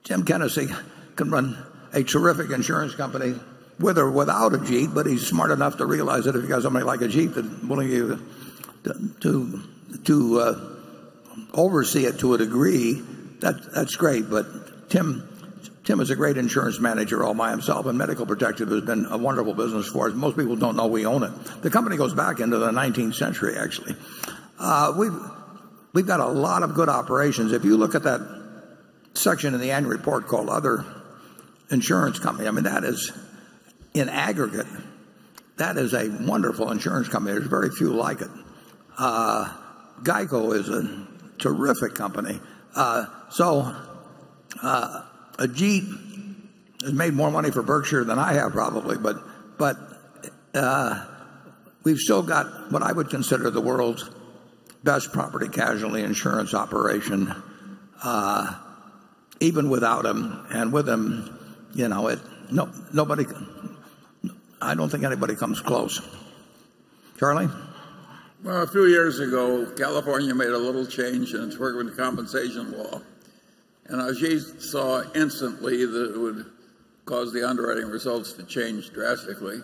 Tim Kenesey can run a terrific insurance company with or without Ajit, but he's smart enough to realize that if you've got somebody like Ajit willing to oversee it to a degree, that's great. Tim is a great insurance manager all by himself, and Medical Protective has been a wonderful business for us. Most people don't know we own it. The company goes back into the 19th century, actually. We've got a lot of good operations. If you look at that section in the annual report called Other Insurance Company, in aggregate, that is a wonderful insurance company. There's very few like it. GEICO is a terrific company. Ajit has made more money for Berkshire than I have probably, but we've still got what I would consider the world's best property casualty insurance operation even without him, and with him, I don't think anybody comes close. Charlie? Well, a few years ago, California made a little change in its workers' compensation law. Ajit saw instantly that it would cause the underwriting results to change drastically.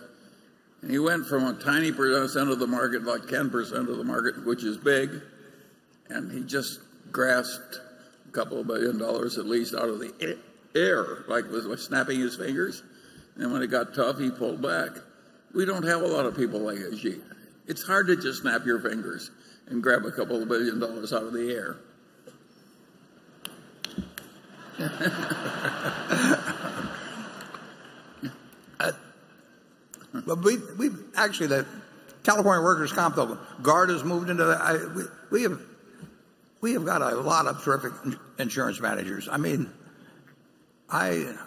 He went from a tiny percent of the market, about 10% of the market, which is big, and he just grasped a couple of billion dollars at least out of the air, like with snapping his fingers. When it got tough, he pulled back. We don't have a lot of people like Ajit. It's hard to just snap your fingers and grab a couple of billion dollars out of the air. Actually, the California workers' comp, though, Guard has moved into that. We have got a lot of terrific insurance managers. I don't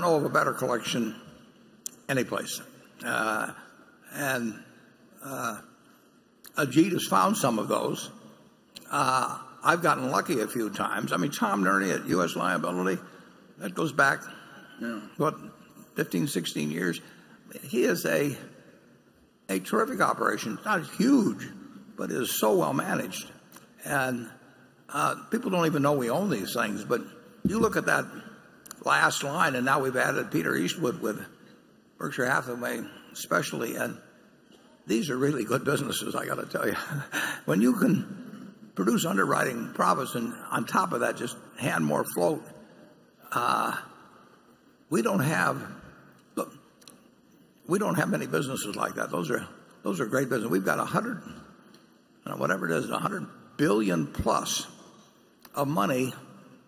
know of a better collection anyplace. Ajit has found some of those. I've gotten lucky a few times. Tom Nerney at US Liability, that goes back. Yeah what, 15, 16 years. He is a terrific operation. Not as huge, but it is so well managed. People don't even know we own these things, but you look at that last line, and now we've added Peter Eastwood with Berkshire Hathaway Specialty. These are really good businesses, I got to tell you. When you can produce underwriting profits and on top of that, just hand more float. Look, we don't have many businesses like that. Those are great business. We've got $100 billion plus of money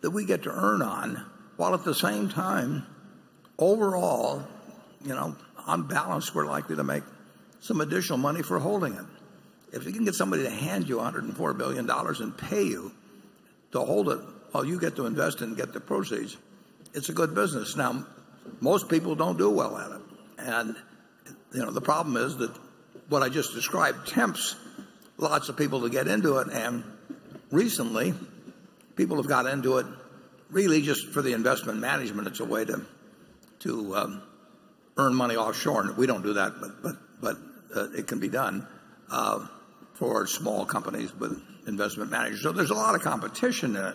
that we get to earn on, while at the same time, overall, on balance, we're likely to make some additional money for holding it. If you can get somebody to hand you $104 billion and pay you to hold it while you get to invest it and get the proceeds, it's a good business. The problem is that what I just described tempts lots of people to get into it, and recently people have got into it really just for the investment management. It's a way to earn money offshore, and we don't do that, but it can be done for small companies with investment managers. There's a lot of competition in it,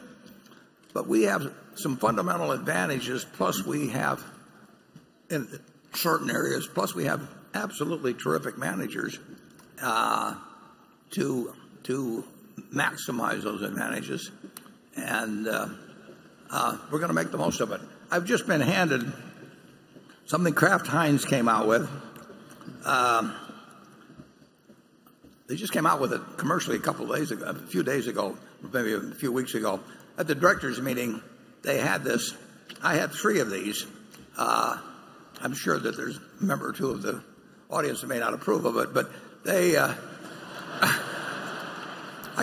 but we have some fundamental advantages in certain areas, plus we have absolutely terrific managers to maximize those advantages. We're going to make the most of it. I've just been handed something Kraft Heinz came out with. They just came out with it commercially a few days ago, maybe a few weeks ago. At the directors' meeting, they had this. I have three of these. I'm sure that there's a member or two of the audience that may not approve of it, but I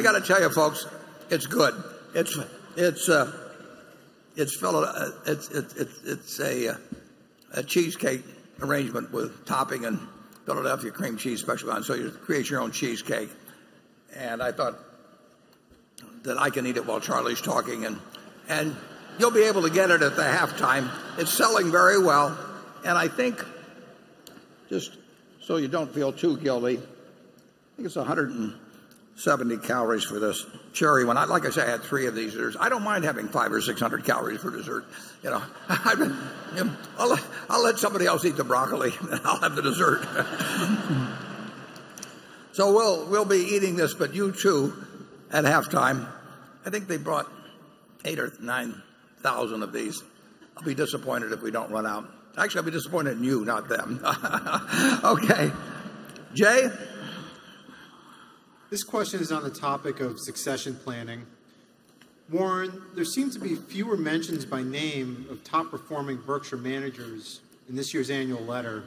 got to tell you, folks, it's good. It's a cheesecake arrangement with topping and Philadelphia Cream Cheese special on, so you create your own cheesecake. I thought that I can eat it while Charlie's talking and you'll be able to get it at the halftime. It's selling very well, and I think just so you don't feel too guilty, I think it's 170 calories for this cherry one. Like I say, I had three of these. I don't mind having 500 or 600 calories for dessert. I'll let somebody else eat the broccoli, and I'll have the dessert. We'll be eating this, but you too, at halftime. I think they brought 8,000 or 9,000 of these. I'll be disappointed if we don't run out. Actually, I'll be disappointed in you, not them. Okay. Jay? This question is on the topic of succession planning. Warren, there seem to be fewer mentions by name of top-performing Berkshire managers in this year's annual letter.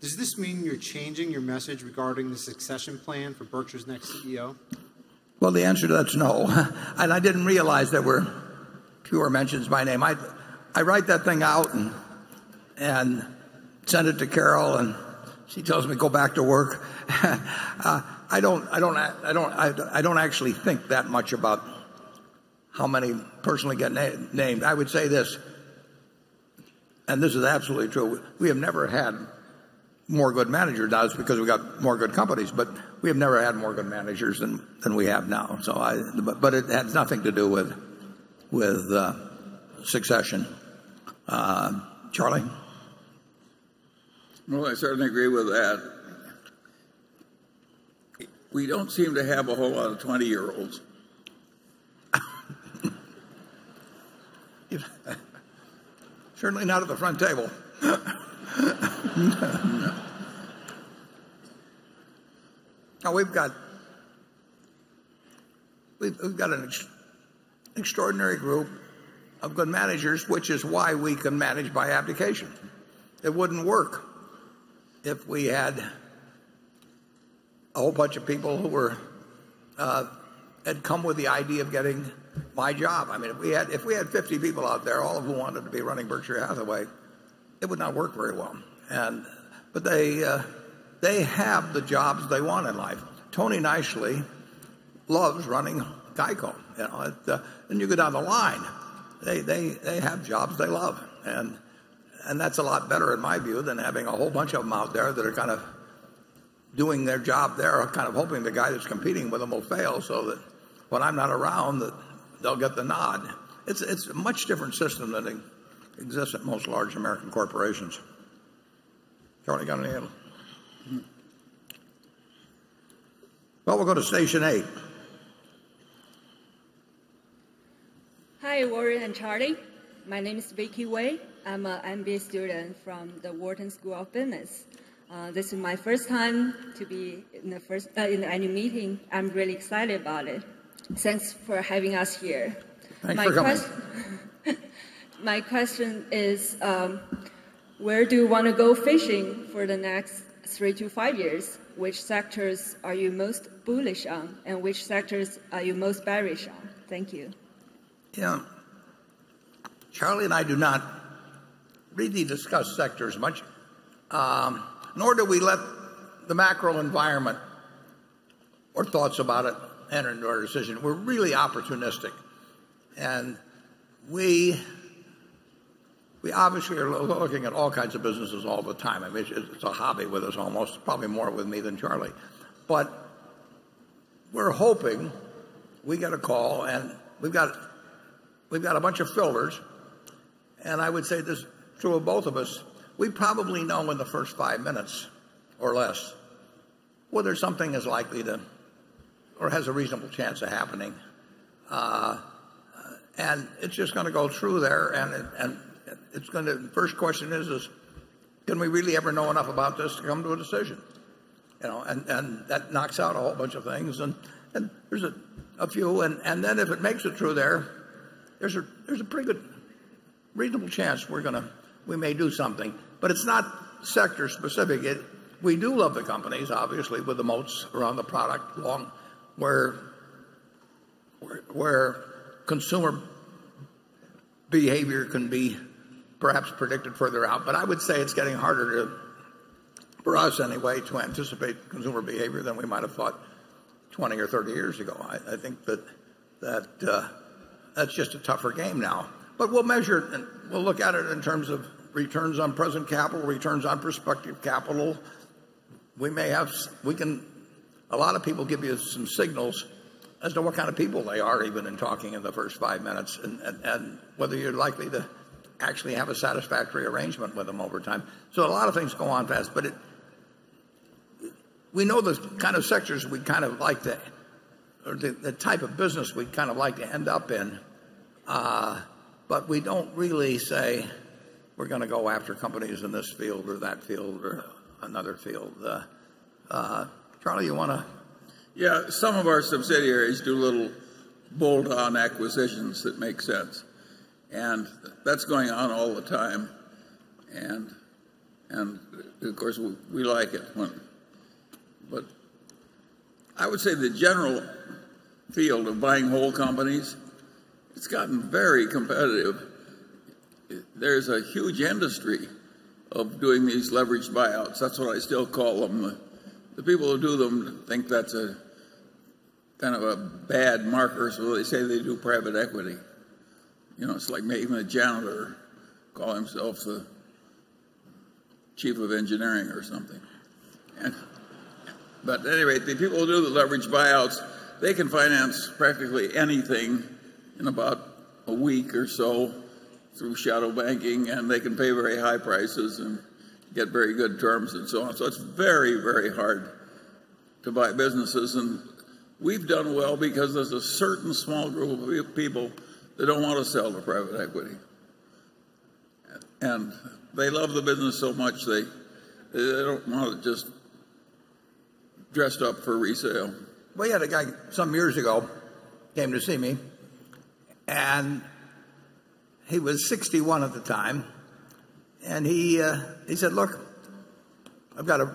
Does this mean you're changing your message regarding the succession plan for Berkshire's next CEO? Well, the answer to that is no. I didn't realize there were fewer mentions by name. I write that thing out and send it to Carol, and she tells me, "Go back to work." I don't actually think that much about how many personally get named. I would say this, and this is absolutely true. We have never had more good managers now because we got more good companies, but we have never had more good managers than we have now. It has nothing to do with succession. Charlie? Well, I certainly agree with that. We don't seem to have a whole lot of 20-year-olds. Certainly not at the front table. No. We've got an extraordinary group of good managers, which is why we can manage by abdication. It wouldn't work if we had a whole bunch of people who had come with the idea of getting my job. If we had 50 people out there, all of who wanted to be running Berkshire Hathaway, it would not work very well. They have the jobs they want in life. Tony Nicely loves running GEICO. You go down the line. They have jobs they love, and that's a lot better, in my view, than having a whole bunch of them out there that are doing their job there or hoping the guy that's competing with them will fail so that when I'm not around, they'll get the nod. It's a much different system than exists at most large American corporations. Charlie got any? Mm-mm. Well, we'll go to station eight. Hi, Warren and Charlie. My name is Vicky Wei. I'm an MBA student from the Wharton School of Business. This is my first time to be in the annual meeting. I'm really excited about it. Thanks for having us here. Thanks for coming. My question is, where do you want to go fishing for the next three to five years? Which sectors are you most bullish on, and which sectors are you most bearish on? Thank you. Charlie and I do not really discuss sectors much, nor do we let the macro environment or thoughts about it enter into our decision. We're really opportunistic, and we obviously are looking at all kinds of businesses all the time. It's a hobby with us almost, probably more with me than Charlie. We're hoping we get a call, and we've got a bunch of filters, and I would say this is true of both of us. We probably know in the first five minutes or less whether something is likely to or has a reasonable chance of happening. It's just going to go through there, and the first question is: Can we really ever know enough about this to come to a decision? That knocks out a whole bunch of things. There's a few. Then if it makes it through there's a pretty good reasonable chance we may do something. It's not sector specific. We do love the companies, obviously, with the moats around the product, where consumer behavior can be perhaps predicted further out. I would say it's getting harder, for us anyway, to anticipate consumer behavior than we might have thought 20 or 30 years ago. I think that that's just a tougher game now. We'll measure it, and we'll look at it in terms of returns on present capital, returns on prospective capital. A lot of people give you some signals as to what kind of people they are, even in talking in the first five minutes, and whether you're likely to actually have a satisfactory arrangement with them over time. A lot of things go on fast. We know the type of business we'd kind of like to end up in, but we don't really say we're going to go after companies in this field or that field or another field. Charlie, you want to? Yeah. Some of our subsidiaries do little bolt-on acquisitions that make sense, and that's going on all the time. Of course, we like it when I would say the general field of buying whole companies, it's gotten very competitive. There is a huge industry of doing these leveraged buyouts. That's what I still call them. The people who do them think that's kind of a bad marker, so they say they do private equity. It's like maybe even a janitor calling himself the chief of engineering or something. At any rate, the people who do the leveraged buyouts, they can finance practically anything in about a week or so through shadow banking, and they can pay very high prices and get very good terms and so on. It's very hard to buy businesses. We've done well because there's a certain small group of people that don't want to sell to private equity. They love the business so much they don't want it just dressed up for resale. We had a guy some years ago, came to see me. He was 61 at the time. He said, "Look, I've got a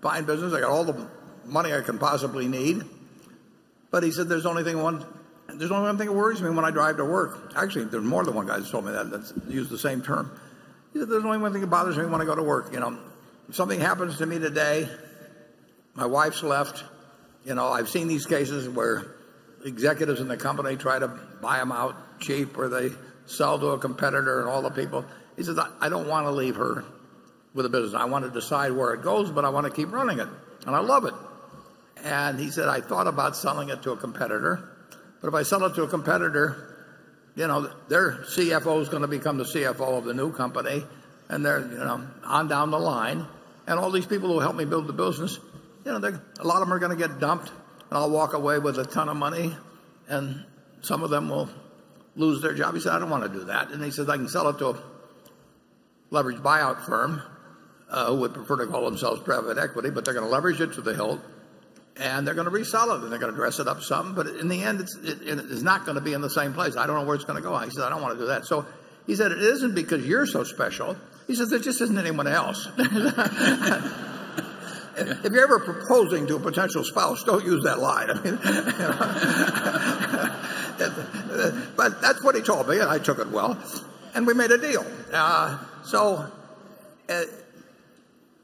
fine business. I got all the money I can possibly need." He said, "There's only one thing that worries me when I drive to work." Actually, there's more than one guy that's told me that's used the same term. He said, "There's only one thing that bothers me when I go to work. If something happens to me today, my wife's left." I've seen these cases where executives in the company try to buy them out cheap, or they sell to a competitor. He says, "I don't want to leave her with the business. I want to decide where it goes, but I want to keep running it. I love it." He said, "I thought about selling it to a competitor. If I sell it to a competitor, their CFO is going to become the CFO of the new company, and on down the line. All these people who helped me build the business, a lot of them are going to get dumped. I'll walk away with a ton of money, and some of them will lose their job." He said, "I don't want to do that." He says, "I can sell it to a leveraged buyout firm," who would prefer to call themselves private equity, "but they're going to leverage it to the hilt, and they're going to resell it, and they're going to dress it up some. In the end, it is not going to be in the same place. I don't know where it's going to go." He said, "I don't want to do that." He said, "It isn't because you're so special," he says, "there just isn't anyone else." If you're ever proposing to a potential spouse, don't use that line. That's what he told me, and I took it well. We made a deal.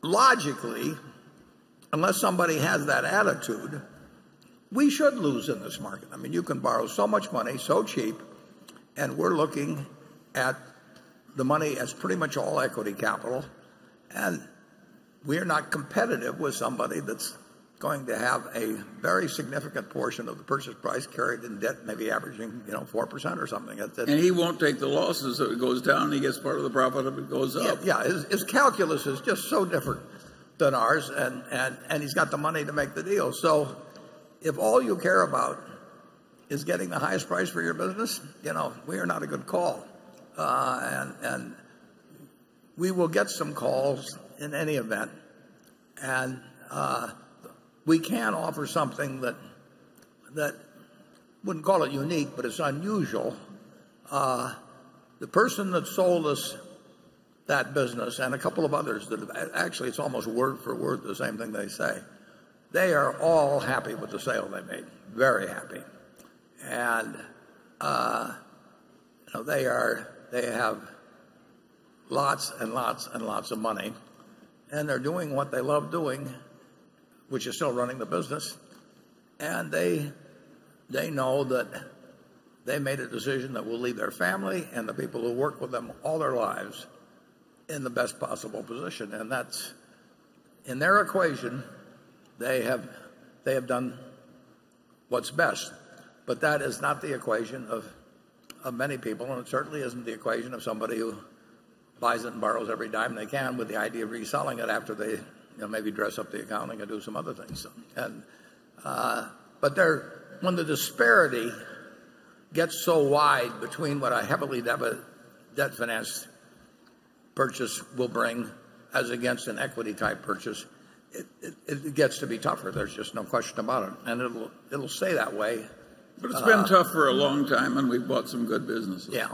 Logically, unless somebody has that attitude, we should lose in this market. You can borrow so much money so cheap, and we're looking at the money as pretty much all equity capital, and we are not competitive with somebody that's going to have a very significant portion of the purchase price carried in debt, maybe averaging 4% or something. He won't take the losses if it goes down. He gets part of the profit if it goes up. Yeah. His calculus is just so different than ours, and he's got the money to make the deal. If all you care about is getting the highest price for your business, we are not a good call. We will get some calls in any event, and we can offer something that, wouldn't call it unique, but it's unusual. The person that sold us that business and a couple of others that have Actually, it's almost word for word the same thing they say. They are all happy with the sale they made. Very happy. They have lots and lots of money, and they're doing what they love doing, which is still running the business. They know that they made a decision that will leave their family and the people who work with them all their lives In the best possible position. In their equation, they have done what's best. That is not the equation of many people, and it certainly isn't the equation of somebody who buys and borrows every dime they can with the idea of reselling it after they maybe dress up the accounting and do some other things. When the disparity gets so wide between what a heavily debt-financed purchase will bring as against an equity-type purchase, it gets to be tougher. There's just no question about it. It'll stay that way. It's been tough for a long time, and we've bought some good businesses. Yeah.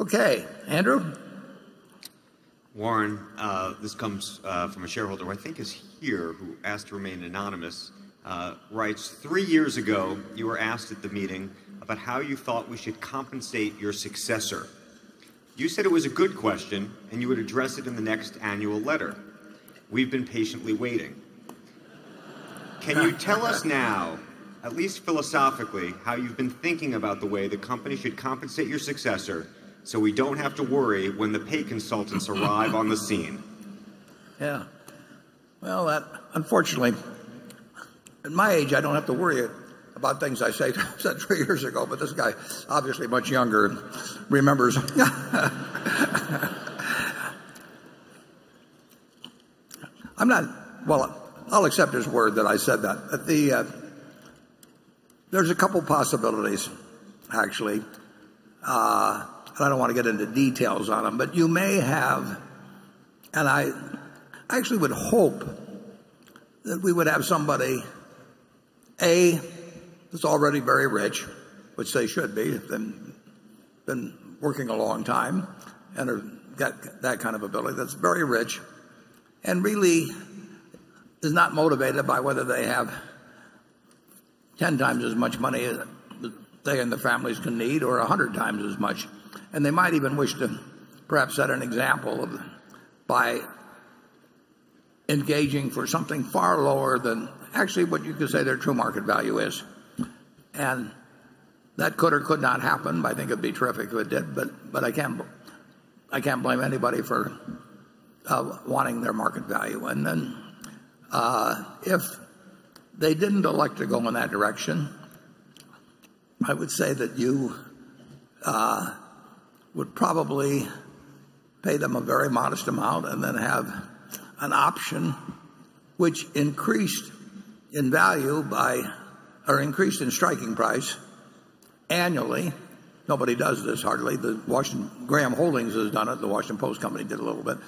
Okay, Andrew? Warren, this comes from a shareholder, who I think is here, who asked to remain anonymous, writes, "Three years ago, you were asked at the meeting about how you thought we should compensate your successor. You said it was a good question, and you would address it in the next annual letter. We've been patiently waiting." "Can you tell us now, at least philosophically, how you've been thinking about the way the company should compensate your successor so we don't have to worry when the pay consultants arrive on the scene? Yeah. Well, unfortunately, at my age, I don't have to worry about things I said three years ago, but this guy, obviously much younger, remembers. Well, I'll accept his word that I said that. There's a couple possibilities, actually. I don't want to get into details on them. You may have, and I actually would hope that we would have somebody, A, that's already very rich, which they should be, been working a long time and got that kind of ability, that's very rich, and really is not motivated by whether they have 10 times as much money that they and their families can need or 100 times as much. They might even wish to perhaps set an example by engaging for something far lower than actually what you could say their true market value is. That could or could not happen. I think it'd be terrific if it did, but I can't blame anybody for wanting their market value. Then if they didn't elect to go in that direction, I would say that you would probably pay them a very modest amount and then have an option which increased in value or increased in striking price annually. Nobody does this, hardly. Graham Holdings has done it, the Washington Post Company did a little bit.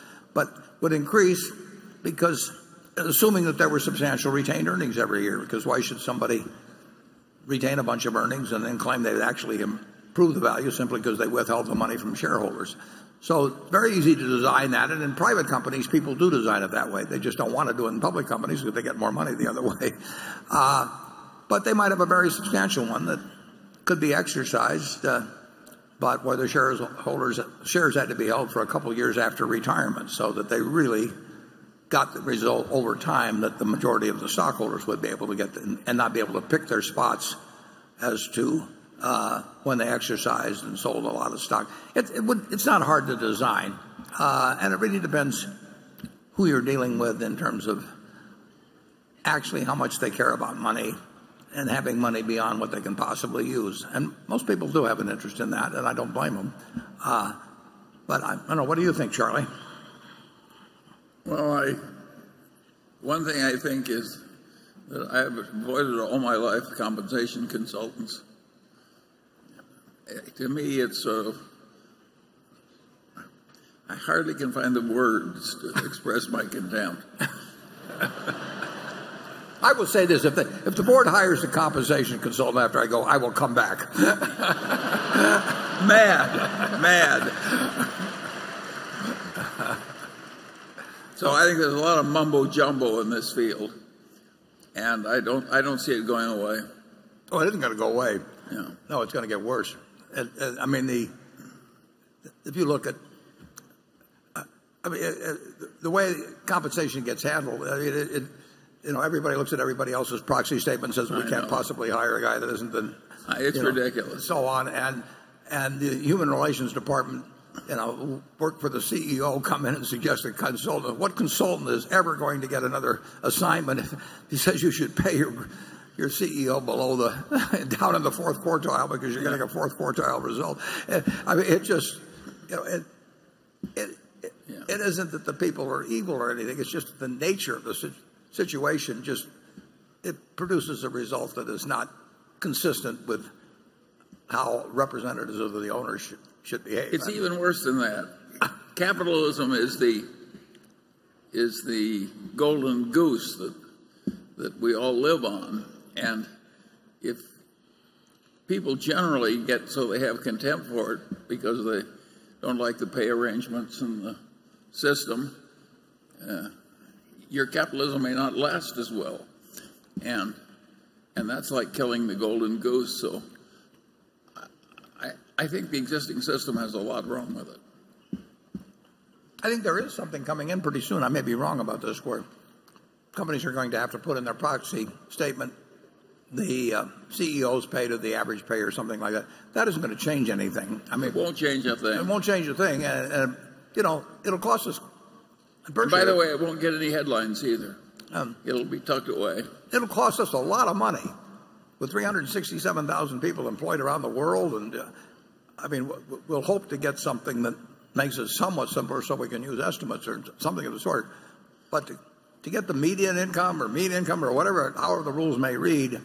Would increase because assuming that there were substantial retained earnings every year, because why should somebody retain a bunch of earnings and then claim they actually improve the value simply because they withheld the money from shareholders? Very easy to design that. In private companies, people do design it that way. They just don't want to do it in public companies because they get more money the other way. They might have a very substantial one that could be exercised, where the shares had to be held for a couple of years after retirement, so that they really got the result over time that the majority of the stockholders would be able to get, not be able to pick their spots as to when they exercised and sold a lot of stock. It's not hard to design. It really depends who you're dealing with in terms of actually how much they care about money and having money beyond what they can possibly use. Most people do have an interest in that, and I don't blame them. I don't know, what do you think, Charlie? Well, one thing I think is that I have avoided all my life compensation consultants. To me, I hardly can find the words to express my contempt. I will say this, if the board hires a compensation consultant after I go, I will come back. Mad. I think there's a lot of mumbo jumbo in this field, I don't see it going away. Oh, it isn't going to go away. Yeah. No, it's going to get worse. The way compensation gets handled, everybody looks at everybody else's proxy statement and says. I know. We can't possibly hire a guy that hasn't been. It's ridiculous So on. The human relations department who work for the CEO come in and suggest a consultant. What consultant is ever going to get another assignment if he says you should pay your CEO down in the fourth quartile because you're getting a fourth quartile result? It isn't that the people are evil or anything, it's just the nature of the situation, it produces a result that is not consistent with how representatives of the owner should behave. It's even worse than that. Capitalism is the golden goose that we all live on, and if people generally get so they have contempt for it because they don't like the pay arrangements in the system, your capitalism may not last as well. That's like killing the golden goose. I think the existing system has a lot wrong with it. I think there is something coming in pretty soon, I may be wrong about this, where companies are going to have to put in their proxy statement the CEO's pay to the average pay or something like that. That isn't going to change anything. It won't change a thing. It won't change a thing, and it'll cost us virtually- By the way, it won't get any headlines either. Oh. It'll be tucked away. It'll cost us a lot of money with 367,000 people employed around the world. We'll hope to get something that makes it somewhat simpler so we can use estimates or something of the sort. To get the median income or mean income or however the rules may read.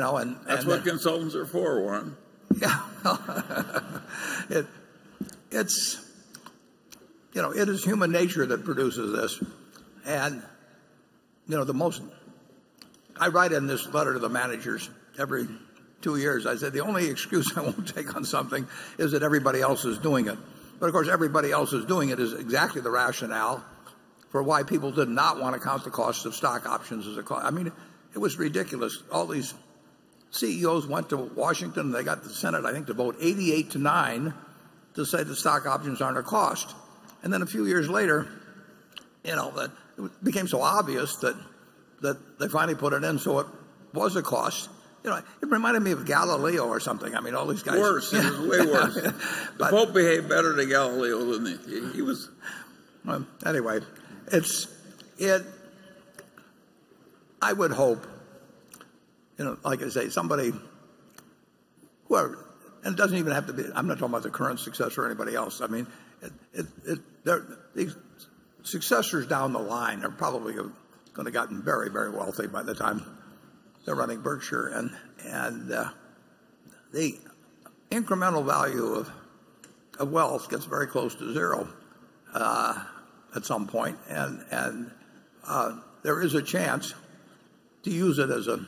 That's what consultants are for, Warren. Yeah. It is human nature that produces this. I write in this letter to the managers every two years. I say, "The only excuse I won't take on something is that everybody else is doing it." Of course, everybody else is doing it is exactly the rationale for why people did not want to count the cost of stock options as a cost. It was ridiculous. All these CEOs went to Washington, and they got the Senate, I think, to vote 88 to nine to say that stock options aren't a cost. Then a few years later, it became so obvious that they finally put it in. It was a cost. It reminded me of Galileo or something. I mean, all these guys. Worse. It was way worse. The Pope behaved better to Galileo, didn't he? Well, anyway, I would hope, like I say, somebody. I'm not talking about the current successor or anybody else. These successors down the line are probably going to have gotten very wealthy by the time they're running Berkshire. The incremental value of wealth gets very close to zero at some point, and there is a chance to use it as a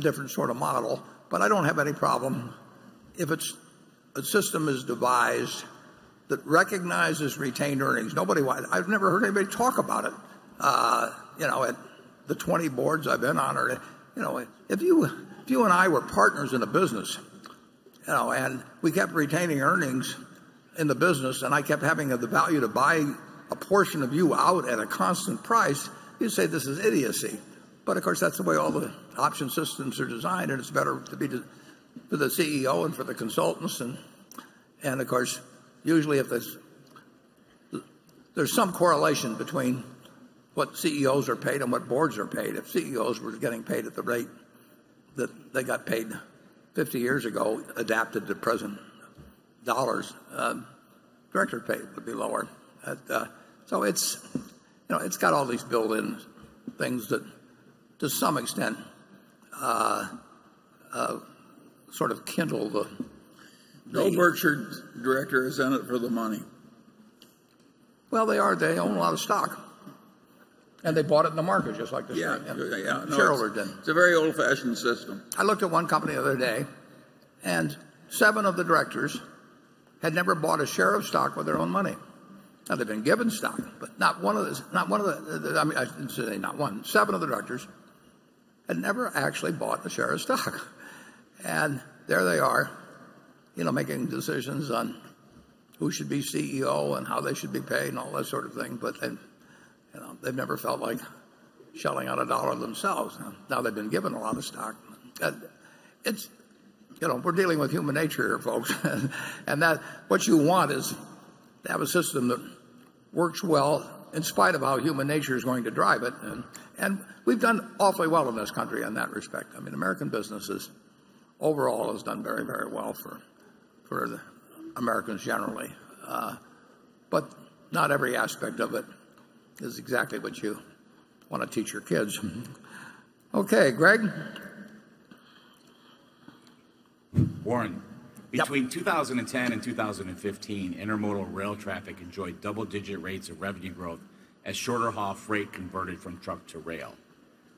different sort of model. I don't have any problem if a system is devised that recognizes retained earnings. I've never heard anybody talk about it at the 20 boards I've been on. If you and I were partners in a business, and we kept retaining earnings in the business, and I kept having the value to buy a portion of you out at a constant price, you'd say, "This is idiocy." Of course, that's the way all the option systems are designed, and it's better for the CEO and for the consultants. Of course, usually there's some correlation between what CEOs are paid and what boards are paid. If CEOs were getting paid at the rate that they got paid 50 years ago, adapted to present dollars, director pay would be lower. It's got all these built-in things that to some extent sort of kindle the. No Berkshire director is in it for the money. Well, they are. They own a lot of stock, and they bought it in the market just like the shareholder did. No, it's a very old-fashioned system. I looked at one company the other day, seven of the directors had never bought a share of stock with their own money. Now, they've been given stock, not one of the I shouldn't say not one. Seven of the directors had never actually bought a share of stock. There they are, making decisions on who should be CEO and how they should be paid and all that sort of thing. They've never felt like shelling out $1 themselves. Now, they've been given a lot of stock. We're dealing with human nature here, folks. What you want is to have a system that works well in spite of how human nature is going to drive it. We've done awfully well in this country in that respect. American business, overall, has done very well for Americans generally. Not every aspect of it is exactly what you want to teach your kids. Okay, Gregg? Warren. Yep. Between 2010 and 2015, intermodal rail traffic enjoyed double-digit rates of revenue growth as shorter haul freight converted from truck to rail.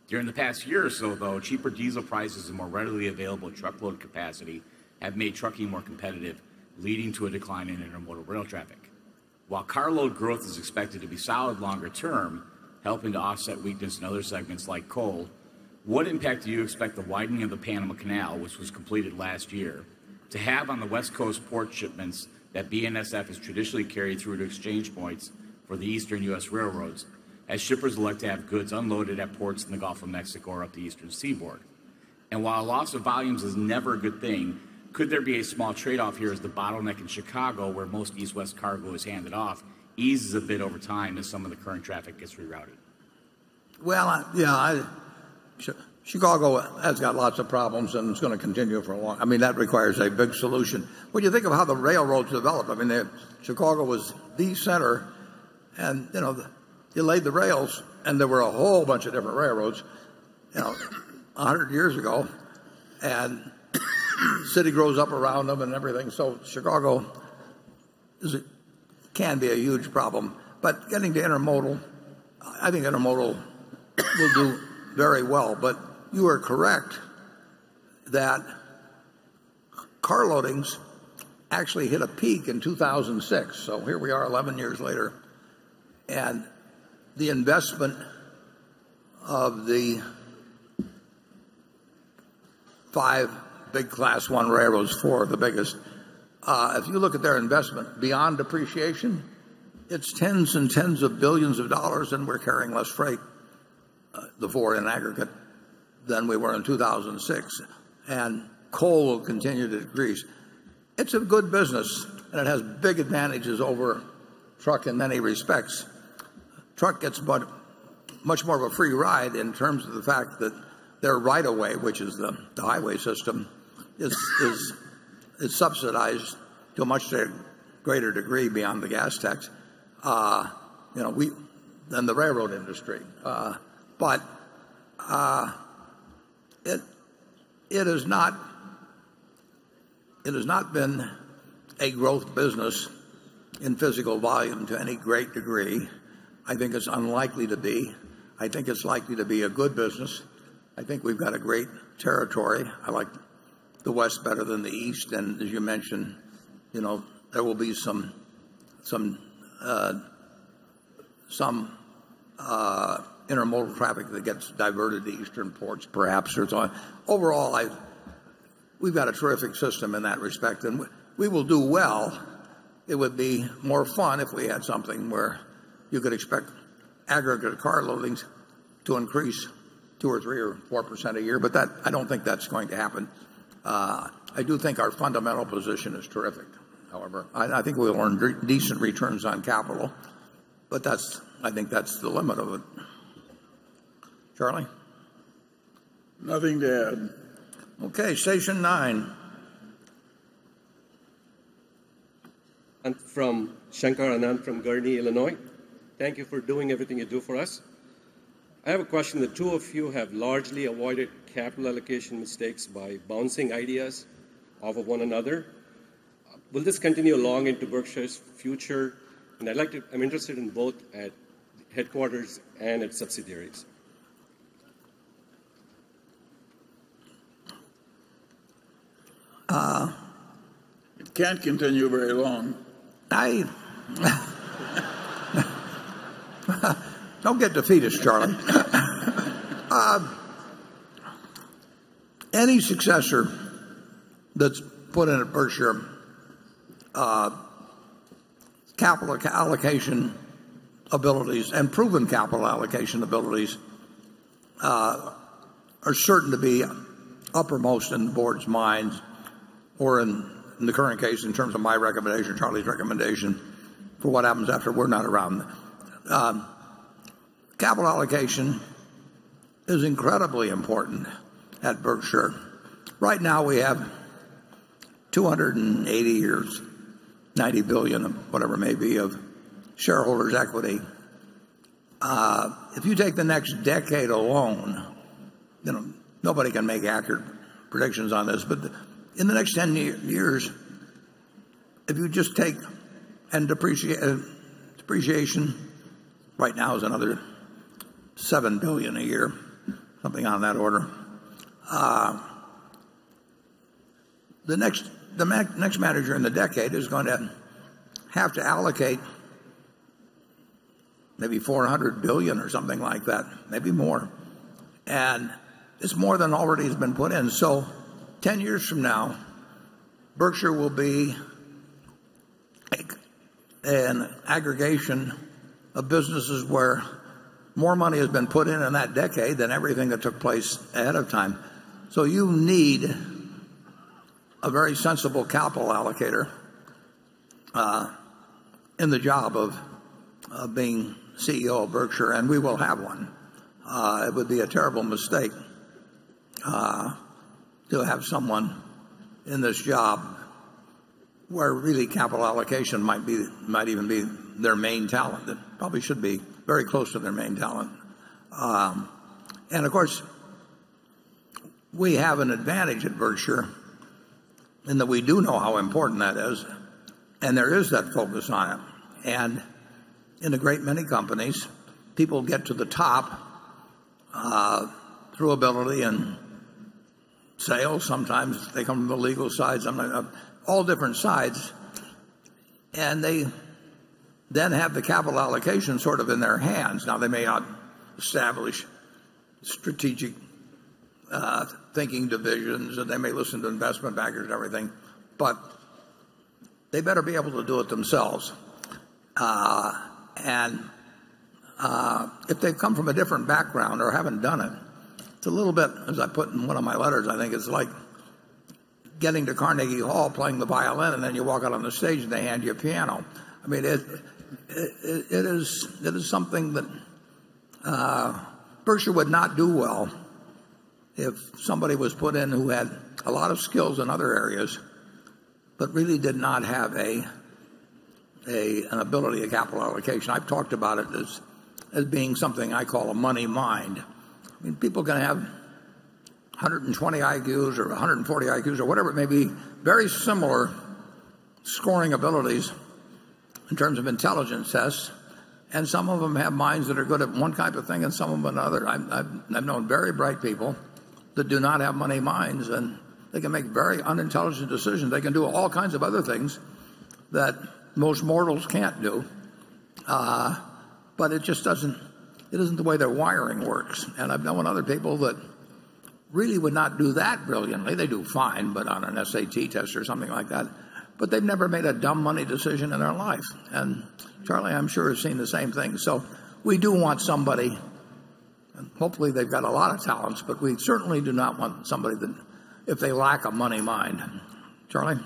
During the past year or so, though, cheaper diesel prices and more readily available truckload capacity have made trucking more competitive, leading to a decline in intermodal rail traffic. While carload growth is expected to be solid longer term, helping to offset weakness in other segments like coal, what impact do you expect the widening of the Panama Canal, which was completed last year, to have on the West Coast port shipments that BNSF has traditionally carried through to exchange points for the Eastern U.S. railroads, as shippers look to have goods unloaded at ports in the Gulf of Mexico or up the Eastern Seaboard? While a loss of volumes is never a good thing, could there be a small trade-off here as the bottleneck in Chicago, where most east-west cargo is handed off, eases a bit over time as some of the current traffic gets rerouted? Well, yeah. Chicago has got lots of problems, and it's going to continue for a long time. That requires a big solution. When you think of how the railroads developed, Chicago was the center, and they laid the rails, and there were a whole bunch of different railroads 100 years ago. The city grows up around them and everything. Chicago can be a huge problem. Getting to intermodal, I think intermodal will do very well. You are correct that car loadings actually hit a peak in 2006. Here we are 11 years later, and the investment of the 5 big class 1 railroads, four of the biggest. If you look at their investment beyond depreciation, it's $tens and tens of billions, and we're carrying less freight, the four in aggregate, than we were in 2006. Coal will continue to decrease. It's a good business, and it has big advantages over truck in many respects. Truck gets much more of a free ride in terms of the fact that their right of way, which is the highway system, is subsidized to a much greater degree beyond the gas tax than the railroad industry. It has not been a growth business in physical volume to any great degree. I think it's unlikely to be. I think it's likely to be a good business. I think we've got a great territory. I like the West better than the East. As you mentioned, there will be some intermodal traffic that gets diverted to eastern ports perhaps, or so on. Overall, we've got a terrific system in that respect, and we will do well. It would be more fun if we had something where you could expect aggregate car loadings to increase 2% or 3% or 4% a year, I don't think that's going to happen. I do think our fundamental position is terrific, however. I think we'll earn decent returns on capital, I think that's the limit of it. Charlie? Nothing to add. Okay, station 9. I'm Shankar Anand from Gurnee, Illinois. Thank you for doing everything you do for us. I have a question. The two of you have largely avoided capital allocation mistakes by bouncing ideas off of one another. Will this continue along into Berkshire's future? I'm interested in both at headquarters and at subsidiaries. It can't continue very long. Don't get defeatist, Charlie. Any successor that's put in at Berkshire, capital allocation abilities and proven capital allocation abilities are certain to be uppermost in the board's minds, or in the current case, in terms of my recommendation or Charlie's recommendation for what happens after we're not around. Capital allocation is incredibly important at Berkshire. Right now, we have $280 or $90 billion, whatever it may be, of shareholders' equity. If you take the next decade alone, nobody can make accurate predictions on this, but in the next 10 years, if you just take and depreciation right now is another $7 billion a year, something on that order. The next manager in the decade is going to have to allocate maybe $400 billion or something like that, maybe more. It's more than already has been put in. 10 years from now, Berkshire will be an aggregation of businesses where more money has been put in in that decade than everything that took place ahead of time. You need a very sensible capital allocator in the job of being CEO of Berkshire, and we will have one. It would be a terrible mistake to have someone in this job where really capital allocation might even be their main talent. It probably should be very close to their main talent. Of course, we have an advantage at Berkshire in that we do know how important that is, and there is that focus on it. In a great many companies, people get to the top through ability and sales. Sometimes they come from the legal side, all different sides. They then have the capital allocation sort of in their hands. They may not establish strategic thinking divisions, and they may listen to investment bankers and everything, but they better be able to do it themselves. If they come from a different background or haven't done it's a little bit, as I put in one of my letters, I think it's like getting to Carnegie Hall playing the violin, and then you walk out on the stage, and they hand you a piano. Berkshire would not do well if somebody was put in who had a lot of skills in other areas but really did not have an ability of capital allocation. I've talked about it as being something I call a money mind. People can have 120 IQs or 140 IQs or whatever it may be, very similar scoring abilities in terms of intelligence tests, and some of them have minds that are good at type 1 thing and some of them another. I've known very bright people that do not have money minds, and they can make very unintelligent decisions. They can do all kinds of other things that most mortals can't do. It just isn't the way their wiring works. I've known other people that really would not do that brilliantly. They do fine, but on an SAT test or something like that, but they've never made a dumb money decision in their life. Charlie, I'm sure, has seen the same thing. We do want somebody, and hopefully they've got a lot of talents, but we certainly do not want somebody that if they lack a money mind. Charlie?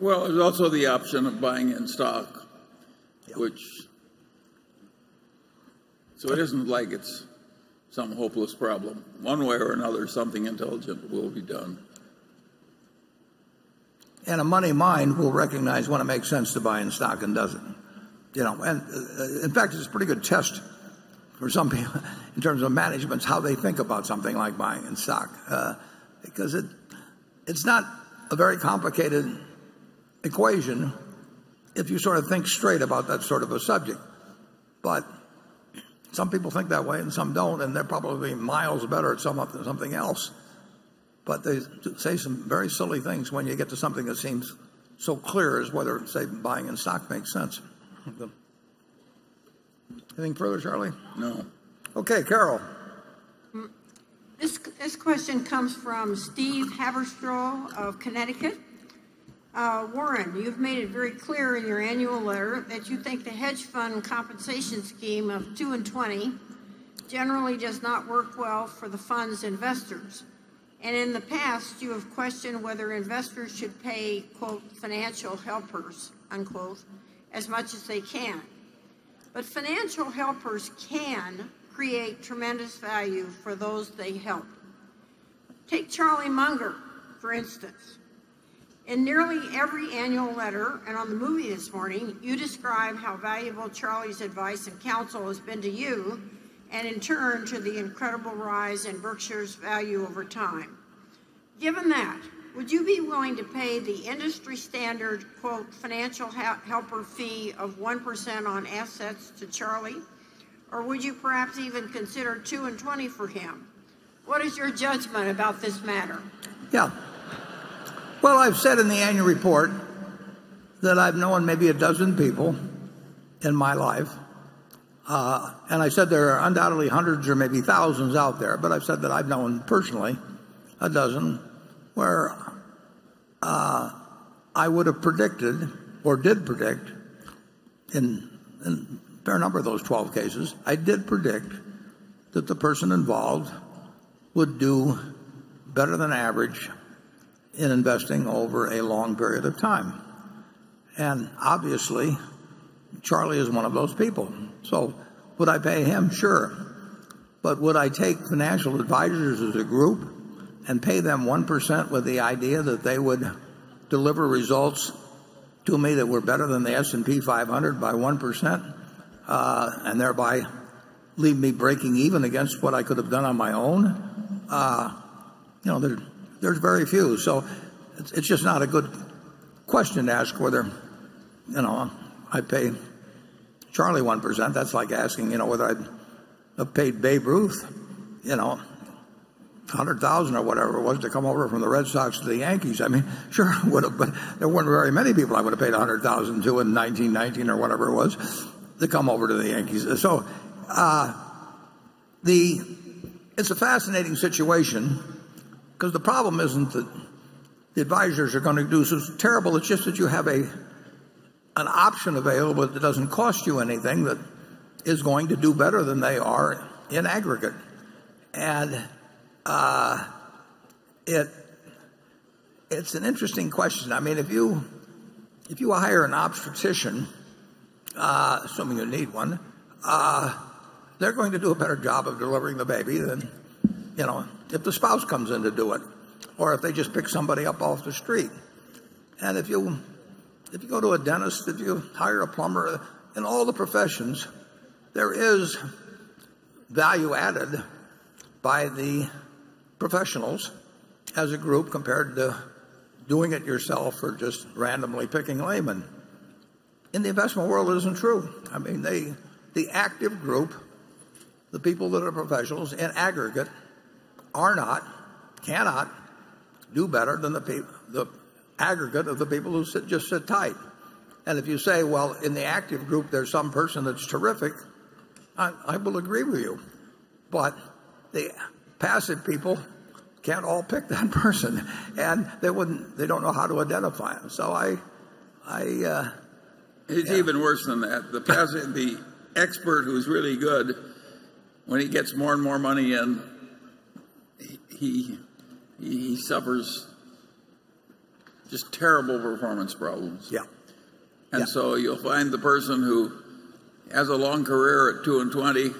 Well, there's also the option of buying in stock. Yeah. It isn't like it's some hopeless problem. One way or another, something intelligent will be done. A money mind will recognize when it makes sense to buy in stock and doesn't. In fact, it's a pretty good test for some people in terms of management, how they think about something like buying in stock. It's not a very complicated equation if you think straight about that sort of a subject. Some people think that way and some don't, and they're probably miles better at something else. They say some very silly things when you get to something that seems so clear as whether, say, buying in stock makes sense. Anything further, Charlie? No. Okay, Carol. This question comes from Steve Haberstroh of Connecticut. Warren, you've made it very clear in your annual letter that you think the hedge fund compensation scheme of two and 20 generally does not work well for the fund's investors. In the past, you have questioned whether investors should pay, quote, "financial helpers," unquote, as much as they can. Financial helpers can create tremendous value for those they help. Take Charlie, for instance. In nearly every annual letter and on the movie this morning, you describe how valuable Charlie's advice and counsel has been to you, and in turn, to the incredible rise in Berkshire's value over time. Given that, would you be willing to pay the industry standard, quote, "financial helper fee" of 1% on assets to Charlie? Would you perhaps even consider two and 20 for him? What is your judgment about this matter? Well, I've said in the annual report that I've known maybe a dozen people in my life, and I said there are undoubtedly hundreds or maybe thousands out there, but I've said that I've known personally a dozen where I would have predicted or did predict in a fair number of those 12 cases, I did predict that the person involved would do better than average in investing over a long period of time. Obviously, Charlie is one of those people. Would I pay him? Sure. Would I take financial advisors as a group and pay them 1% with the idea that they would deliver results to me that were better than the S&P 500 by 1%, and thereby leave me breaking even against what I could have done on my own? There's very few. It's just not a good question to ask whether I'd pay Charlie 1%. That's like asking whether I'd have paid Babe Ruth $100,000 or whatever it was to come over from the Red Sox to the Yankees. Sure, but there weren't very many people I would have paid $100,000 to in 1919 or whatever it was to come over to the Yankees. It's a fascinating situation because the problem isn't that the advisors are going to do so terrible, it's just that you have an option available that doesn't cost you anything that is going to do better than they are in aggregate. It's an interesting question. If you hire an obstetrician, assuming you need one, they're going to do a better job of delivering the baby than if the spouse comes in to do it, or if they just pick somebody up off the street. If you go to a dentist, if you hire a plumber, in all the professions, there is value added by the professionals as a group compared to doing it yourself or just randomly picking laymen. In the investment world, it isn't true. The active group, the people that are professionals in aggregate, are not, cannot do better than the aggregate of the people who just sit tight. If you say, "Well, in the active group, there's some person that's terrific," I will agree with you, but the passive people can't all pick that person, and they don't know how to identify them. It's even worse than that. The expert who's really good when he gets more and more money in, he suffers just terrible performance problems. Yeah. You'll find the person who has a long career at 2 and 20,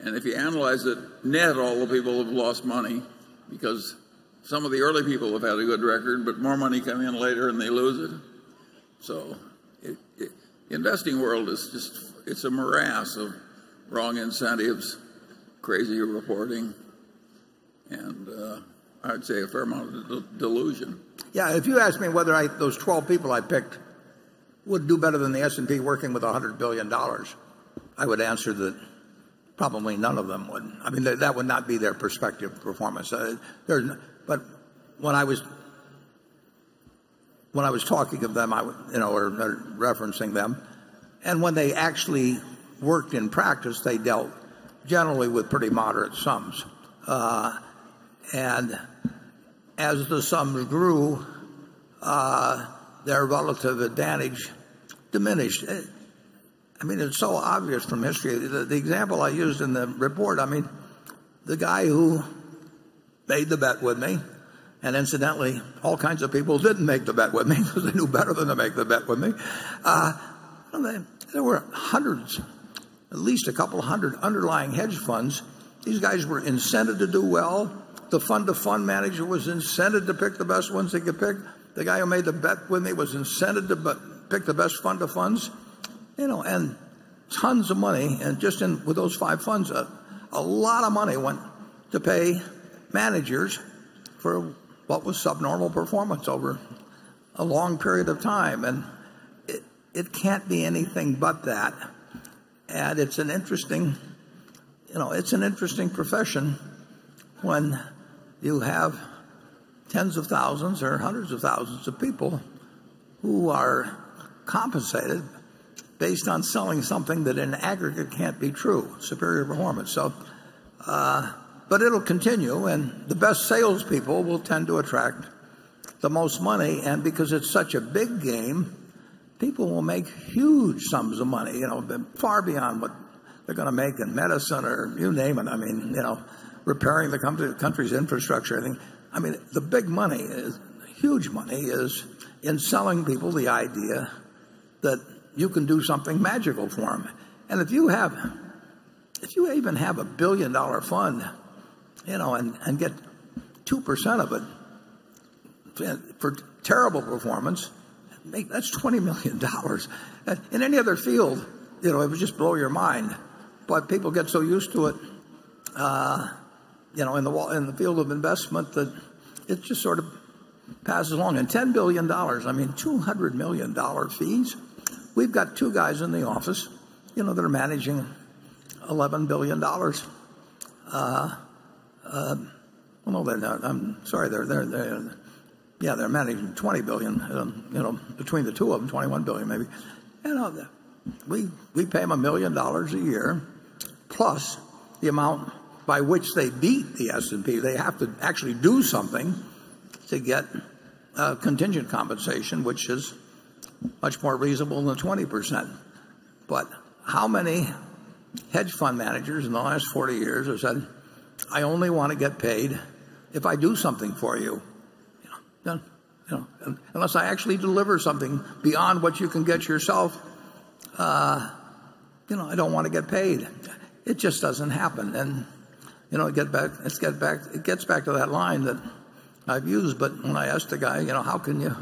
and if you analyze it, net, all the people have lost money because some of the early people have had a good record, but more money come in later and they lose it. The investing world it's a morass of wrong incentives, crazy reporting, and I'd say a fair amount of delusion. Yeah. If you ask me whether those 12 people I picked would do better than the S&P working with $100 billion, I would answer that probably none of them would. That would not be their perspective performance. When I was talking of them or referencing them, and when they actually worked in practice, they dealt generally with pretty moderate sums. As the sums grew their relative advantage diminished. It's so obvious from history. The example I used in the report, the guy who made the bet with me, and incidentally, all kinds of people didn't make the bet with me because they knew better than to make the bet with me. There were hundreds, at least a couple hundred underlying hedge funds. These guys were incented to do well. The fund-to-fund manager was incented to pick the best ones they could pick. The guy who made the bet with me was incented to pick the best fund to funds. Tons of money, and just with those five funds, a lot of money went to pay managers for what was subnormal performance over a long period of time. It can't be anything but that. It's an interesting profession when you have tens of thousands or hundreds of thousands of people who are compensated based on selling something that in aggregate can't be true, superior performance. It'll continue, and the best salespeople will tend to attract the most money. Because it's such a big game, people will make huge sums of money, far beyond what they're going to make in medicine or you name it, repairing the country's infrastructure. The big money, huge money, is in selling people the idea that you can do something magical for them. If you even have a billion-dollar fund, and get 2% of it for terrible performance, mate, that's $20 million. In any other field, it would just blow your mind. People get so used to it in the field of investment that it just sort of passes along. $10 billion, $200 million fees. We've got two guys in the office that are managing $11 billion. No, they're not. I'm sorry. They're managing $20 billion, between the two of them, $21 billion maybe. We pay them $1 million a year, plus the amount by which they beat the S&P. They have to actually do something to get contingent compensation, which is much more reasonable than 20%. How many hedge fund managers in the last 40 years have said, "I only want to get paid if I do something for you. Unless I actually deliver something beyond what you can get yourself, I don't want to get paid." It just doesn't happen. It gets back to that line that I've used, when I asked a guy, "How can you,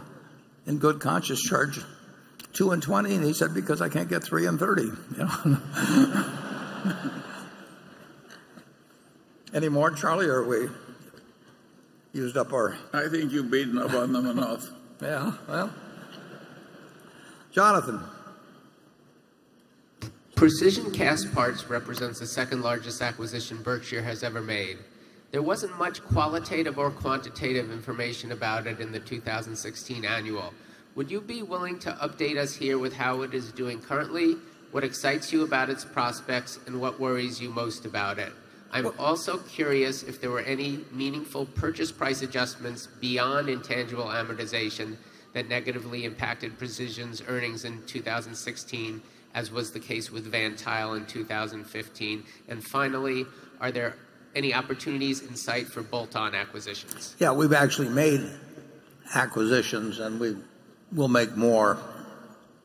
in good conscience, charge two and 20?" He said, "Because I can't get three and 30." Any more, Charlie, or we used up our I think you've beaten up on them enough. Yeah. Well, Jonathan. Precision Castparts represents the second-largest acquisition Berkshire has ever made. There wasn't much qualitative or quantitative information about it in the 2016 annual. Would you be willing to update us here with how it is doing currently, what excites you about its prospects, and what worries you most about it? I'm also curious if there were any meaningful purchase price adjustments beyond intangible amortization that negatively impacted Precision's earnings in 2016, as was the case with Van Tuyl in 2015. Finally, are there any opportunities in sight for bolt-on acquisitions? Yeah, we've actually made acquisitions, we will make more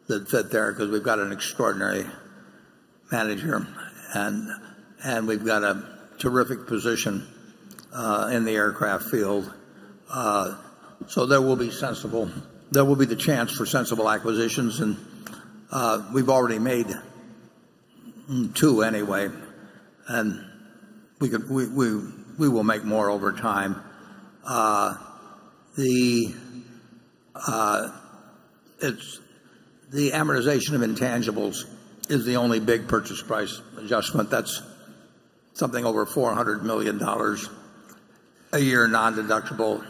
that fit there because we've got an extraordinary manager, we've got a terrific position, in the aircraft field. There will be the chance for sensible acquisitions, we've already made two anyway, we will make more over time. The amortization of intangibles is the only big purchase price adjustment. That's something over $400 million a year, nondeductible.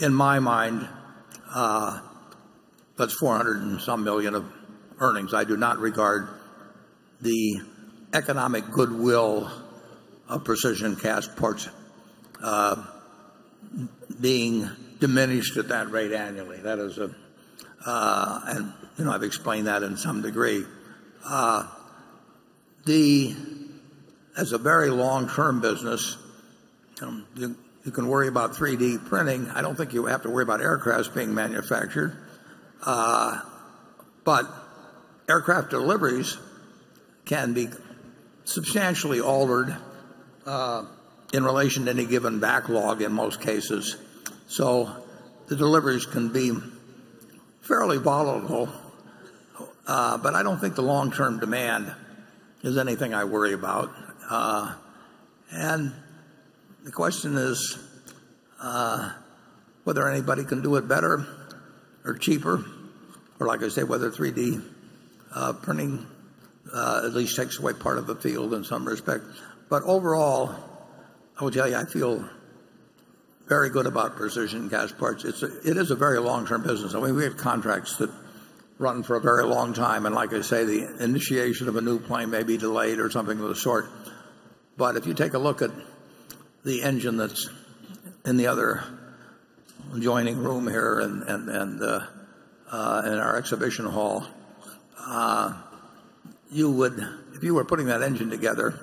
In my mind, that's 400 and some million of earnings. I do not regard the economic goodwill of Precision Castparts being diminished at that rate annually. I've explained that in some degree. As a very long-term business, you can worry about 3D printing. I don't think you have to worry about aircraft being manufactured. Aircraft deliveries can be substantially altered in relation to any given backlog in most cases. The deliveries can be fairly volatile. I don't think the long-term demand is anything I worry about. The question is whether anybody can do it better or cheaper or, like I say, whether 3D printing at least takes away part of the field in some respect. Overall I will tell you, I feel very good about Precision Castparts. It is a very long-term business. We have contracts that run for a very long time, like I say, the initiation of a new plane may be delayed or something of the sort. If you take a look at the engine that's in the other adjoining room here and in our exhibition hall, if you were putting that engine together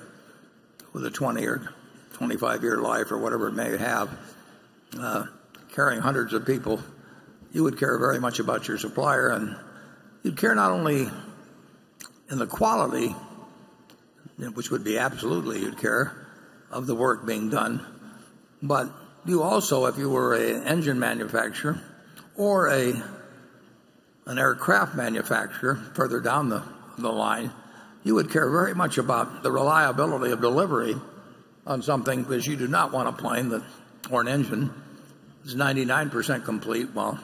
with a 20 or 25-year life or whatever it may have, carrying hundreds of people, you would care very much about your supplier. You'd care not only in the quality, which would be absolutely you'd care of the work being done, but you also, if you were an engine manufacturer or an aircraft manufacturer further down the line, you would care very much about the reliability of delivery on something because you do not want a plane or an engine that's 99% complete while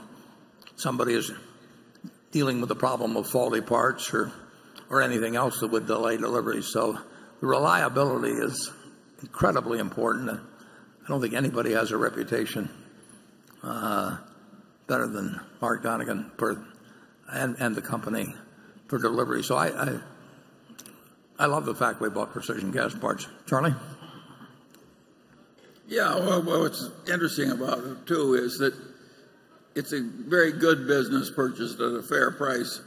somebody is dealing with the problem of faulty parts or anything else that would delay delivery. The reliability is incredibly important, I don't think anybody has a reputation better than Mark Donegan and the company for delivery. I love the fact we bought Precision Castparts. Charlie? Yeah. Well, what's interesting about it too is that it's a very good business purchased at a fair price.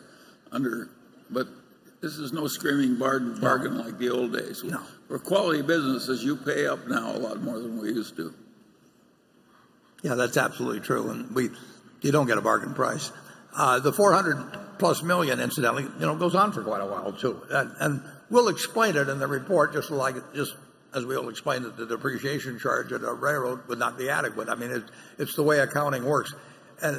This is no screaming bargain. No like the old days. No. For quality businesses, you pay up now a lot more than we used to. Yeah, that's absolutely true, you don't get a bargain price. The $400-plus million incidentally, goes on for quite a while too. We'll explain it in the report just as we'll explain that the depreciation charge at a railroad would not be adequate. It's the way accounting works. I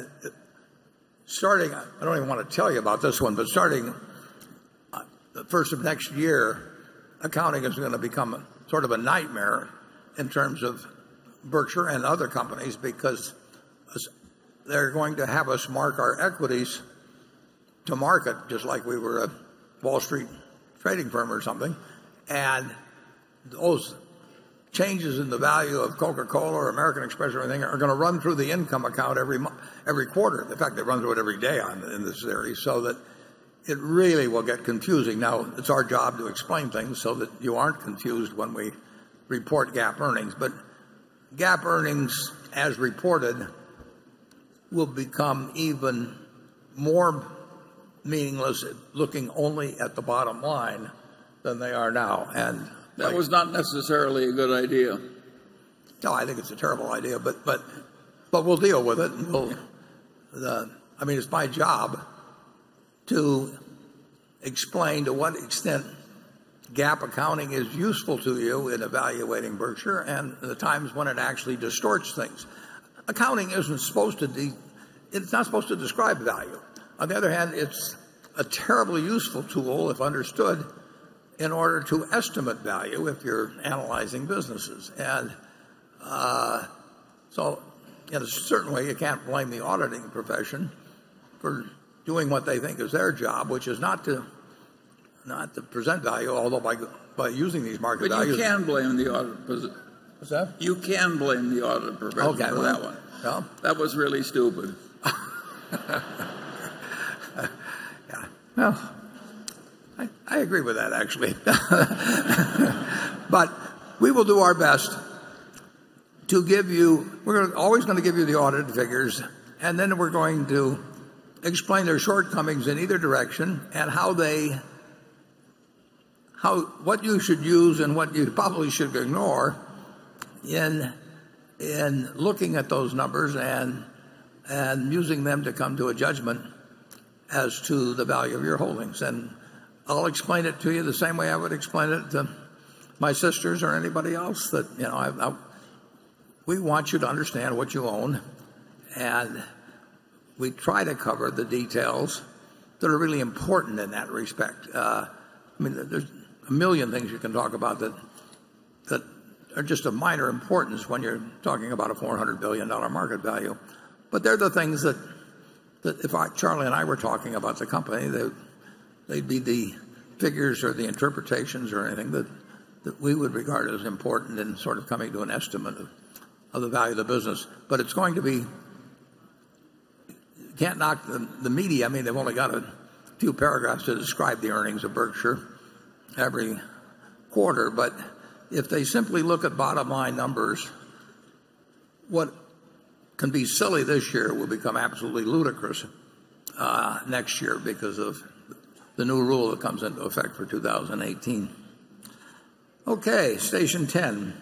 don't even want to tell you about this one, starting the first of next year, accounting is going to become sort of a nightmare in terms of Berkshire and other companies, because they're going to have us mark our equities to market just like we were a Wall Street trading firm or something. Those changes in the value of Coca-Cola or American Express or anything are going to run through the income account every quarter. In fact, they run through it every day in this area, so that it really will get confusing. It's our job to explain things so that you aren't confused when we report GAAP earnings, but GAAP earnings as reported will become even more meaningless looking only at the bottom line than they are now. That was not necessarily a good idea. No, I think it's a terrible idea, but we'll deal with it. Yeah. It's my job to explain to what extent GAAP accounting is useful to you in evaluating Berkshire and the times when it actually distorts things. Accounting, it's not supposed to describe value. On the other hand, it's a terribly useful tool if understood in order to estimate value if you're analyzing businesses. In a certain way, you can't blame the auditing profession for doing what they think is their job, which is not to present value. You can blame the audit profession. What's that? You can blame the audit profession for that one. Okay. Well. That was really stupid. Yeah. Well, I agree with that, actually. We will do our best. We're always going to give you the audited figures, then we're going to explain their shortcomings in either direction and what you should use and what you probably should ignore in looking at those numbers and using them to come to a judgment as to the value of your holdings. I'll explain it to you the same way I would explain it to my sisters or anybody else that we want you to understand what you own, and we try to cover the details that are really important in that respect. There's a million things you can talk about that are just of minor importance when you're talking about a $400 billion market value, but they're the things that if Charlie and I were talking about the company, they'd be the figures or the interpretations or anything that we would regard as important in sort of coming to an estimate of the value of the business. You can't knock the media. They've only got a few paragraphs to describe the earnings of Berkshire every quarter. If they simply look at bottom-line numbers, what can be silly this year will become absolutely ludicrous next year because of the new rule that comes into effect for 2018. Okay. Station 10.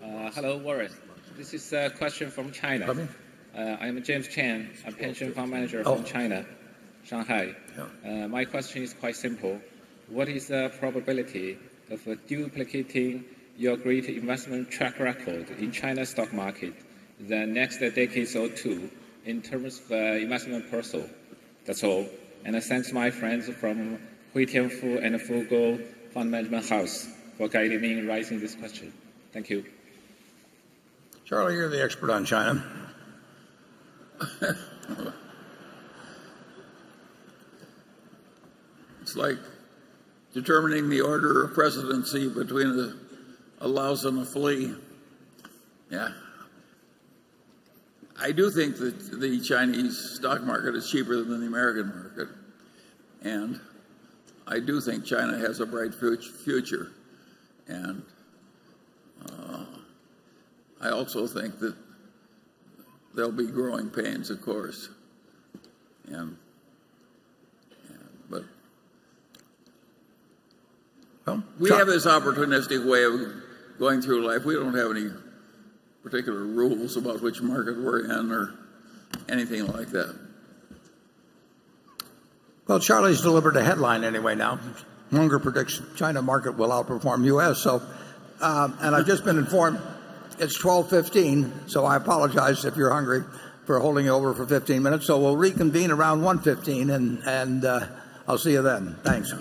Hello, Warren. This is a question from China. Pardon me? I am James Chan. I'm a pension fund manager from China, Shanghai. Yeah. My question is quite simple. What is the probability of duplicating your great investment track record in China stock market the next decades or two in terms of investment parcel? That's all. Thanks to my friends from fund management house for guiding me in writing this question. Thank you. Charlie, you're the expert on China. It's like determining the order of presidency between a louse and a flea. Yeah. I do think that the Chinese stock market is cheaper than the American market. I do think China has a bright future. I also think that there'll be growing pains, of course. Well, Charlie, We have this opportunistic way of going through life. We don't have any particular rules about which market we're in or anything like that. Charlie's delivered a headline anyway now. Munger predicts China market will outperform U.S. I've just been informed it's 12:15 P.M., so I apologize if you're hungry for holding you over for 15 minutes. We'll reconvene around 1:15 P.M., and I'll see you then. Thanks.